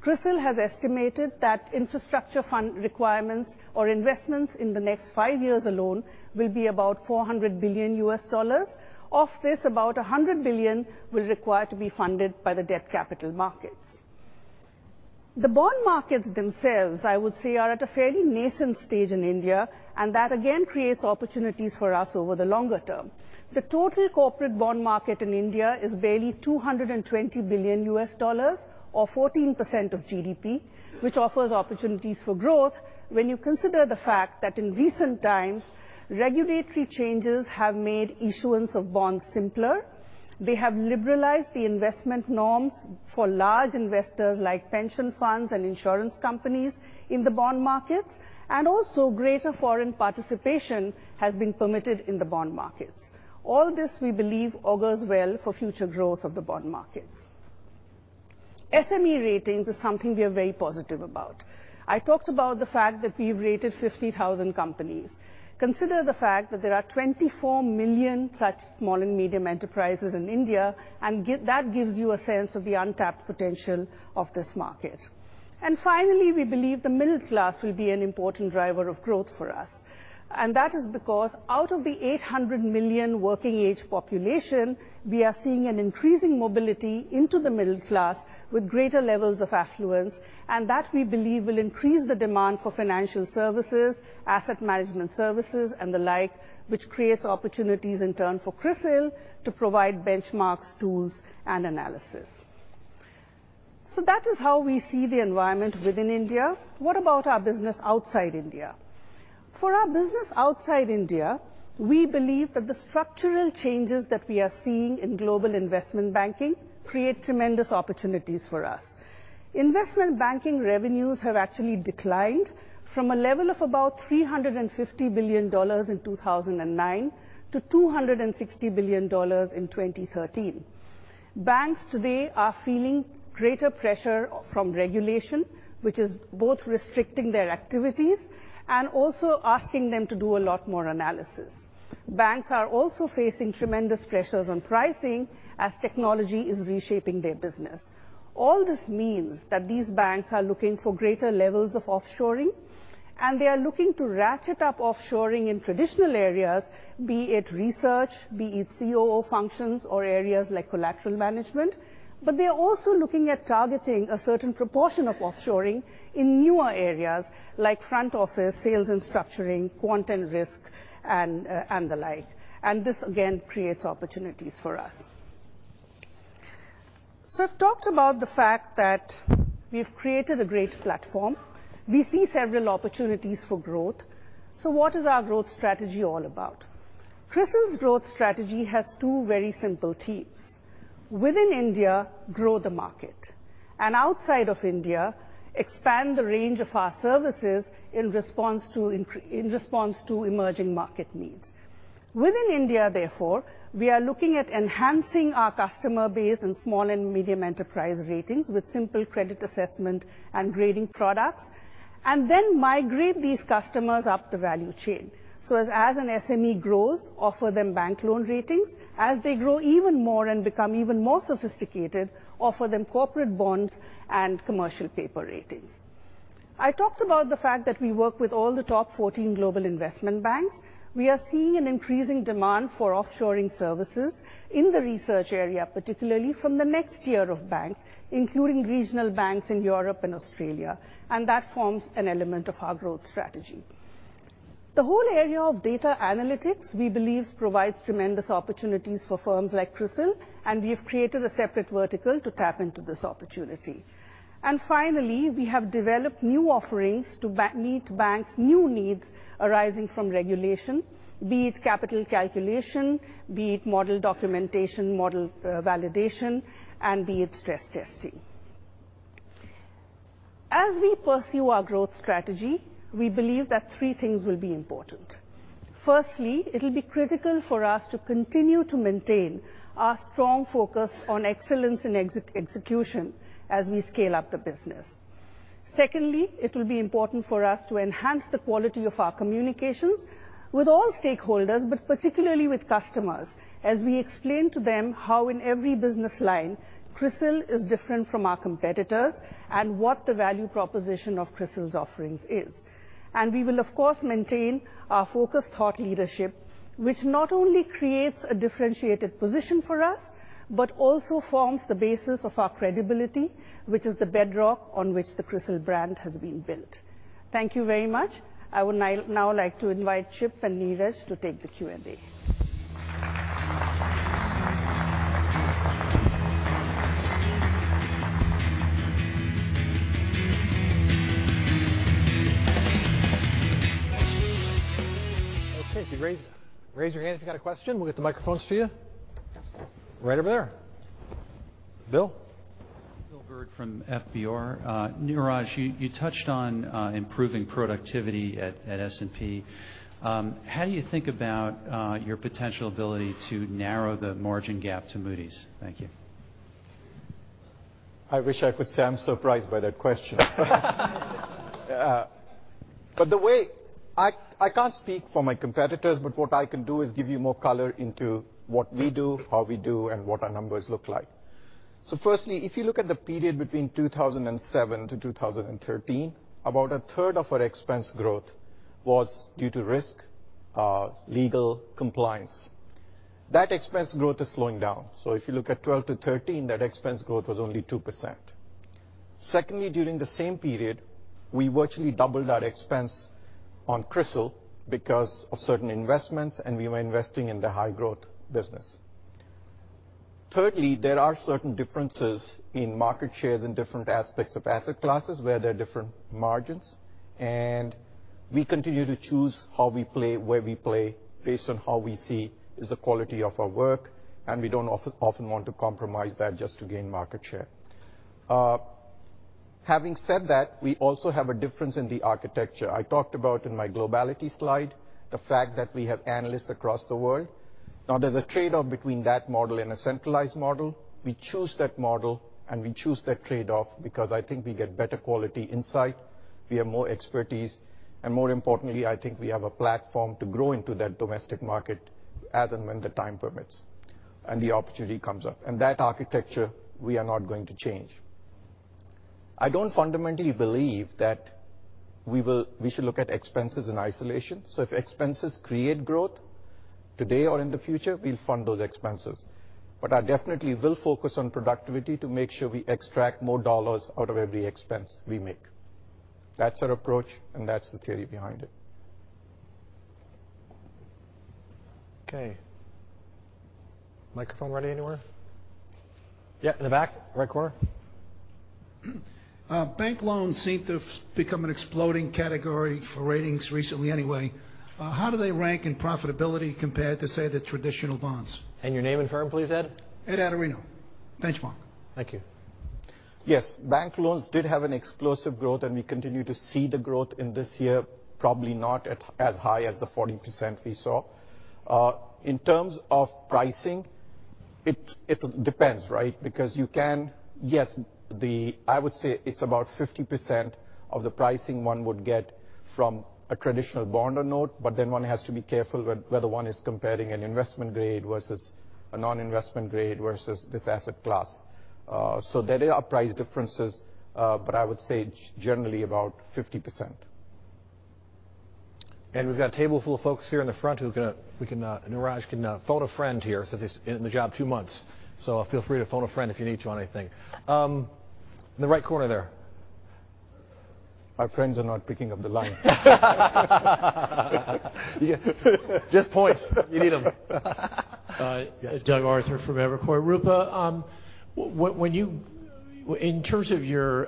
CRISIL has estimated that infrastructure fund requirements or investments in the next five years alone will be about $400 billion. Of this, about $100 billion will require to be funded by the debt capital markets. The bond markets themselves, I would say, are at a fairly nascent stage in India, and that again creates opportunities for us over the longer term. The total corporate bond market in India is barely $220 billion, or 14% of GDP, which offers opportunities for growth when you consider the fact that in recent times, regulatory changes have made issuance of bonds simpler. They have liberalized the investment norms for large investors like pension funds and insurance companies in the bond markets, and also greater foreign participation has been permitted in the bond markets. All this, we believe, augurs well for future growth of the bond market. SME ratings is something we are very positive about. I talked about the fact that we've rated 50,000 companies. Consider the fact that there are 24 million such small and medium enterprises in India, and that gives you a sense of the untapped potential of this market. Finally, we believe the middle class will be an important driver of growth for us. That is because out of the 800 million working-age population, we are seeing an increasing mobility into the middle class with greater levels of affluence. That, we believe, will increase the demand for financial services, asset management services, and the like, which creates opportunities in turn for CRISIL to provide benchmarks, tools, and analysis. That is how we see the environment within India. What about our business outside India? For our business outside India, we believe that the structural changes that we are seeing in global investment banking create tremendous opportunities for us. Investment banking revenues have actually declined from a level of about $350 billion in 2009 to $260 billion in 2013. Banks today are feeling greater pressure from regulation, which is both restricting their activities and also asking them to do a lot more analysis. Banks are also facing tremendous pressures on pricing as technology is reshaping their business. All this means that these banks are looking for greater levels of offshoring, and they are looking to ratchet up offshoring in traditional areas, be it research, be it COO functions or areas like collateral management. They're also looking at targeting a certain proportion of offshoring in newer areas like front office, sales and structuring, quant and risk, and the like. This, again, creates opportunities for us. I've talked about the fact that we've created a great platform. We see several opportunities for growth. What is our growth strategy all about? CRISIL's growth strategy has two very simple themes. Within India, grow the market. Outside of India, expand the range of our services in response to emerging market needs. Within India, therefore, we are looking at enhancing our customer base in small and medium enterprise ratings with simple credit assessment and grading products and then migrate these customers up the value chain. As an SME grows, offer them bank loan ratings. As they grow even more and become even more sophisticated, offer them corporate bonds and commercial paper ratings. I talked about the fact that we work with all the top 14 global investment banks. We are seeing an increasing demand for offshoring services in the research area, particularly from the next tier of banks, including regional banks in Europe and Australia. That forms an element of our growth strategy. The whole area of data analytics, we believe, provides tremendous opportunities for firms like CRISIL. We have created a separate vertical to tap into this opportunity. Finally, we have developed new offerings to meet banks' new needs arising from regulation, be it capital calculation, be it model documentation, model validation, and be it stress testing. As we pursue our growth strategy, we believe that three things will be important. Firstly, it'll be critical for us to continue to maintain our strong focus on excellence and execution as we scale up the business. Secondly, it will be important for us to enhance the quality of our communications with all stakeholders, but particularly with customers, as we explain to them how in every business line, CRISIL is different from our competitors and what the value proposition of CRISIL's offerings is. We will, of course, maintain our focused thought leadership, which not only creates a differentiated position for us, but also forms the basis of our credibility, which is the bedrock on which the CRISIL brand has been built. Thank you very much. I would now like to invite Chip and Neeraj to take the Q&A. Okay, raise your hand if you got a question. We'll get the microphones to you. Right over there. Bill. Bill Bird from FBR. Neeraj, you touched on improving productivity at S&P. How do you think about your potential ability to narrow the margin gap to Moody's? Thank you. I wish I could say I'm surprised by that question. I can't speak for my competitors, but what I can do is give you more color into what we do, how we do, and what our numbers look like. Firstly, if you look at the period between 2007 to 2013, about a third of our expense growth was due to risk, legal, compliance. That expense growth is slowing down. If you look at 2012 to 2013, that expense growth was only 2%. Secondly, during the same period, we virtually doubled our expense on CRISIL because of certain investments, and we were investing in the high-growth business. Thirdly, there are certain differences in market shares in different aspects of asset classes where there are different margins, and we continue to choose how we play, where we play based on how we see is the quality of our work, and we don't often want to compromise that just to gain market share. Having said that, we also have a difference in the architecture. I talked about in my globality slide, the fact that we have analysts across the world. There's a trade-off between that model and a centralized model. We choose that model, and we choose that trade-off because I think we get better quality insight, we have more expertise, and more importantly, I think we have a platform to grow into that domestic market as and when the time permits and the opportunity comes up. That architecture, we are not going to change. I don't fundamentally believe that we should look at expenses in isolation. If expenses create growth today or in the future, we'll fund those expenses. I definitely will focus on productivity to make sure we extract more dollars out of every expense we make. That's our approach, and that's the theory behind it. Okay. Microphone ready anywhere? Yeah, in the back. Right corner. Bank loans seem to have become an exploding category for ratings recently anyway. How do they rank in profitability compared to, say, the traditional bonds? Your name and firm, please, Ed? Ed Atorino. Thanks, Mark. Thank you. Yes. Bank loans did have an explosive growth. We continue to see the growth in this year, probably not as high as the 40% we saw. In terms of pricing, it depends, right? I would say it's about 50% of the pricing one would get from a traditional bond or note. One has to be careful whether one is comparing an investment grade versus a non-investment grade versus this asset class. There are price differences. I would say generally about 50%. We've got a table full of folks here in the front who can, Neeraj, can phone a friend here since he's in the job two months. Feel free to phone a friend if you need to on anything. In the right corner there. Our friends are not picking up the line. Just points. You need them. Doug Arthur from Evercore. Roopa, in terms of your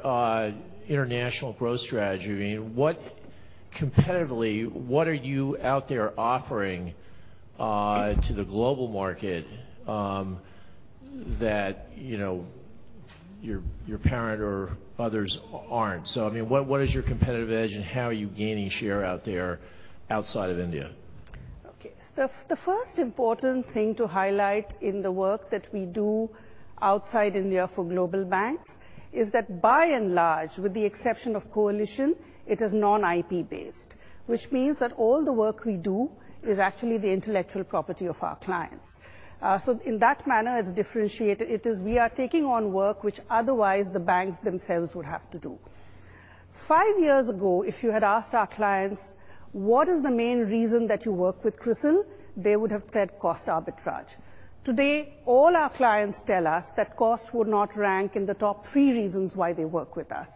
international growth strategy, what competitively, what are you out there offering to the global market that your parent or others aren't? I mean, what is your competitive edge and how are you gaining share out there outside of India? Okay. The first important thing to highlight in the work that we do outside India for global banks is that by and large, with the exception of Coalition, it is non-IP based. Which means that all the work we do is actually the intellectual property of our clients. In that manner, as differentiated, it is we are taking on work which otherwise the banks themselves would have to do. Five years ago, if you had asked our clients, what is the main reason that you work with CRISIL, they would have said cost arbitrage. Today, all our clients tell us that cost would not rank in the top three reasons why they work with us.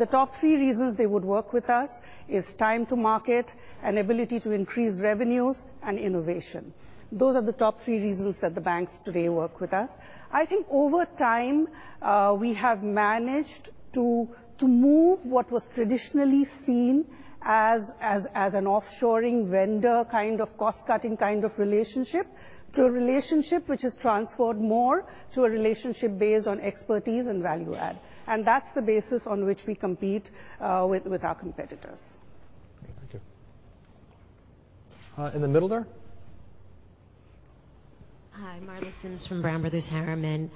The top three reasons they would work with us is time to market and ability to increase revenues and innovation. Those are the top three reasons that the banks today work with us. I think over time, we have managed to move what was traditionally seen as an offshoring vendor kind of cost-cutting kind of relationship to a relationship which has transferred more to a relationship based on expertise and value add. That's the basis on which we compete with our competitors. Okay, thank you. In the middle there. Hi, Marla Sims from Brown Brothers Harriman.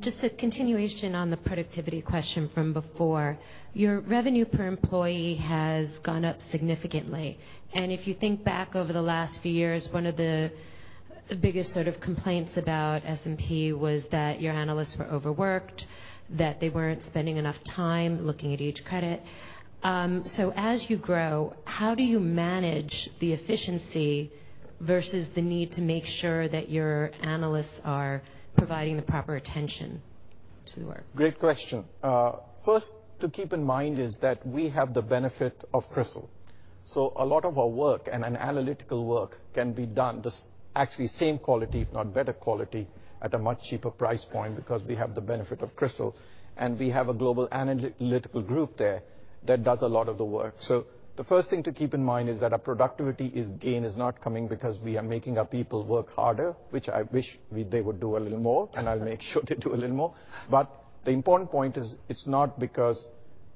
Just a continuation on the productivity question from before. Your revenue per employee has gone up significantly. If you think back over the last few years, one of the biggest sort of complaints about S&P was that your analysts were overworked, that they weren't spending enough time looking at each credit. As you grow, how do you manage the efficiency versus the need to make sure that your analysts are providing the proper attention to the work? Great question. First to keep in mind is that we have the benefit of CRISIL. A lot of our work and analytical work can be done, actually same quality if not better quality, at a much cheaper price point because we have the benefit of CRISIL. We have a Global Analytical Centre there that does a lot of the work. The first thing to keep in mind is that our productivity gain is not coming because we are making our people work harder, which I wish they would do a little more, and I'll make sure they do a little more. The important point is it's not because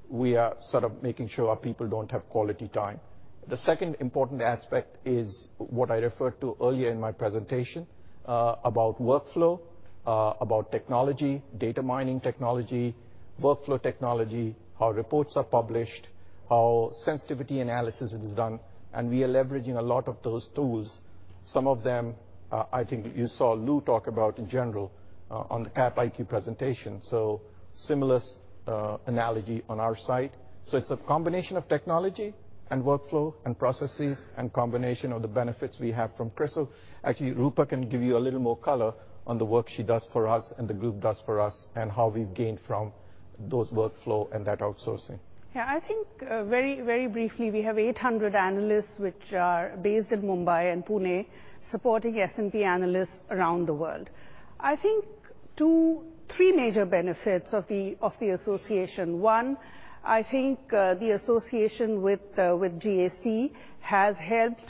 we are making sure our people don't have quality time. The second important aspect is what I referred to earlier in my presentation about workflow, about technology, data mining technology, workflow technology, how reports are published, how sensitivity analysis is done. We are leveraging a lot of those tools. Some of them, I think you saw Lou talk about in general on the Capital IQ presentation. Similar analogy on our side. It's a combination of technology and workflow and processes and combination of the benefits we have from CRISIL. Actually, Roopa can give you a little more color on the work she does for us and the group does for us and how we've gained from those workflow and that outsourcing. Yeah, I think very briefly, we have 800 analysts which are based in Mumbai and Pune supporting S&P analysts around the world. I think three major benefits of the association. One, I think the association with GAC has helped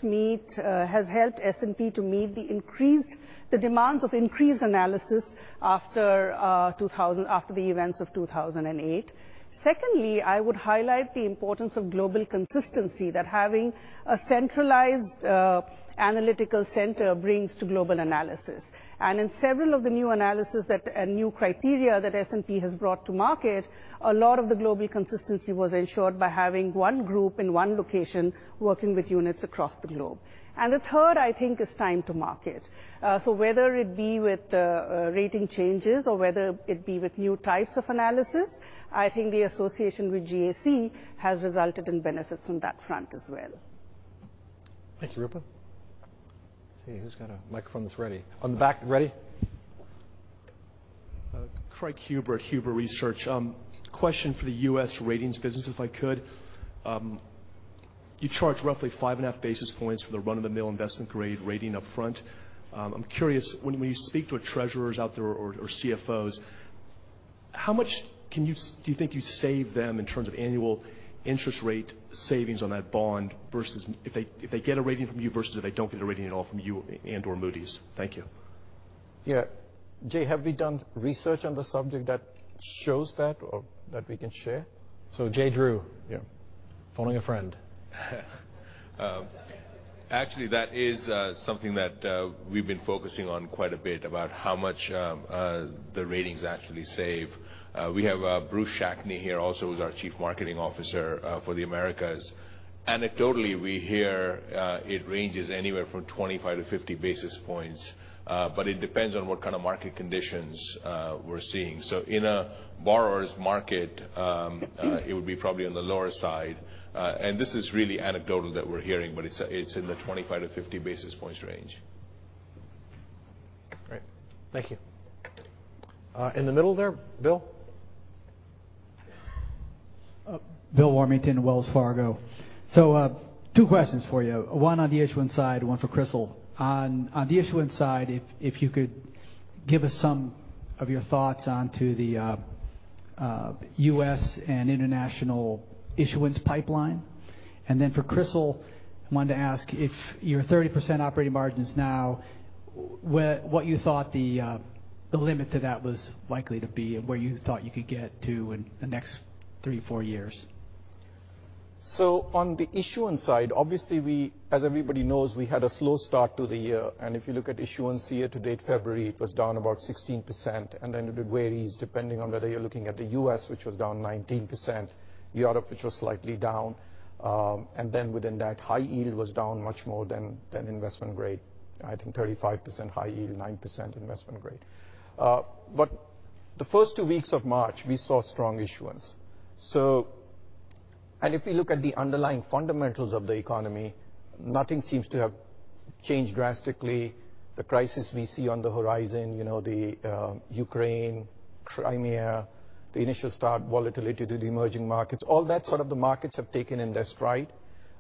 S&P to meet the demands of increased analysis after the events of 2008. Secondly, I would highlight the importance of global consistency that having a centralized analytical center brings to global analysis. In several of the new analysis and new criteria that S&P has brought to market, a lot of the global consistency was ensured by having one group in one location working with units across the globe. The third, I think, is time to market. Whether it be with rating changes or whether it be with new types of analysis, I think the association with GAC has resulted in benefits on that front as well. Thank you, Roopa. Let's see, who's got a microphone that's ready? On the back. Ready? Craig Huber Research. Question for the U.S. ratings business, if I could. You charge roughly five and a half basis points for the run-of-the-mill investment grade rating up front. I'm curious, when you speak to treasurers out there or CFOs, how much do you think you save them in terms of annual interest rate savings on that bond if they get a rating from you versus if they don't get a rating at all from you and or Moody's? Thank you. Yeah. Jay, have we done research on the subject that shows that or that we can share? [Jay Drew]. Yeah. Phoning a friend. Actually, that is something that we've been focusing on quite a bit about how much the ratings actually save. We have Bruce Schneier here also, who's our Chief Marketing Officer for the Americas. Anecdotally, we hear it ranges anywhere from 25 basis points-50 basis points, but it depends on what kind of market conditions we're seeing. In a borrower's market, it would be probably on the lower side. This is really anecdotal that we're hearing, but it's in the 25 basis points-50 basis points range. Great. Thank you. In the middle there, Bill. Bill Warmington, Wells Fargo. Two questions for you, one on the issuance side, one for CRISIL. On the issuance side, if you could give us some of your thoughts onto the U.S. and international issuance pipeline. Then for CRISIL, I wanted to ask if your 30% operating margin is now, what you thought the limit to that was likely to be and where you thought you could get to in the next three, four years. On the issuance side, obviously, as everybody knows, we had a slow start to the year. If you look at issuance year to date, February, it was down about 16%. It varies depending on whether you're looking at the U.S., which was down 19%, Europe, which was slightly down. Within that, high yield was down much more than investment grade. I think 35% high yield, 9% investment grade. The first two weeks of March, we saw strong issuance. If we look at the underlying fundamentals of the economy, nothing seems to have changed drastically. The crisis we see on the horizon, the Ukraine, Crimea, the initial stock volatility to the emerging markets, all that sort of the markets have taken in their stride.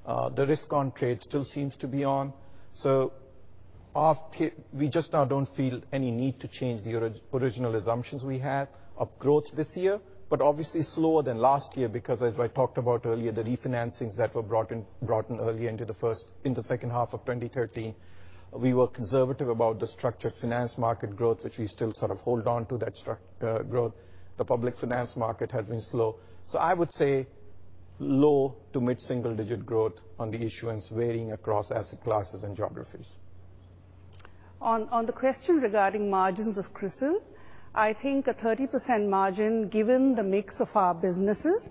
The risk on trade still seems to be on. We just now don't feel any need to change the original assumptions we had of growth this year, but obviously slower than last year because, as I talked about earlier, the refinancings that were brought in early into the second half of 2013. We were conservative about the structured finance market growth, which we still sort of hold on to that growth. The public finance market has been slow. I would say low to mid-single digit growth on the issuance varying across asset classes and geographies. On the question regarding margins of CRISIL, I think a 30% margin, given the mix of our businesses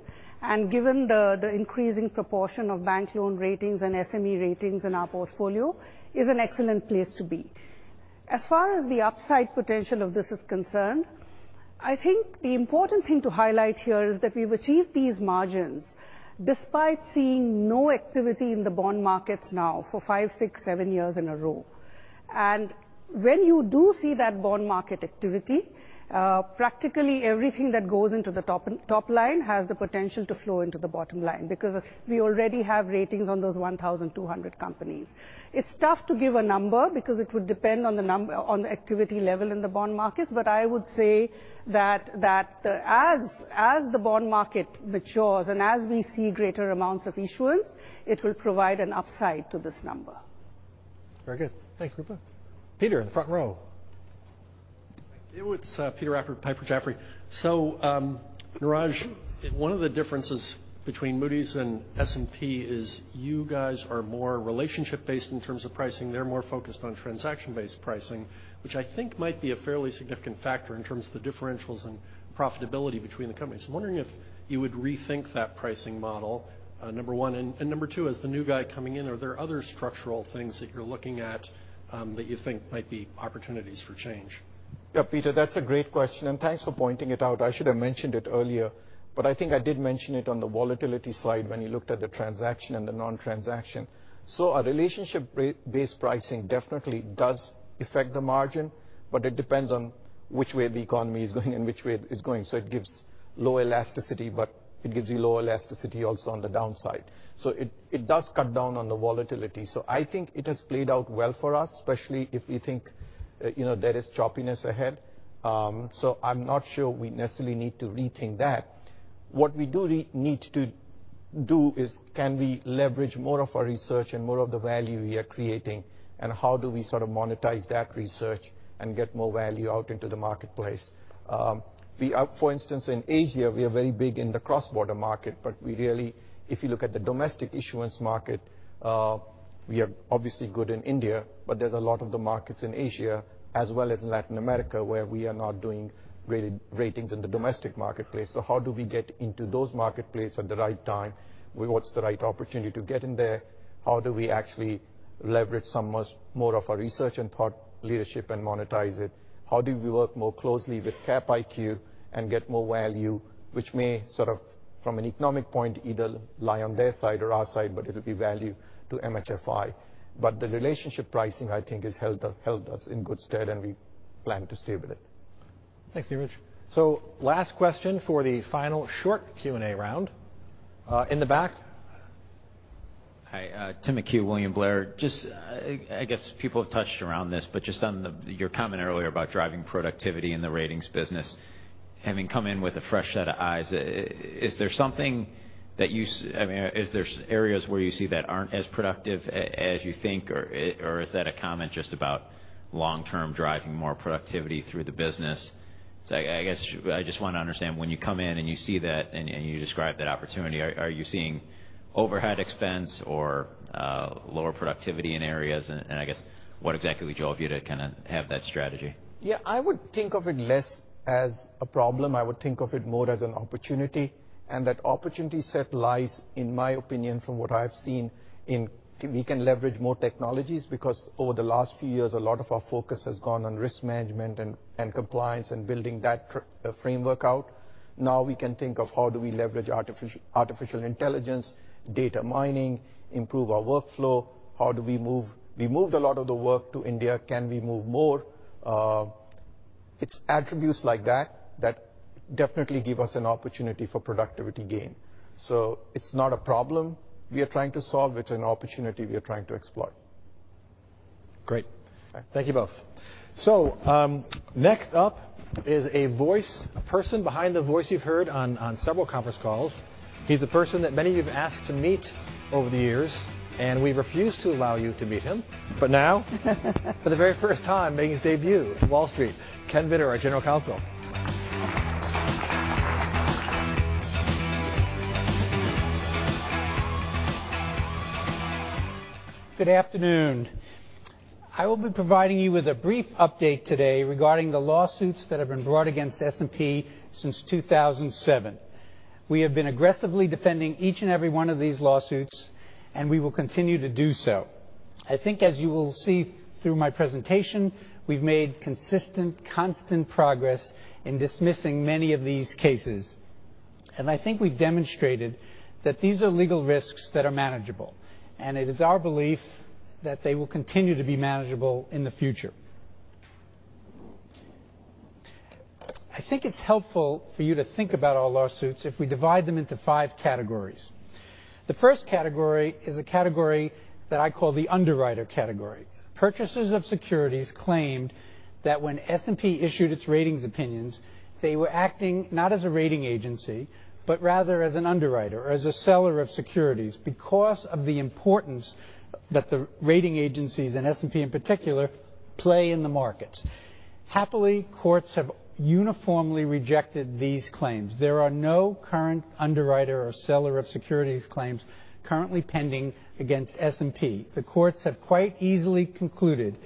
and given the increasing proportion of bank loan ratings and SME ratings in our portfolio, is an excellent place to be. As far as the upside potential of this is concerned, I think the important thing to highlight here is that we've achieved these margins despite seeing no activity in the bond markets now for five, six, seven years in a row. When you do see that bond market activity, practically everything that goes into the top line has the potential to flow into the bottom line because we already have ratings on those 1,200 companies. It's tough to give a number because it would depend on the activity level in the bond market. I would say that as the bond market matures and as we see greater amounts of issuance, it will provide an upside to this number. Very good. Thanks, Roopa. Peter, in the front row. It's Peter Appert, Piper Jaffray. Neeraj, one of the differences between Moody's and S&P is you guys are more relationship based in terms of pricing. They're more focused on transaction based pricing, which I think might be a fairly significant factor in terms of the differentials in profitability between the companies. I'm wondering if you would rethink that pricing model, number one. number two, as the new guy coming in, are there other structural things that you're looking at that you think might be opportunities for change? Yeah, Peter, that's a great question, thanks for pointing it out. I should have mentioned it earlier, I think I did mention it on the volatility slide when you looked at the transaction and the non-transaction. Our relationship based pricing definitely does affect the margin, it depends on which way the economy is going. It gives low elasticity, it gives you low elasticity also on the downside. It does cut down on the volatility. I think it has played out well for us, especially if you think there is choppiness ahead. I'm not sure we necessarily need to rethink that. What we do need to do is can we leverage more of our research and more of the value we are creating, how do we sort of monetize that research and get more value out into the marketplace? For instance, in Asia, we are very big in the cross-border market, if you look at the domestic issuance market, we are obviously good in India, there's a lot of the markets in Asia as well as Latin America, where we are not doing ratings in the domestic marketplace. How do we get into those marketplace at the right time? What's the right opportunity to get in there? How do we actually leverage some more of our research and thought leadership and monetize it? How do we work more closely with CapIQ and get more value, which may sort of, from an economic point, either lie on their side or our side, it'll be value to MHFI. The relationship pricing, I think, has held us in good stead, and we plan to stay with it. Thanks, Neeraj. Last question for the final short Q&A round. In the back. Hi, Tim McHugh, William Blair. I guess people have touched around this, but just on your comment earlier about driving productivity in the ratings business. Having come in with a fresh set of eyes, is there areas where you see that aren't as productive as you think, or is that a comment just about long-term driving more productivity through the business? I guess I just want to understand when you come in and you see that and you describe that opportunity, are you seeing overhead expense or lower productivity in areas? I guess what exactly would drove you to kind of have that strategy? Yeah, I would think of it less as a problem. I would think of it more as an opportunity. That opportunity set lies, in my opinion, from what I've seen in we can leverage more technologies because over the last few years, a lot of our focus has gone on risk management and compliance and building that framework out. Now we can think of how do we leverage artificial intelligence, data mining, improve our workflow. We moved a lot of the work to India. Can we move more? It's attributes like that that definitely give us an opportunity for productivity gain. It's not a problem we are trying to solve. It's an opportunity we are trying to explore. Great. Thank you both. Next up is a person behind the voice you've heard on several conference calls. He's a person that many of you have asked to meet over the years, and we refuse to allow you to meet him. Now, for the very first time, making his debut on Wall Street, Ken Vittor, our General Counsel. Good afternoon. I will be providing you with a brief update today regarding the lawsuits that have been brought against S&P since 2007. We have been aggressively defending each and every one of these lawsuits, and we will continue to do so. I think as you will see through my presentation, we've made consistent, constant progress in dismissing many of these cases. I think we've demonstrated that these are legal risks that are manageable. It is our belief that they will continue to be manageable in the future. I think it's helpful for you to think about our lawsuits if we divide them into 5 categories. The first category is a category that I call the underwriter category. Purchasers of securities claimed that when S&P issued its ratings opinions, they were acting not as a rating agency, but rather as an underwriter or as a seller of securities because of the importance that the rating agencies, and S&P in particular, play in the markets. Happily, courts have uniformly rejected these claims. There are no current underwriter or seller of securities claims currently pending against S&P. The courts have quite easily concluded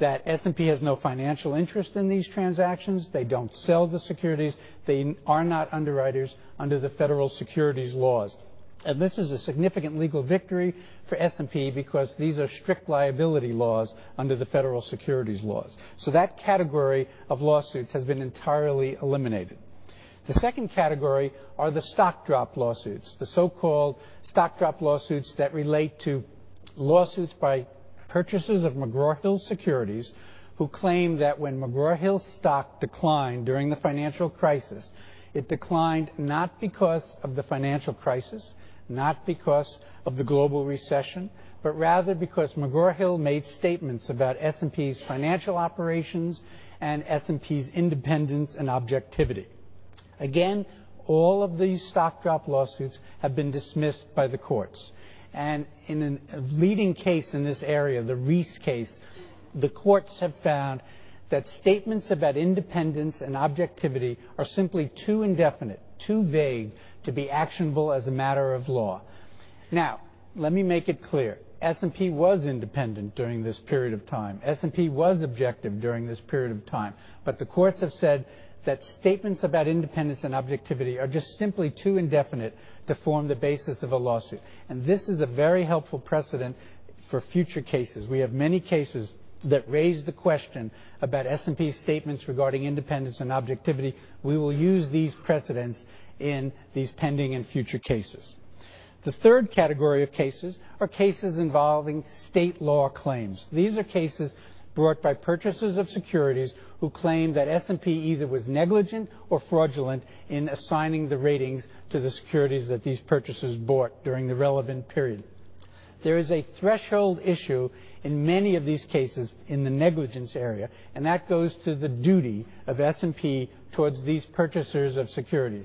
that S&P has no financial interest in these transactions. They don't sell the securities. They are not underwriters under the federal securities laws. This is a significant legal victory for S&P because these are strict liability laws under the federal securities laws. That category of lawsuits has been entirely eliminated. The second category are the stock drop lawsuits, the so-called stock drop lawsuits that relate to lawsuits by purchasers of McGraw Hill securities who claim that when McGraw Hill stock declined during the financial crisis, it declined not because of the financial crisis, not because of the global recession, but rather because McGraw Hill made statements about S&P's financial operations and S&P's independence and objectivity. Again, all of these stock drop lawsuits have been dismissed by the courts. In a leading case in this area, the Reese case, the courts have found that statements about independence and objectivity are simply too indefinite, too vague to be actionable as a matter of law. Now, let me make it clear. S&P was independent during this period of time. S&P was objective during this period of time. The courts have said that statements about independence and objectivity are just simply too indefinite to form the basis of a lawsuit. This is a very helpful precedent for future cases. We have many cases that raise the question about S&P's statements regarding independence and objectivity. We will use these precedents in these pending and future cases. The third category of cases are cases involving state law claims. These are cases brought by purchasers of securities who claim that S&P either was negligent or fraudulent in assigning the ratings to the securities that these purchasers bought during the relevant period. There is a threshold issue in many of these cases in the negligence area, that goes to the duty of S&P towards these purchasers of securities.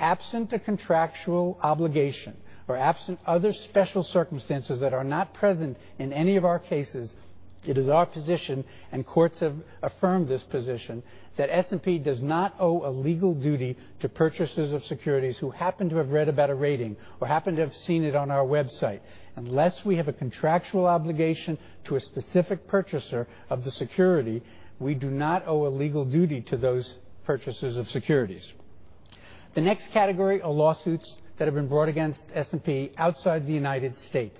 Absent a contractual obligation or absent other special circumstances that are not present in any of our cases, it is our position, and courts have affirmed this position, that S&P does not owe a legal duty to purchasers of securities who happen to have read about a rating or happen to have seen it on our website. Unless we have a contractual obligation to a specific purchaser of the security, we do not owe a legal duty to those purchasers of securities. The next category are lawsuits that have been brought against S&P outside the United States.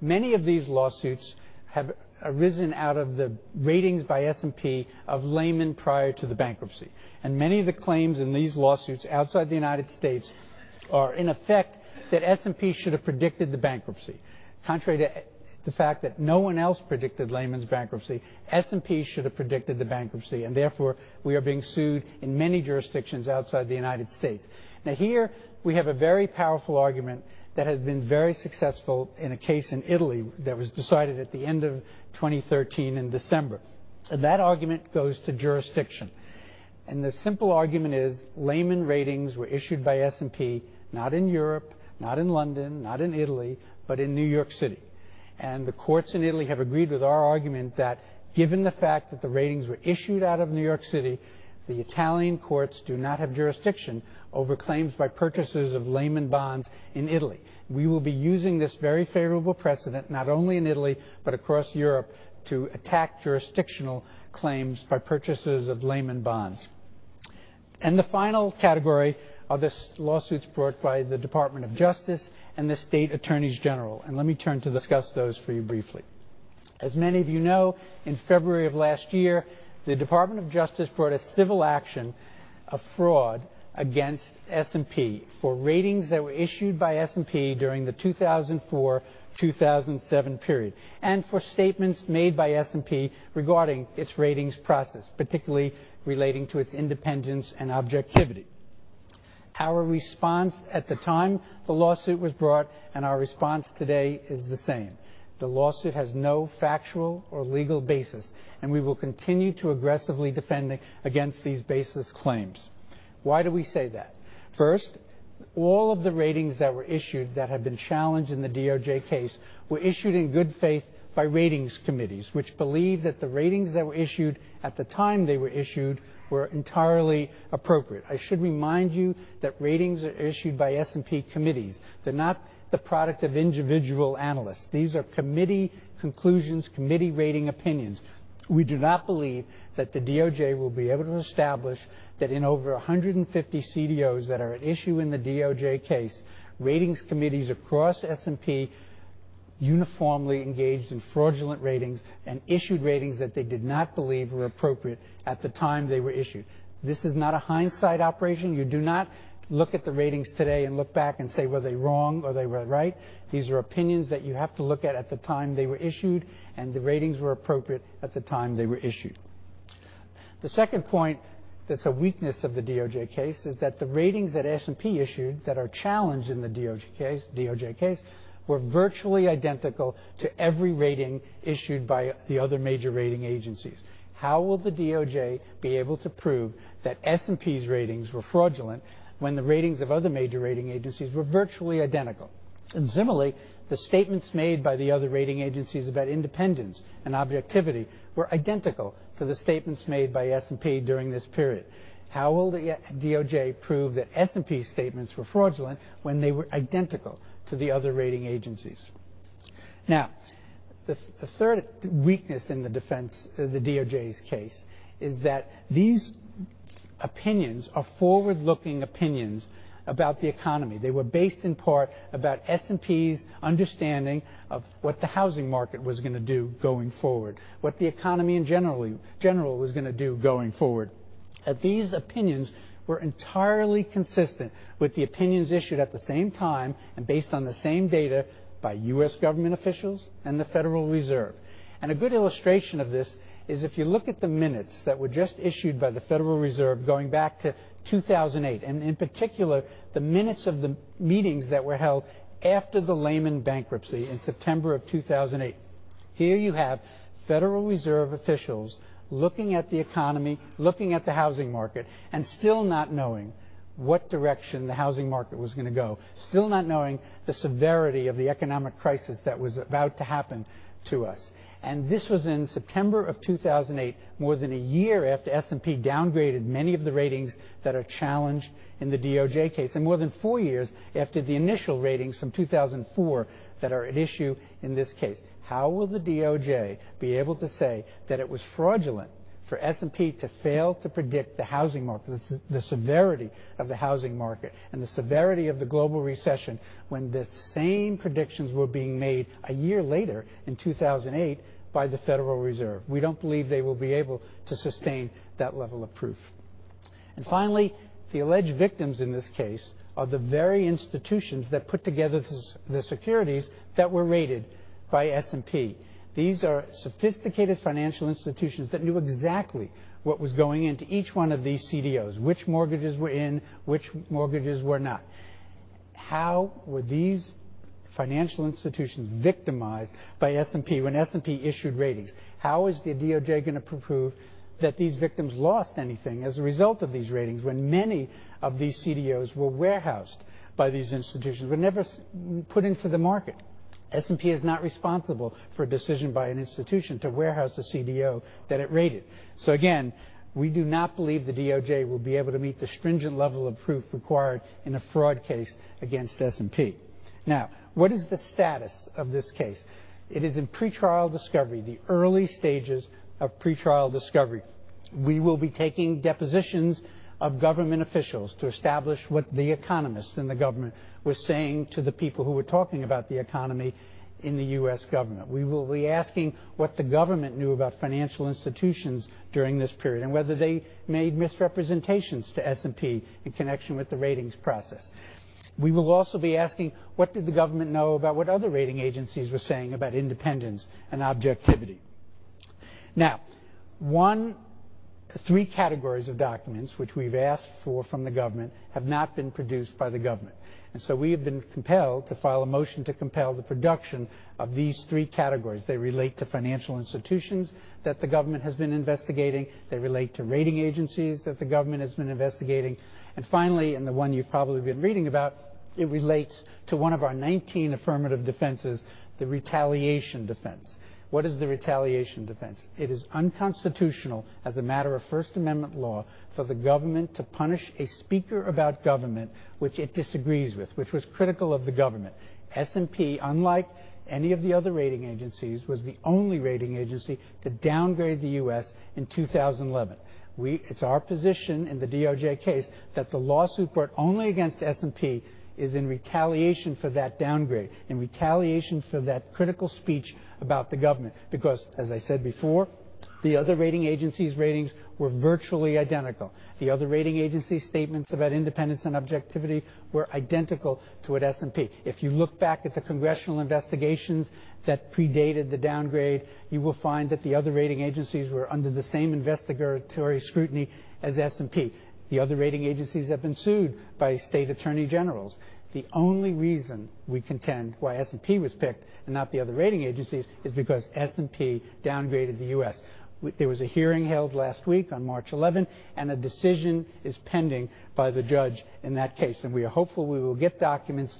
Many of these lawsuits have arisen out of the ratings by S&P of Lehman prior to the bankruptcy, and many of the claims in these lawsuits outside the United States are in effect that S&P should have predicted the bankruptcy. Contrary to the fact that no one else predicted Lehman's bankruptcy, S&P should have predicted the bankruptcy. Therefore, we are being sued in many jurisdictions outside the United States. Here, we have a very powerful argument that has been very successful in a case in Italy that was decided at the end of 2013 in December. That argument goes to jurisdiction. The simple argument is Lehman ratings were issued by S&P, not in Europe, not in London, not in Italy, but in New York City. The courts in Italy have agreed with our argument that given the fact that the ratings were issued out of New York City, the Italian courts do not have jurisdiction over claims by purchasers of Lehman bonds in Italy. We will be using this very favorable precedent not only in Italy, but across Europe to attack jurisdictional claims by purchasers of Lehman bonds. The final category are the lawsuits brought by the Department of Justice and the state attorneys general, and let me turn to discuss those for you briefly. As many of you know, in February of last year, the Department of Justice brought a civil action of fraud against S&P for ratings that were issued by S&P during the 2004-2007 period, and for statements made by S&P regarding its ratings process, particularly relating to its independence and objectivity. Our response at the time the lawsuit was brought and our response today is the same. The lawsuit has no factual or legal basis, and we will continue to aggressively defend against these baseless claims. Why do we say that? First, all of the ratings that were issued that have been challenged in the DOJ case were issued in good faith by ratings committees, which believe that the ratings that were issued at the time they were issued were entirely appropriate. I should remind you that ratings are issued by S&P committees. They're not the product of individual analysts. These are committee conclusions, committee rating opinions. We do not believe that the DOJ will be able to establish that in over 150 CDOs that are at issue in the DOJ case, ratings committees across S&P uniformly engaged in fraudulent ratings and issued ratings that they did not believe were appropriate at the time they were issued. This is not a hindsight operation. You do not look at the ratings today and look back and say, "Were they wrong or they were right?" These are opinions that you have to look at at the time they were issued, and the ratings were appropriate at the time they were issued. The second point that's a weakness of the DOJ case is that the ratings that S&P issued that are challenged in the DOJ case were virtually identical to every rating issued by the other major rating agencies. How will the DOJ be able to prove that S&P's ratings were fraudulent when the ratings of other major rating agencies were virtually identical? Similarly, the statements made by the other rating agencies about independence and objectivity were identical to the statements made by S&P during this period. How will the DOJ prove that S&P's statements were fraudulent when they were identical to the other rating agencies? Now, the third weakness in the defense of the DOJ's case is that these opinions are forward-looking opinions about the economy. They were based in part about S&P's understanding of what the housing market was going to do going forward, what the economy, in general, was going to do going forward. These opinions were entirely consistent with the opinions issued at the same time and based on the same data by U.S. government officials and the Federal Reserve. A good illustration of this is if you look at the minutes that were just issued by the Federal Reserve going back to 2008, in particular, the minutes of the meetings that were held after the Lehman bankruptcy in September of 2008. Here you have Federal Reserve officials looking at the economy, looking at the housing market, still not knowing what direction the housing market was going to go. Still not knowing the severity of the economic crisis that was about to happen to us. This was in September of 2008, more than a year after S&P downgraded many of the ratings that are challenged in the DOJ case, more than four years after the initial ratings from 2004 that are at issue in this case. How will the DOJ be able to say that it was fraudulent for S&P to fail to predict the severity of the housing market and the severity of the global recession when the same predictions were being made a year later in 2008 by the Federal Reserve? We don't believe they will be able to sustain that level of proof. Finally, the alleged victims in this case are the very institutions that put together the securities that were rated by S&P. These are sophisticated financial institutions that knew exactly what was going into each one of these CDOs, which mortgages were in, which mortgages were not. How were these financial institutions victimized by S&P when S&P issued ratings? How is the DOJ going to prove that these victims lost anything as a result of these ratings when many of these CDOs were warehoused by these institutions, were never put into the market? S&P is not responsible for a decision by an institution to warehouse a CDO that it rated. Again, we do not believe the DOJ will be able to meet the stringent level of proof required in a fraud case against S&P. Now, what is the status of this case? It is in pretrial discovery, the early stages of pretrial discovery. We will be taking depositions of government officials to establish what the economists in the government were saying to the people who were talking about the economy in the U.S. government. We will be asking what the government knew about financial institutions during this period and whether they made misrepresentations to S&P in connection with the ratings process. We will also be asking what did the government know about what other rating agencies were saying about independence and objectivity. 3 categories of documents which we've asked for from the government have not been produced by the government. We have been compelled to file a motion to compel the production of these 3 categories. They relate to financial institutions that the government has been investigating. They relate to rating agencies that the government has been investigating. Finally, the one you've probably been reading about, it relates to one of our 19 affirmative defenses, the retaliation defense. What is the retaliation defense? It is unconstitutional as a matter of First Amendment law for the government to punish a speaker about government which it disagrees with, which was critical of the government. S&P, unlike any of the other rating agencies, was the only rating agency to downgrade the U.S. in 2011. It's our position in the DOJ case that the lawsuit brought only against S&P is in retaliation for that downgrade, in retaliation for that critical speech about the government. As I said before, the other rating agencies' ratings were virtually identical. The other rating agencies' statements about independence and objectivity were identical to S&P. If you look back at the congressional investigations that predated the downgrade, you will find that the other rating agencies were under the same investigatory scrutiny as S&P. The other rating agencies have been sued by state attorney generals. The only reason we contend why S&P was picked and not the other rating agencies is because S&P downgraded the U.S. There was a hearing held last week on March 11th. A decision is pending by the judge in that case. We are hopeful we will get documents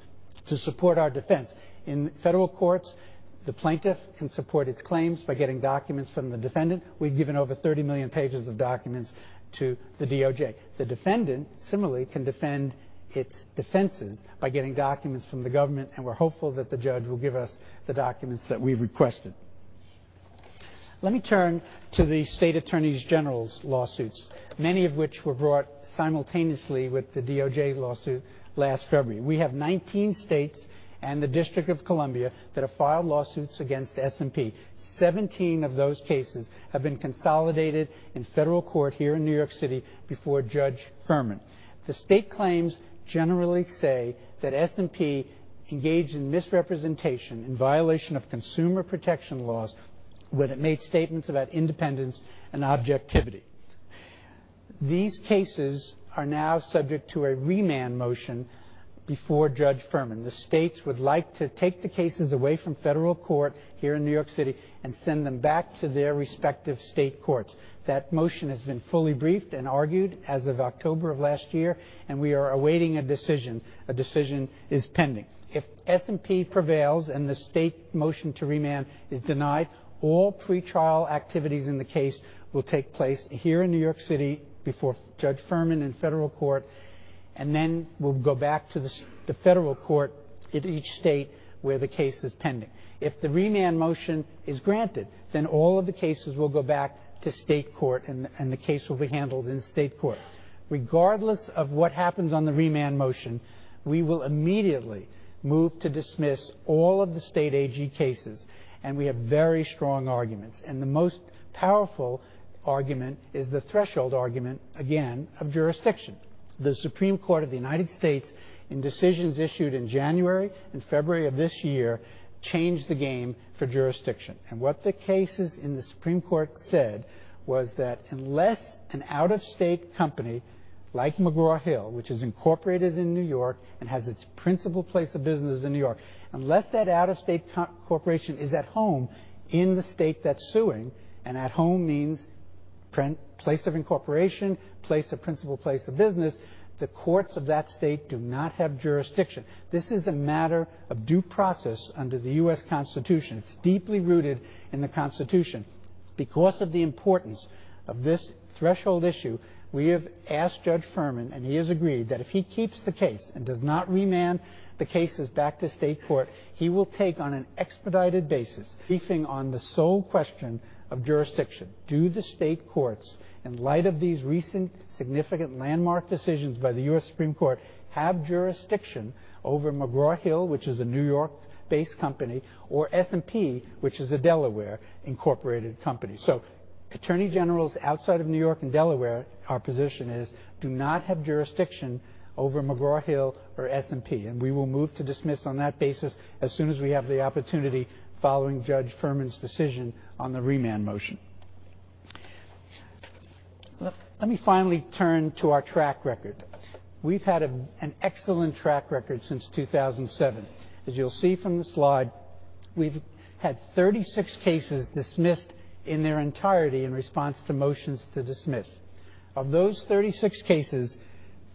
to support our defense. In federal courts, the plaintiff can support its claims by getting documents from the defendant. We've given over 30 million pages of documents to the DOJ. The defendant, similarly, can defend its defenses by getting documents from the government. We're hopeful that the judge will give us the documents that we requested. Let me turn to the state attorneys general's lawsuits, many of which were brought simultaneously with the DOJ lawsuit last February. We have 19 states and the District of Columbia that have filed lawsuits against S&P. 17 of those cases have been consolidated in federal court here in New York City before Judge Furman. The state claims generally say that S&P engaged in misrepresentation, in violation of consumer protection laws, when it made statements about independence and objectivity. These cases are now subject to a remand motion before Judge Furman. The states would like to take the cases away from federal court here in New York City and send them back to their respective state courts. That motion has been fully briefed and argued as of October of last year. We are awaiting a decision. A decision is pending. If S&P prevails and the state motion to remand is denied, all pretrial activities in the case will take place here in New York City before Judge Furman in federal court, and then we'll go back to the federal court in each state where the case is pending. If the remand motion is granted, all of the cases will go back to state court, and the case will be handled in state court. Regardless of what happens on the remand motion, we will immediately move to dismiss all of the state AG cases, and we have very strong arguments. The most powerful argument is the threshold argument, again, of jurisdiction. The Supreme Court of the United States, in decisions issued in January and February of this year, changed the game for jurisdiction. What the cases in the Supreme Court said was that unless an out-of-state company like McGraw Hill, which is incorporated in New York and has its principal place of business in New York, unless that out-of-state corporation is at home in the state that's suing, and at home means place of incorporation, place of principal place of business, the courts of that state do not have jurisdiction. This is a matter of due process under the U.S. Constitution. It's deeply rooted in the Constitution. Because of the importance of this threshold issue, we have asked Judge Furman, and he has agreed, that if he keeps the case and does not remand the cases back to state court, he will take on an expedited basis, briefing on the sole question of jurisdiction. Do the state courts, in light of these recent significant landmark decisions by the U.S. Supreme Court, have jurisdiction over McGraw Hill, which is a New York-based company, or S&P, which is a Delaware-incorporated company. Attorney generals outside of New York and Delaware, our position is, do not have jurisdiction over McGraw Hill or S&P, and we will move to dismiss on that basis as soon as we have the opportunity following Judge Furman's decision on the remand motion. Let me finally turn to our track record. We've had an excellent track record since 2007. As you'll see from the slide, we've had 36 cases dismissed in their entirety in response to motions to dismiss. Of those 36 cases,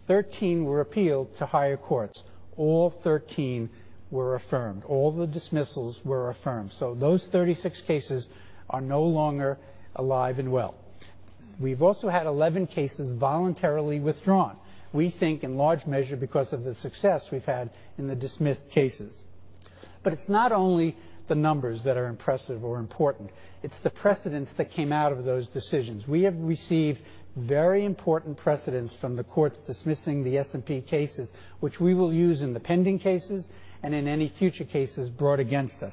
13 were appealed to higher courts. All 13 were affirmed. All the dismissals were affirmed. Those 36 cases are no longer alive and well. We've also had 11 cases voluntarily withdrawn, we think in large measure because of the success we've had in the dismissed cases. It's not only the numbers that are impressive or important, it's the precedents that came out of those decisions. We have received very important precedents from the courts dismissing the S&P cases, which we will use in the pending cases and in any future cases brought against us.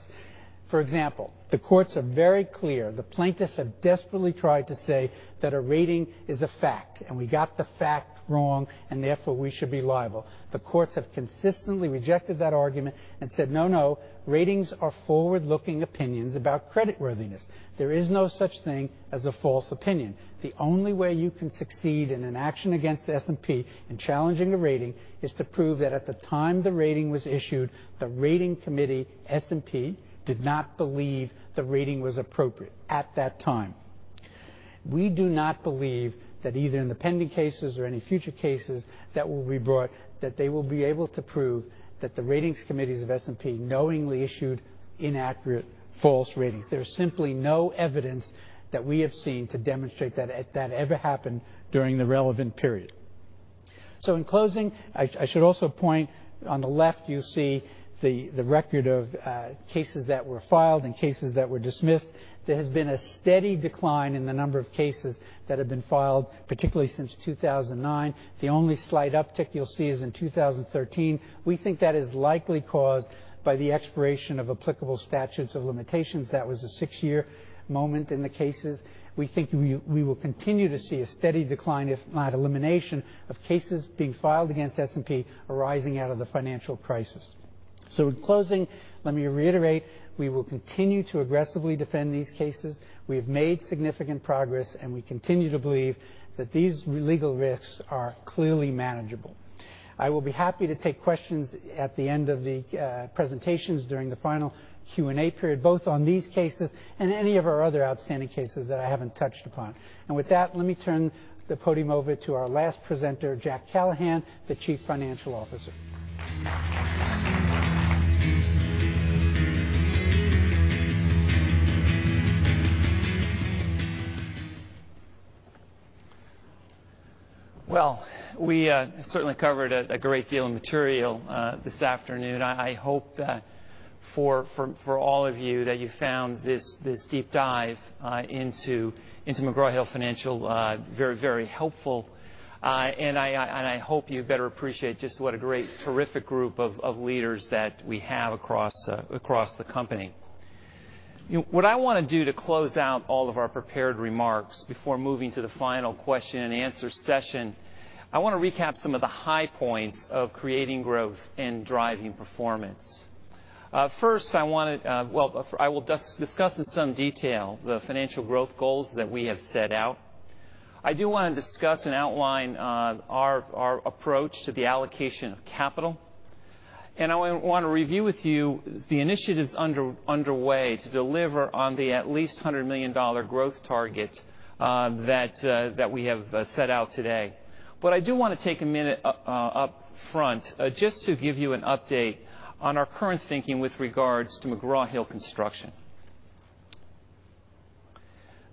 For example, the courts are very clear. The plaintiffs have desperately tried to say that a rating is a fact, and we got the fact wrong and therefore we should be liable. The courts have consistently rejected that argument and said, "No, no. Ratings are forward-looking opinions about creditworthiness. There is no such thing as a false opinion. The only way you can succeed in an action against S&P in challenging a rating is to prove that at the time the rating was issued, the rating committee, S&P, did not believe the rating was appropriate at that time. We do not believe that either in the pending cases or any future cases that will be brought, that they will be able to prove that the ratings committees of S&P knowingly issued inaccurate false ratings. There is simply no evidence that we have seen to demonstrate that ever happened during the relevant period. In closing, I should also point, on the left, you see the record of cases that were filed and cases that were dismissed. There has been a steady decline in the number of cases that have been filed, particularly since 2009. The only slight uptick you'll see is in 2013. We think that is likely caused by the expiration of applicable statutes of limitations. That was a six-year moment in the cases. We think we will continue to see a steady decline, if not elimination, of cases being filed against S&P arising out of the financial crisis. In closing, let me reiterate, we will continue to aggressively defend these cases. We have made significant progress, and we continue to believe that these legal risks are clearly manageable. I will be happy to take questions at the end of the presentations during the final Q&A period, both on these cases and any of our other outstanding cases that I haven't touched upon. With that, let me turn the podium over to our last presenter, Jack Callahan, the Chief Financial Officer. We certainly covered a great deal of material this afternoon. I hope that for all of you, that you found this deep dive into McGraw Hill Financial very helpful. I hope you better appreciate just what a great terrific group of leaders that we have across the company. What I want to do to close out all of our prepared remarks before moving to the final question and answer session, I want to recap some of the high points of creating growth and driving performance. First, I will discuss in some detail the financial growth goals that we have set out. I do want to discuss and outline our approach to the allocation of capital. I want to review with you the initiatives underway to deliver on the at least $100 million growth target that we have set out today. I do want to take a minute up front just to give you an update on our current thinking with regards to McGraw Hill Construction.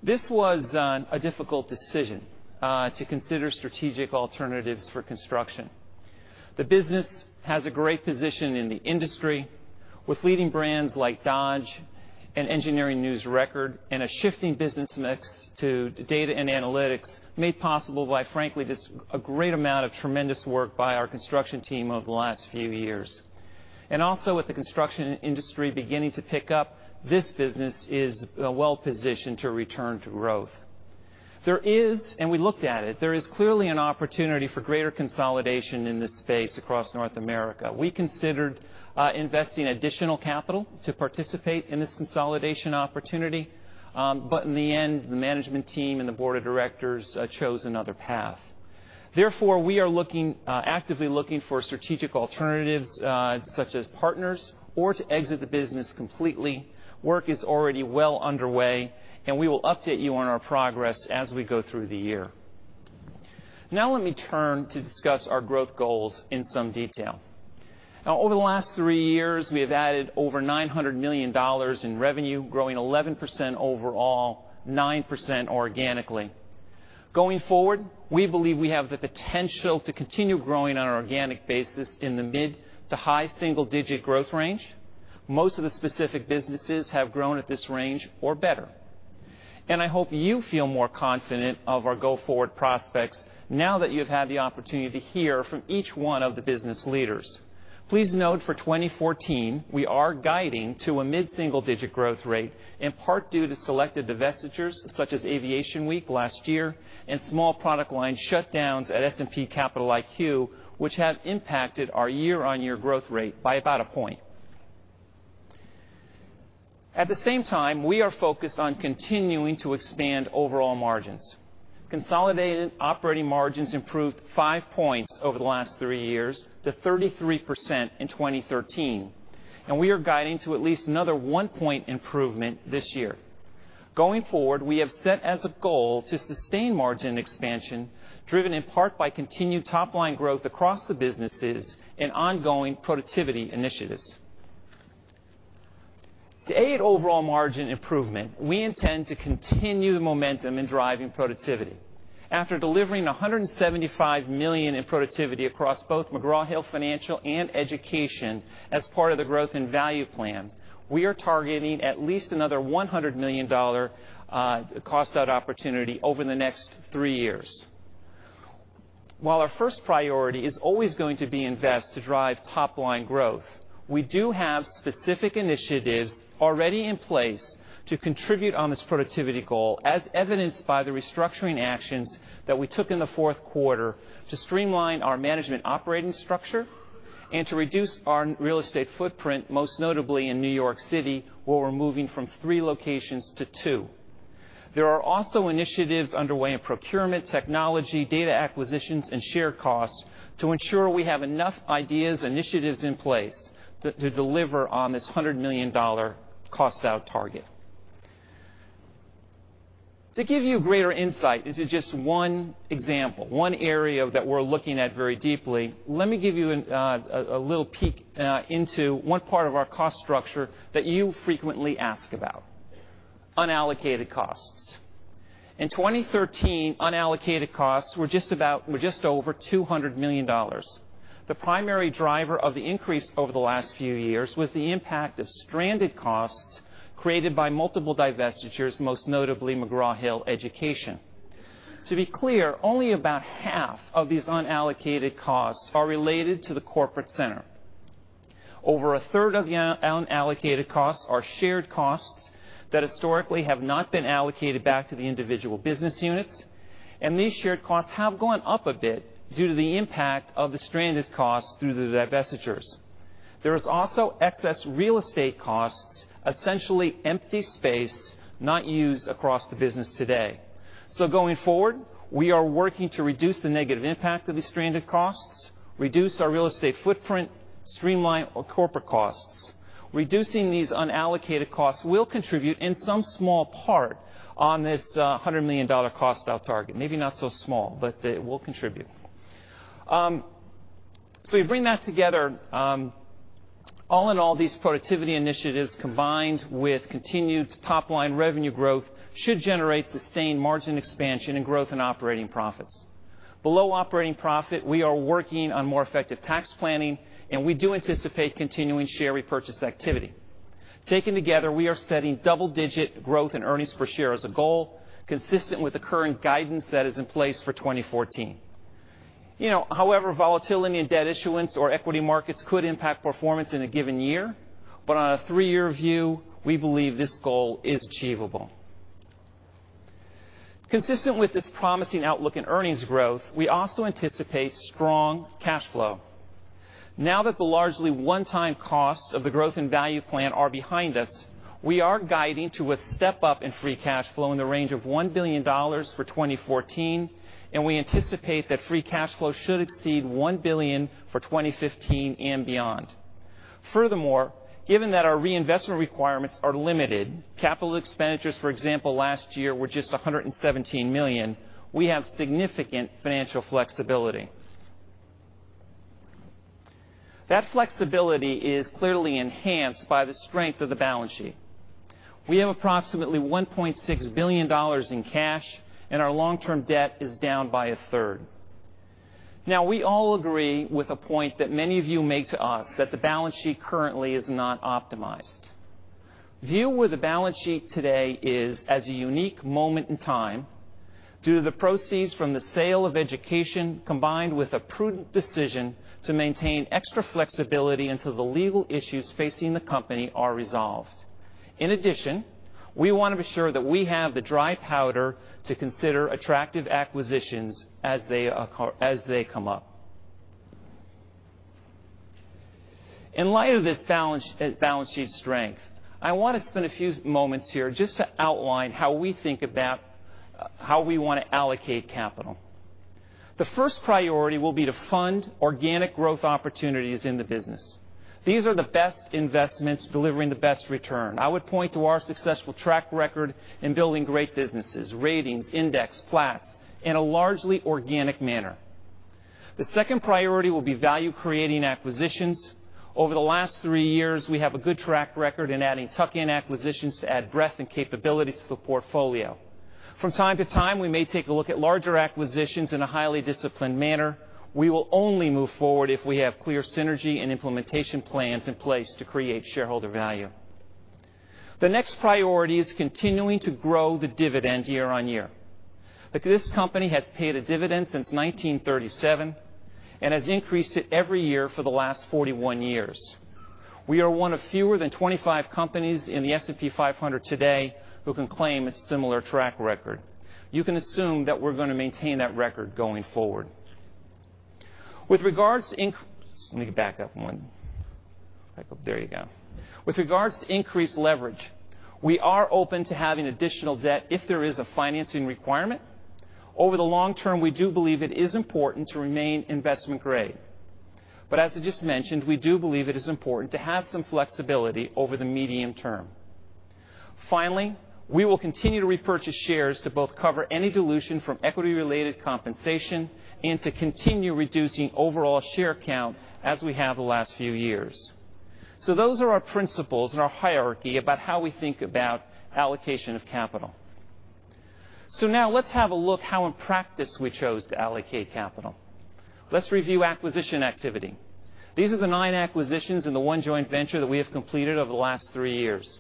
This was a difficult decision to consider strategic alternatives for construction. The business has a great position in the industry with leading brands like Dodge and Engineering News-Record, and a shifting business mix to data and analytics made possible by, frankly, just a great amount of tremendous work by our construction team over the last few years. Also with the construction industry beginning to pick up, this business is well-positioned to return to growth. There is, and we looked at it, there is clearly an opportunity for greater consolidation in this space across North America. We considered investing additional capital to participate in this consolidation opportunity. In the end, the management team and the board of directors chose another path. Therefore, we are actively looking for strategic alternatives, such as partners or to exit the business completely. Work is already well underway, and we will update you on our progress as we go through the year. Let me turn to discuss our growth goals in some detail. Over the last three years, we have added over $900 million in revenue, growing 11% overall, 9% organically. Going forward, we believe we have the potential to continue growing on an organic basis in the mid to high single-digit growth range. Most of the specific businesses have grown at this range or better. I hope you feel more confident of our go-forward prospects now that you've had the opportunity to hear from each one of the business leaders. Please note for 2014, we are guiding to a mid-single digit growth rate, in part due to selected divestitures such as Aviation Week last year and small product line shutdowns at S&P Capital IQ, which have impacted our year-on-year growth rate by about 1 point. At the same time, we are focused on continuing to expand overall margins. Consolidated operating margins improved 5 points over the last three years to 33% in 2013, and we are guiding to at least another one point improvement this year. Going forward, we have set as a goal to sustain margin expansion driven in part by continued top-line growth across the businesses and ongoing productivity initiatives. To aid overall margin improvement, we intend to continue the momentum in driving productivity. After delivering $175 million in productivity across both McGraw Hill Financial and McGraw Hill Education as part of the Growth and Value Plan, we are targeting at least another $100 million cost out opportunity over the next three years. While our first priority is always going to be invest to drive top-line growth, we do have specific initiatives already in place to contribute on this productivity goal, as evidenced by the restructuring actions that we took in the fourth quarter to streamline our management operating structure and to reduce our real estate footprint, most notably in New York City, where we're moving from three locations to two. There are also initiatives underway in procurement, technology, data acquisitions, and shared costs to ensure we have enough ideas, initiatives in place to deliver on this $100 million cost out target. To give you greater insight into just one example, one area that we're looking at very deeply, let me give you a little peek into one part of our cost structure that you frequently ask about: unallocated costs. In 2013, unallocated costs were just over $200 million. The primary driver of the increase over the last few years was the impact of stranded costs created by multiple divestitures, most notably McGraw Hill Education. To be clear, only about half of these unallocated costs are related to the corporate center. Over a third of the unallocated costs are shared costs that historically have not been allocated back to the individual business units, and these shared costs have gone up a bit due to the impact of the stranded costs through the divestitures. There is also excess real estate costs, essentially empty space not used across the business today. Going forward, we are working to reduce the negative impact of these stranded costs, reduce our real estate footprint, streamline our corporate costs. Reducing these unallocated costs will contribute in some small part on this $100 million cost out target. Maybe not so small, but it will contribute. You bring that together, all in all, these productivity initiatives combined with continued top-line revenue growth should generate sustained margin expansion and growth in operating profits. Below operating profit, we are working on more effective tax planning, and we do anticipate continuing share repurchase activity. Taken together, we are setting double-digit growth in earnings per share as a goal, consistent with the current guidance that is in place for 2014. However, volatility in debt issuance or equity markets could impact performance in a given year. On a three-year view, we believe this goal is achievable. Consistent with this promising outlook in earnings growth, we also anticipate strong cash flow. That the largely one-time costs of the growth and value plan are behind us, we are guiding to a step-up in free cash flow in the range of $1 billion for 2014, and we anticipate that free cash flow should exceed $1 billion for 2015 and beyond. Furthermore, given that our reinvestment requirements are limited, capital expenditures, for example, last year, were just $117 million, we have significant financial flexibility. That flexibility is clearly enhanced by the strength of the balance sheet. We have approximately $1.6 billion in cash, and our long-term debt is down by a third. We all agree with a point that many of you make to us, that the balance sheet currently is not optimized. View where the balance sheet today is as a unique moment in time due to the proceeds from the sale of Education, combined with a prudent decision to maintain extra flexibility until the legal issues facing the company are resolved. In addition, we want to be sure that we have the dry powder to consider attractive acquisitions as they come up. In light of this balance sheet strength, I want to spend a few moments here just to outline how we think about how we want to allocate capital. The first priority will be to fund organic growth opportunities in the business. These are the best investments delivering the best return. I would point to our successful track record in building great businesses, Ratings, Index, Platts, in a largely organic manner. The second priority will be value-creating acquisitions. Over the last three years, we have a good track record in adding tuck-in acquisitions to add breadth and capability to the portfolio. From time to time, we may take a look at larger acquisitions in a highly disciplined manner. We will only move forward if we have clear synergy and implementation plans in place to create shareholder value. The next priority is continuing to grow the dividend year-on-year. Look, this company has paid a dividend since 1937 and has increased it every year for the last 41 years. We are one of fewer than 25 companies in the S&P 500 today who can claim a similar track record. You can assume that we're going to maintain that record going forward. Let me back up one. Back up. There you go. With regards to increased leverage, we are open to having additional debt if there is a financing requirement. Over the long term, we do believe it is important to remain investment-grade. As I just mentioned, we do believe it is important to have some flexibility over the medium term. Finally, we will continue to repurchase shares to both cover any dilution from equity-related compensation and to continue reducing overall share count as we have the last few years. Those are our principles and our hierarchy about how we think about allocation of capital. Now let's have a look how in practice we chose to allocate capital. Let's review acquisition activity. These are the 9 acquisitions and the 1 joint venture that we have completed over the last three years.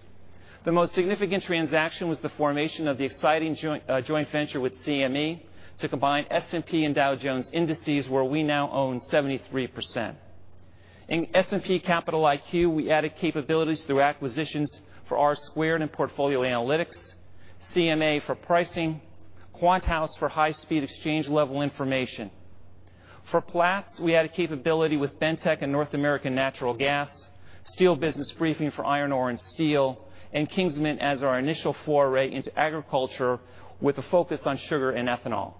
The most significant transaction was the formation of the exciting joint venture with CME to combine S&P Dow Jones Indices, where we now own 73%. In S&P Capital IQ, we added capabilities through acquisitions for R2 and portfolio analytics, CMA for pricing, QuantHouse for high-speed exchange-level information. For Platts, we added capability with Bentek and North American Natural Gas, Steel Business Briefing for iron ore and steel, and Kingsman as our initial foray into agriculture with a focus on sugar and ethanol.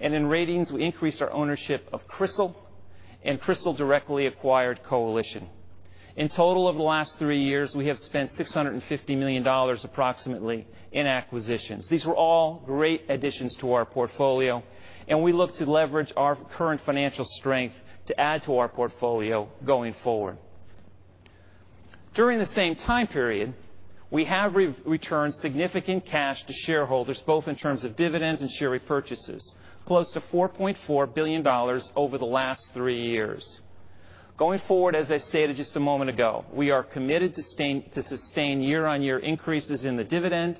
In ratings, we increased our ownership of CRISIL, and CRISIL directly acquired Coalition. In total, over the last three years, we have spent $650 million approximately in acquisitions. These were all great additions to our portfolio, and we look to leverage our current financial strength to add to our portfolio going forward. During the same time period, we have returned significant cash to shareholders, both in terms of dividends and share repurchases, close to $4.4 billion over the last three years. Going forward, as I stated just a moment ago, we are committed to sustain year-on-year increases in the dividend,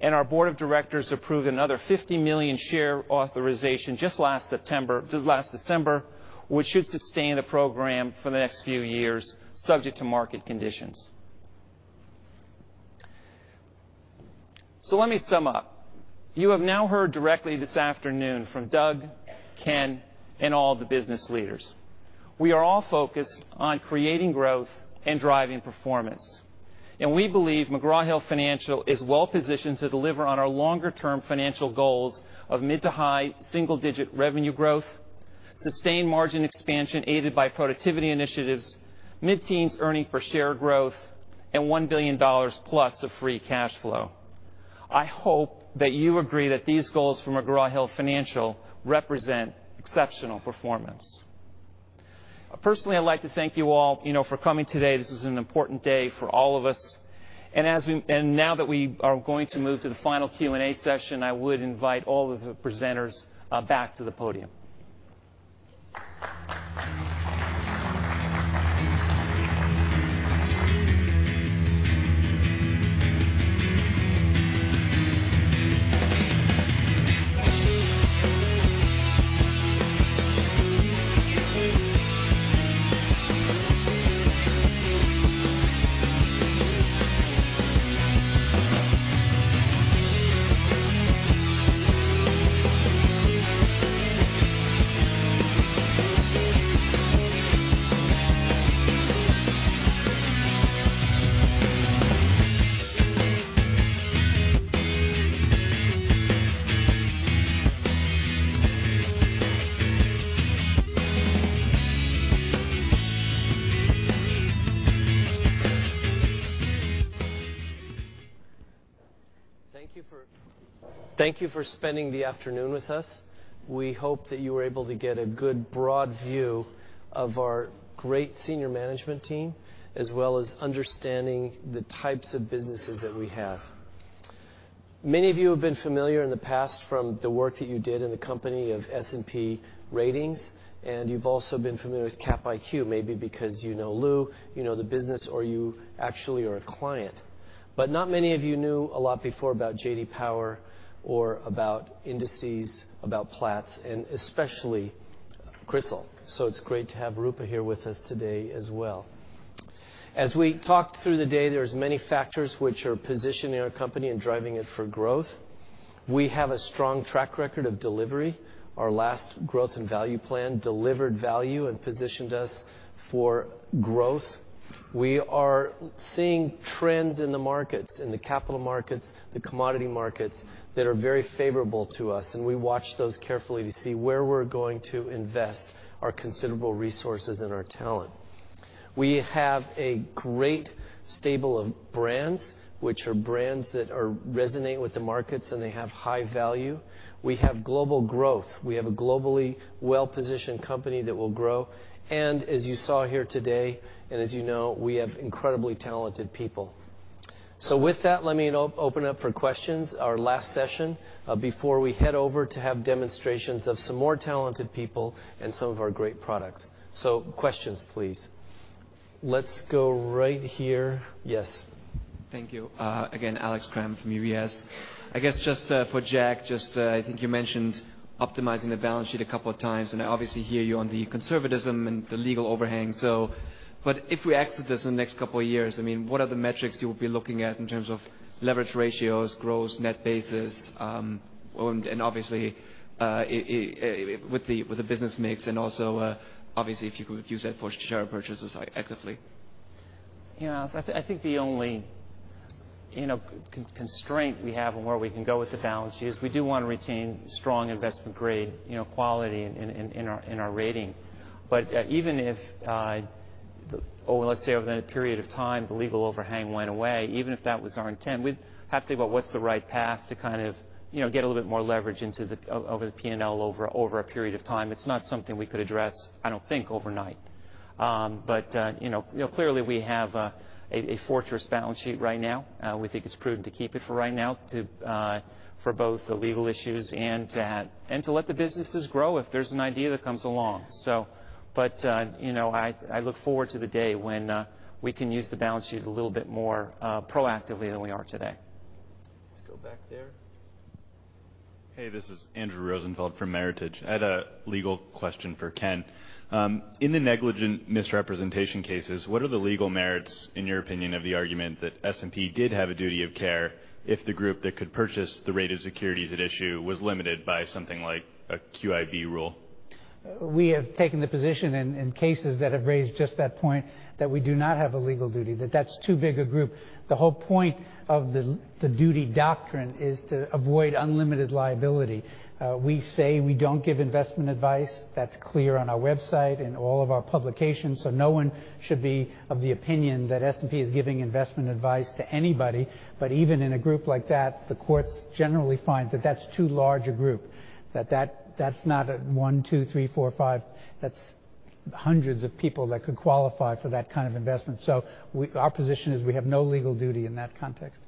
and our board of directors approved another 50 million share authorization just last December, which should sustain the program for the next few years, subject to market conditions. Let me sum up. You have now heard directly this afternoon from Doug, Ken, and all the business leaders. We are all focused on creating growth and driving performance. We believe McGraw Hill Financial is well-positioned to deliver on our longer-term financial goals of mid to high single-digit revenue growth, sustained margin expansion aided by productivity initiatives, mid-teens earnings per share growth, and $1 billion plus of free cash flow. I hope that you agree that these goals for McGraw Hill Financial represent exceptional performance. Personally, I'd like to thank you all for coming today. This is an important day for all of us. Now that we are going to move to the final Q&A session, I would invite all of the presenters back to the podium. Thank you for spending the afternoon with us. We hope that you were able to get a good broad view of our great senior management team, as well as understanding the types of businesses that we have. Many of you have been familiar in the past from the work that you did in the company of S&P Ratings, and you've also been familiar with Capital IQ, maybe because you know Lou, you know the business, or you actually are a client. Not many of you knew a lot before about J.D. Power or about Indices, about Platts, and especially CRISIL. It's great to have Roopa here with us today as well. As we talked through the day, there's many factors which are positioning our company and driving it for growth. We have a strong track record of delivery. Our last growth and value plan delivered value and positioned us for growth. We are seeing trends in the markets, in the capital markets, the commodity markets, that are very favorable to us, and we watch those carefully to see where we're going to invest our considerable resources and our talent. We have a great stable of brands, which are brands that resonate with the markets, and they have high value. We have global growth. We have a globally well-positioned company that will grow. As you saw here today, and as you know, we have incredibly talented people. With that, let me open up for questions, our last session, before we head over to have demonstrations of some more talented people and some of our great products. Questions, please. Let's go right here. Yes. Thank you. Again, Alex Kramm from UBS. I guess, just for Jack, I think you mentioned optimizing the balance sheet a couple of times, and I obviously hear you on the conservatism and the legal overhang. If we exit this in the next couple of years, what are the metrics you will be looking at in terms of leverage ratios, gross net bases, and obviously, with the business mix and also, obviously, if you could use that for share purchases actively? Yeah. I think the only constraint we have on where we can go with the balance sheet is we do want to retain strong investment-grade quality in our rating. Even if, let's say, over a period of time, the legal overhang went away, even if that was our intent, we'd have to think about what's the right path to get a little bit more leverage over the P&L over a period of time. It's not something we could address, I don't think, overnight. Clearly, we have a fortress balance sheet right now. We think it's prudent to keep it for right now for both the legal issues and to let the businesses grow if there's an idea that comes along. I look forward to the day when we can use the balance sheet a little bit more proactively than we are today. Let's go back there. Hey. This is Andrew Rosenfeld from Meritage. I had a legal question for Ken. In the negligent misrepresentation cases, what are the legal merits, in your opinion, of the argument that S&P did have a duty of care if the group that could purchase the rated securities at issue was limited by something like a QIB rule? We have taken the position in cases that have raised just that point that we do not have a legal duty, that that's too big a group. The whole point of the duty doctrine is to avoid unlimited liability. We say we don't give investment advice. That's clear on our website and all of our publications, so no one should be of the opinion that S&P is giving investment advice to anybody. Even in a group like that, the courts generally find that that's too large a group, that that's not a one, two, three, four, five, that's hundreds of people that could qualify for that kind of investment. Our position is we have no legal duty in that context.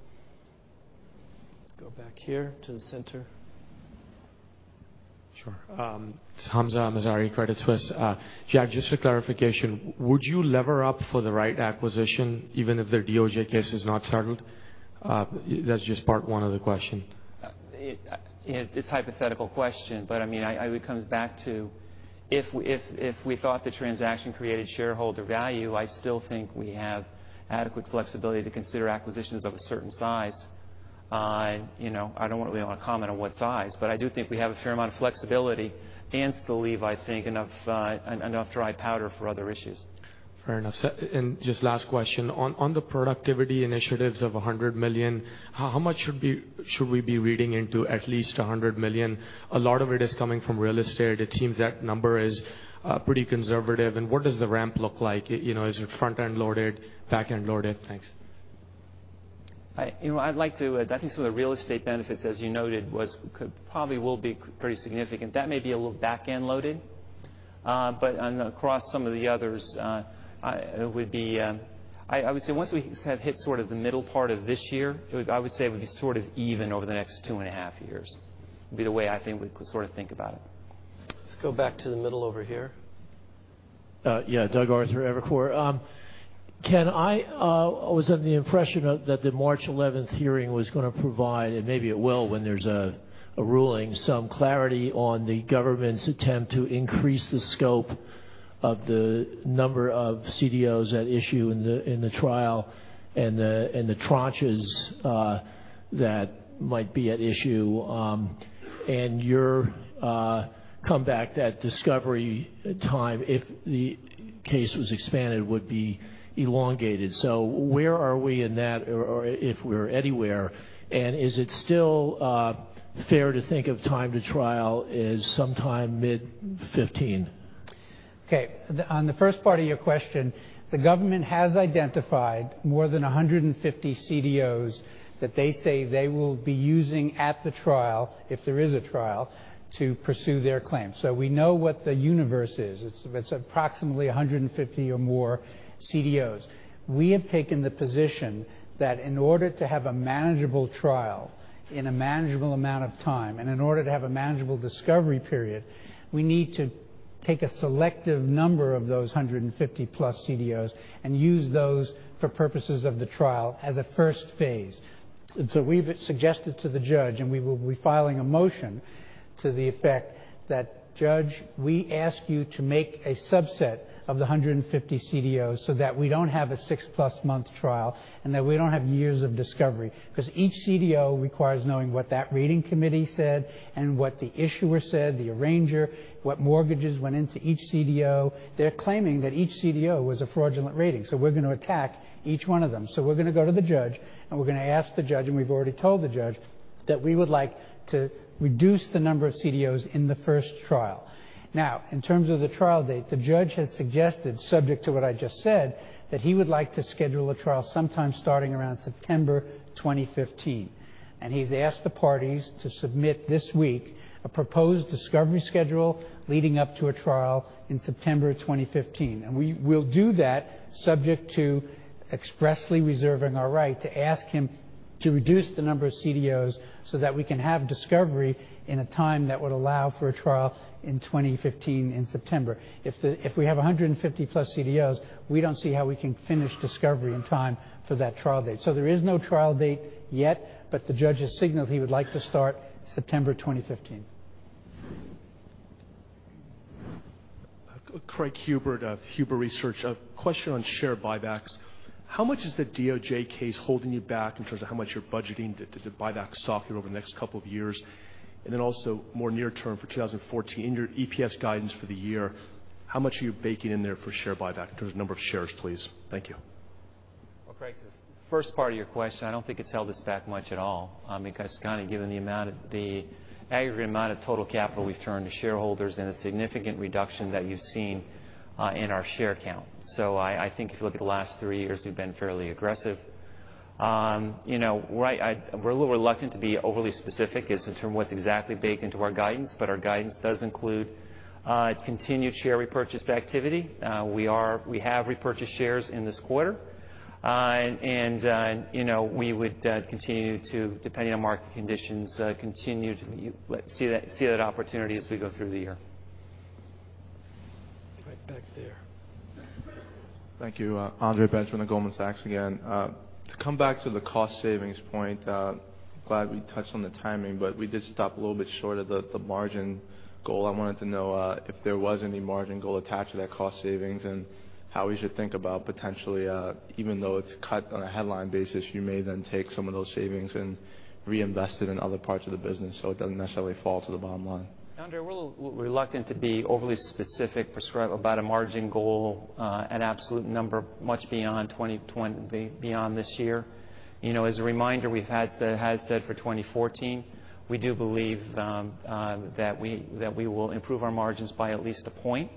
Let's go back here to the center. Sure. Hamzah Mazari, Credit Suisse. Jack, just for clarification, would you lever up for the right acquisition, even if their DOJ case has not started? That's just part one of the question. It's a hypothetical question. It comes back to if we thought the transaction created shareholder value, I still think we have adequate flexibility to consider acquisitions of a certain size. I don't really want to comment on what size. I do think we have a fair amount of flexibility and still leave, I think, enough dry powder for other issues. Fair enough. Just last question. On the productivity initiatives of $100 million, how much should we be reading into at least $100 million? A lot of it is coming from real estate. It seems that number is pretty conservative. What does the ramp look like? Is it front-end loaded, back-end loaded? Thanks. I think some of the real estate benefits, as you noted, probably will be pretty significant. That may be a little back-end loaded. Across some of the others, I would say once we have hit sort of the middle part of this year, I would say it would be sort of even over the next two and a half years. It would be the way I think we could sort of think about it. Let's go back to the middle over here. Douglas Arthur, Evercore. Ken, I was under the impression that the March 11th hearing was going to provide, and maybe it will when there's a ruling, some clarity on the government's attempt to increase the scope of the number of CDOs at issue in the trial and the tranches that might be at issue. Your comeback, that discovery time, if the case was expanded, would be elongated. Where are we in that, or if we're anywhere, and is it still fair to think of time to trial as sometime mid 2015? On the first part of your question, the government has identified more than 150 CDOs that they say they will be using at the trial, if there is a trial, to pursue their claim. We know what the universe is. It's approximately 150 or more CDOs. We have taken the position that in order to have a manageable trial in a manageable amount of time, and in order to have a manageable discovery period, we need to take a selective number of those 150-plus CDOs and use those for purposes of the trial as a first phase. We've suggested to the judge, and we will be filing a motion to the effect that, "Judge, we ask you to make a subset of the 150 CDOs so that we don't have a six-plus month trial, and that we don't have years of discovery." Because each CDO requires knowing what that rating committee said and what the issuer said, the arranger, what mortgages went into each CDO. They're claiming that each CDO was a fraudulent rating. We're going to attack each one of them. We're going to go to the judge, and we're going to ask the judge, and we've already told the judge, that we would like to reduce the number of CDOs in the first trial. In terms of the trial date, the judge has suggested, subject to what I just said, that he would like to schedule a trial sometime starting around September 2015. He's asked the parties to submit this week a proposed discovery schedule leading up to a trial in September 2015. We will do that subject to expressly reserving our right to ask him to reduce the number of CDOs so that we can have discovery in a time that would allow for a trial in 2015 in September. If we have 150-plus CDOs, we don't see how we can finish discovery in time for that trial date. There is no trial date yet, but the judge has signaled he would like to start September 2015. Craig Huber of Huber Research. A question on share buybacks. How much is the DOJ case holding you back in terms of how much you're budgeting to buy back stock over the next couple of years? Also more near term for 2014, in your EPS guidance for the year, how much are you baking in there for share buyback in terms of number of shares, please? Thank you. Well, Craig, to the first part of your question, I don't think it's held us back much at all because kind of given the aggregate amount of total capital we've turned to shareholders and a significant reduction that you've seen in our share count. I think if you look at the last three years, we've been fairly aggressive. We're a little reluctant to be overly specific as to what's exactly baked into our guidance, but our guidance does include continued share repurchase activity. We have repurchased shares in this quarter. We would continue to, depending on market conditions, continue to see that opportunity as we go through the year. Right back there. Thank you. Andre Benjamin from Goldman Sachs again. To come back to the cost savings point. Glad we touched on the timing, but we did stop a little bit short of the margin goal. I wanted to know if there was any margin goal attached to that cost savings and how we should think about potentially, even though it is cut on a headline basis, you may then take some of those savings and reinvest it in other parts of the business so it does not necessarily fall to the bottom line. Andre. We are a little reluctant to be overly specific about a margin goal, an absolute number much beyond this year. As a reminder, we had said for 2014, we do believe that we will improve our margins by at least a point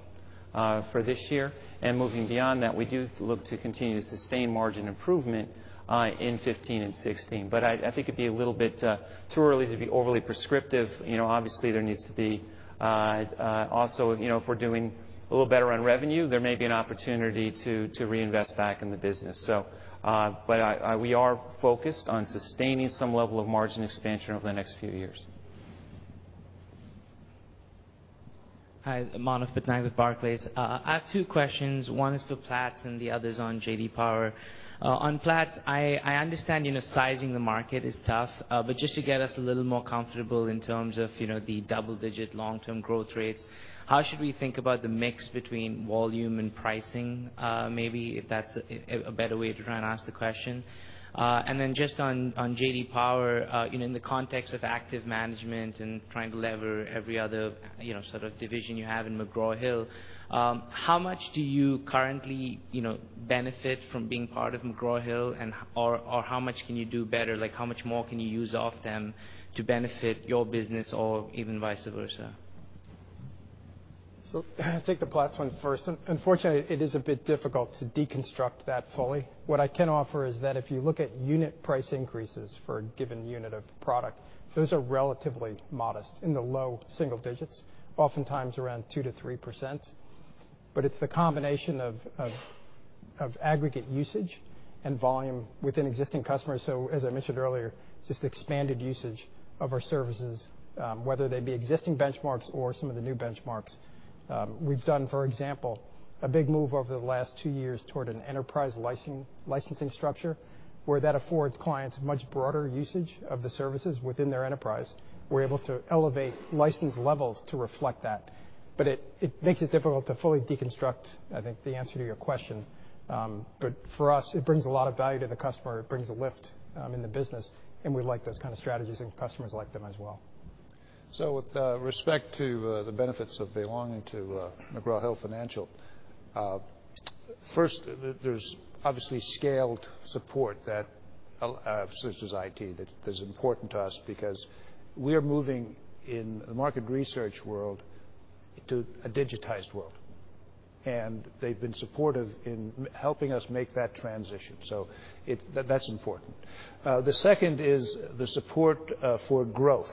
for this year. Moving beyond that, we do look to continue to sustain margin improvement in 2015 and 2016. I think it would be a little bit too early to be overly prescriptive. Obviously, there needs to be also, if we are doing a little better on revenue, there may be an opportunity to reinvest back in the business. We are focused on sustaining some level of margin expansion over the next few years. Hi, Manav Patnaik with Barclays. I have two questions. One is for Platts and the other is on J.D. Power. On Platts, I understand sizing the market is tough. Just to get us a little more comfortable in terms of the double-digit long-term growth rates, how should we think about the mix between volume and pricing? Maybe if that is a better way to try and ask the question. Just on J.D. Power, in the context of active management and trying to lever every other sort of division you have in McGraw Hill, how much do you currently benefit from being part of McGraw Hill? How much can you do better? How much more can you use of them to benefit your business or even vice versa? I will take the Platts one first. Unfortunately, it is a bit difficult to deconstruct that fully. What I can offer is that if you look at unit price increases for a given unit of product, those are relatively modest, in the low single digits, oftentimes around 2%-3%. It is the combination of aggregate usage and volume within existing customers. As I mentioned earlier, just expanded usage of our services, whether they be existing benchmarks or some of the new benchmarks. We have done, for example, a big move over the last two years toward an enterprise licensing structure where that affords clients much broader usage of the services within their enterprise. We are able to elevate license levels to reflect that. It makes it difficult to fully deconstruct, I think, the answer to your question. For us, it brings a lot of value to the customer. It brings a lift in the business, we like those kind of strategies, customers like them as well. With respect to the benefits of belonging to McGraw Hill Financial. First, there's obviously scaled support such as IT, that is important to us because we are moving in the market research world to a digitized world, they've been supportive in helping us make that transition. That's important. The second is the support for growth.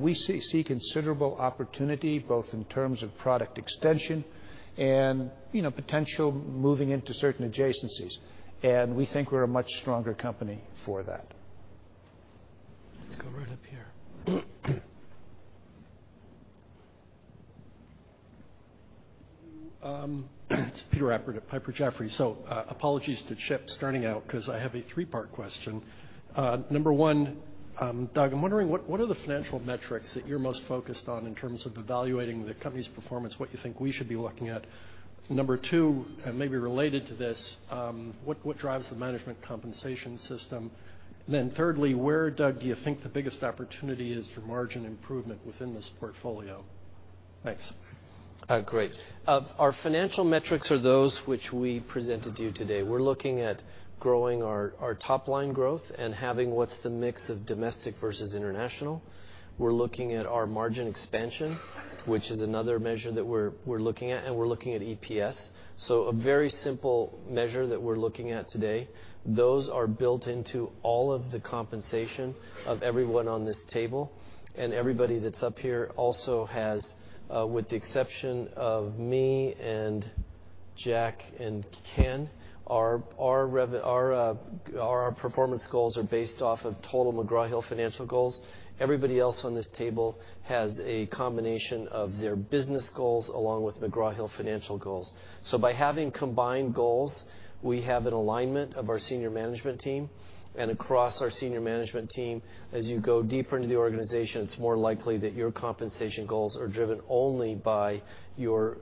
We see considerable opportunity both in terms of product extension and potential moving into certain adjacencies. We think we're a much stronger company for that. Let's go right up here. It's Peter Appert at Piper Jaffray. Apologies to Chip starting out because I have a three-part question. Number one, Doug, I'm wondering, what are the financial metrics that you're most focused on in terms of evaluating the company's performance, what you think we should be looking at? Number two, maybe related to this, what drives the management compensation system? Thirdly, where, Doug, do you think the biggest opportunity is for margin improvement within this portfolio? Thanks. Great. Our financial metrics are those which we presented to you today. We're looking at growing our top-line growth and having what's the mix of domestic versus international. We're looking at our margin expansion, which is another measure that we're looking at, and we're looking at EPS. A very simple measure that we're looking at today. Those are built into all of the compensation of everyone on this table, and everybody that's up here also has, with the exception of me and Jack and Ken, our performance goals are based off of total McGraw Hill Financial goals. Everybody else on this table has a combination of their business goals along with McGraw Hill Financial goals. By having combined goals, we have an alignment of our senior management team. Across our senior management team, as you go deeper into the organization, it's more likely that your compensation goals are driven only by your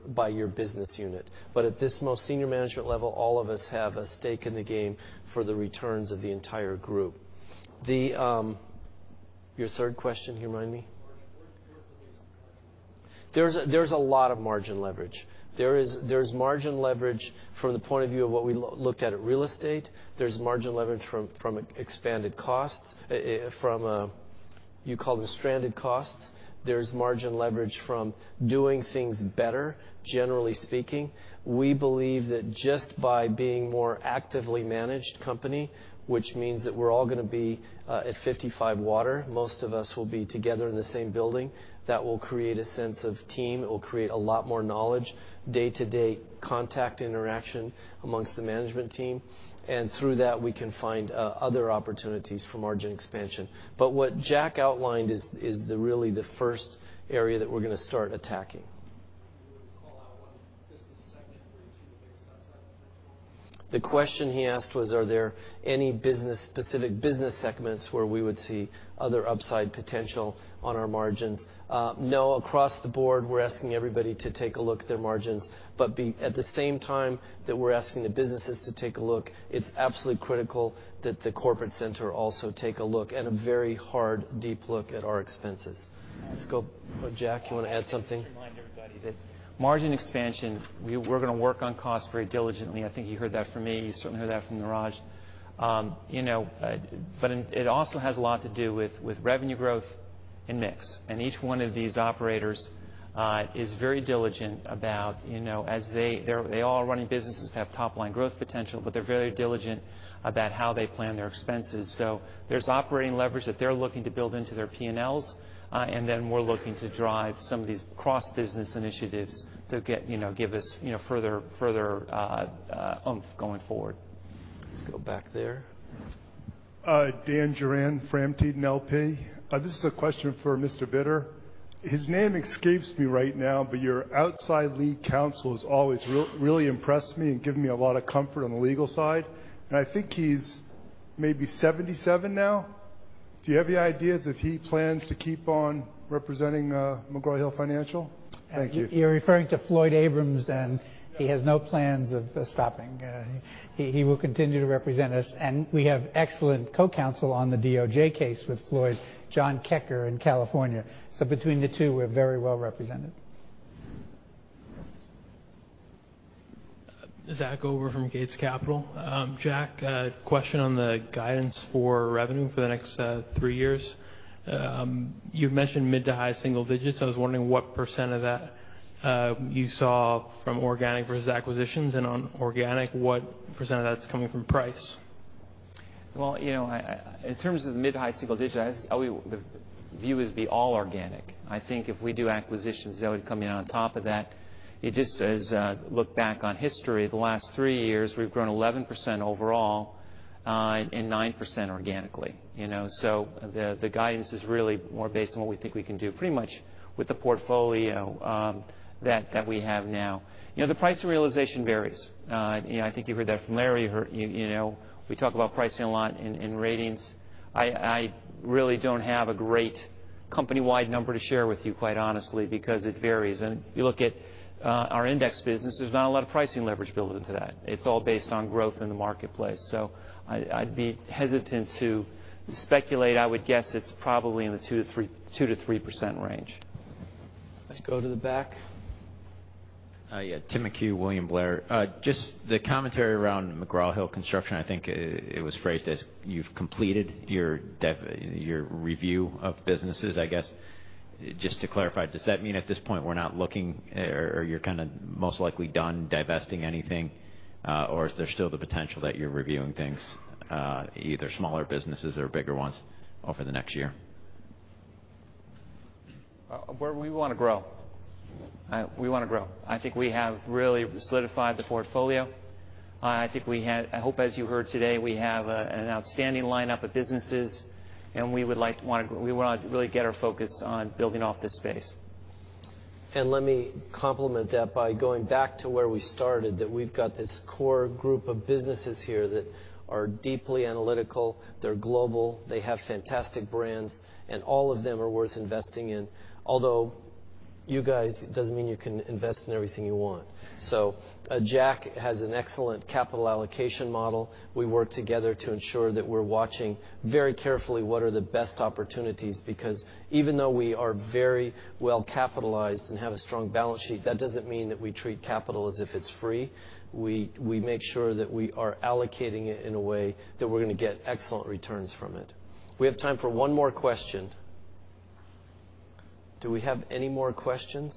business unit. At this most senior management level, all of us have a stake in the game for the returns of the entire group. Your third question, can you remind me? Margin. Where do you see the most margin leverage? There's a lot of margin leverage. There's margin leverage from the point of view of what we looked at at real estate. There's margin leverage from expanded costs, you call them stranded costs. There's margin leverage from doing things better. Generally speaking, we believe that just by being more actively managed company, which means that we're all going to be at 55 Water, most of us will be together in the same building. That will create a sense of team. It will create a lot more knowledge, day-to-day contact interaction amongst the management team. Through that, we can find other opportunities for margin expansion. What Jack outlined is really the first area that we're going to start attacking. Can you call out one business segment where you see the biggest upside potential? The question he asked was, are there any specific business segments where we would see other upside potential on our margins? No. Across the board, we're asking everybody to take a look at their margins. At the same time that we're asking the businesses to take a look, it's absolutely critical that the corporate center also take a look and a very hard, deep look at our expenses. Let's go. Jack, you want to add something? I just want to remind everybody that margin expansion, we're going to work on cost very diligently. I think you heard that from me. You certainly heard that from Neeraj. It also has a lot to do with revenue growth and mix. Each one of these operators is very diligent about as they all are running businesses that have top-line growth potential, but they're very diligent about how they plan their expenses. There's operating leverage that they're looking to build into their P&Ls, we're looking to drive some of these cross-business initiatives to give us further oomph going forward. Let's go back there. Dan Duran, Frampton LP. This is a question for Mr. Vittor. His name escapes me right now, but your outside lead counsel has always really impressed me and given me a lot of comfort on the legal side. I think he's maybe 77 now. Do you have any idea if he plans to keep on representing McGraw Hill Financial? Thank you. You're referring to Floyd Abrams, he has no plans of stopping. He will continue to represent us, we have excellent co-counsel on the DOJ case with Floyd, John Keker in California. Between the two, we're very well represented. Zack Gober from Gates Capital. Jack, question on the guidance for revenue for the next three years. You've mentioned mid to high single digits. I was wondering what % of that you saw from organic versus acquisitions, and on organic, what % of that's coming from price? In terms of mid high single digits, the view is be all organic. I think if we do acquisitions, that would come in on top of that. It just as look back on history, the last three years, we've grown 11% overall, 9% organically. The guidance is really more based on what we think we can do pretty much with the portfolio that we have now. The price realization varies. I think you heard that from Larry. We talk about pricing a lot in ratings. I really don't have a great company-wide number to share with you, quite honestly, because it varies. You look at our index business, there's not a lot of pricing leverage built into that. It's all based on growth in the marketplace. I'd be hesitant to speculate. I would guess it's probably in the 2%-3% range. Let's go to the back. Tim McHugh, William Blair. Just the commentary around McGraw Hill Construction, I think it was phrased as you've completed your review of businesses, I guess. Just to clarify, does that mean at this point we're not looking or you're most likely done divesting anything? Is there still the potential that you're reviewing things, either smaller businesses or bigger ones over the next year? We want to grow. I think we have really solidified the portfolio. I hope as you heard today, we have an outstanding lineup of businesses, we want to really get our focus on building off this space. Let me complement that by going back to where we started, that we've got this core group of businesses here that are deeply analytical, they're global, they have fantastic brands, all of them are worth investing in. You guys, it doesn't mean you can invest in everything you want. Jack has an excellent capital allocation model. We work together to ensure that we're watching very carefully what are the best opportunities, because even though we are very well capitalized and have a strong balance sheet, that doesn't mean that we treat capital as if it's free. We make sure that we are allocating it in a way that we're going to get excellent returns from it. We have time for one more question. Do we have any more questions?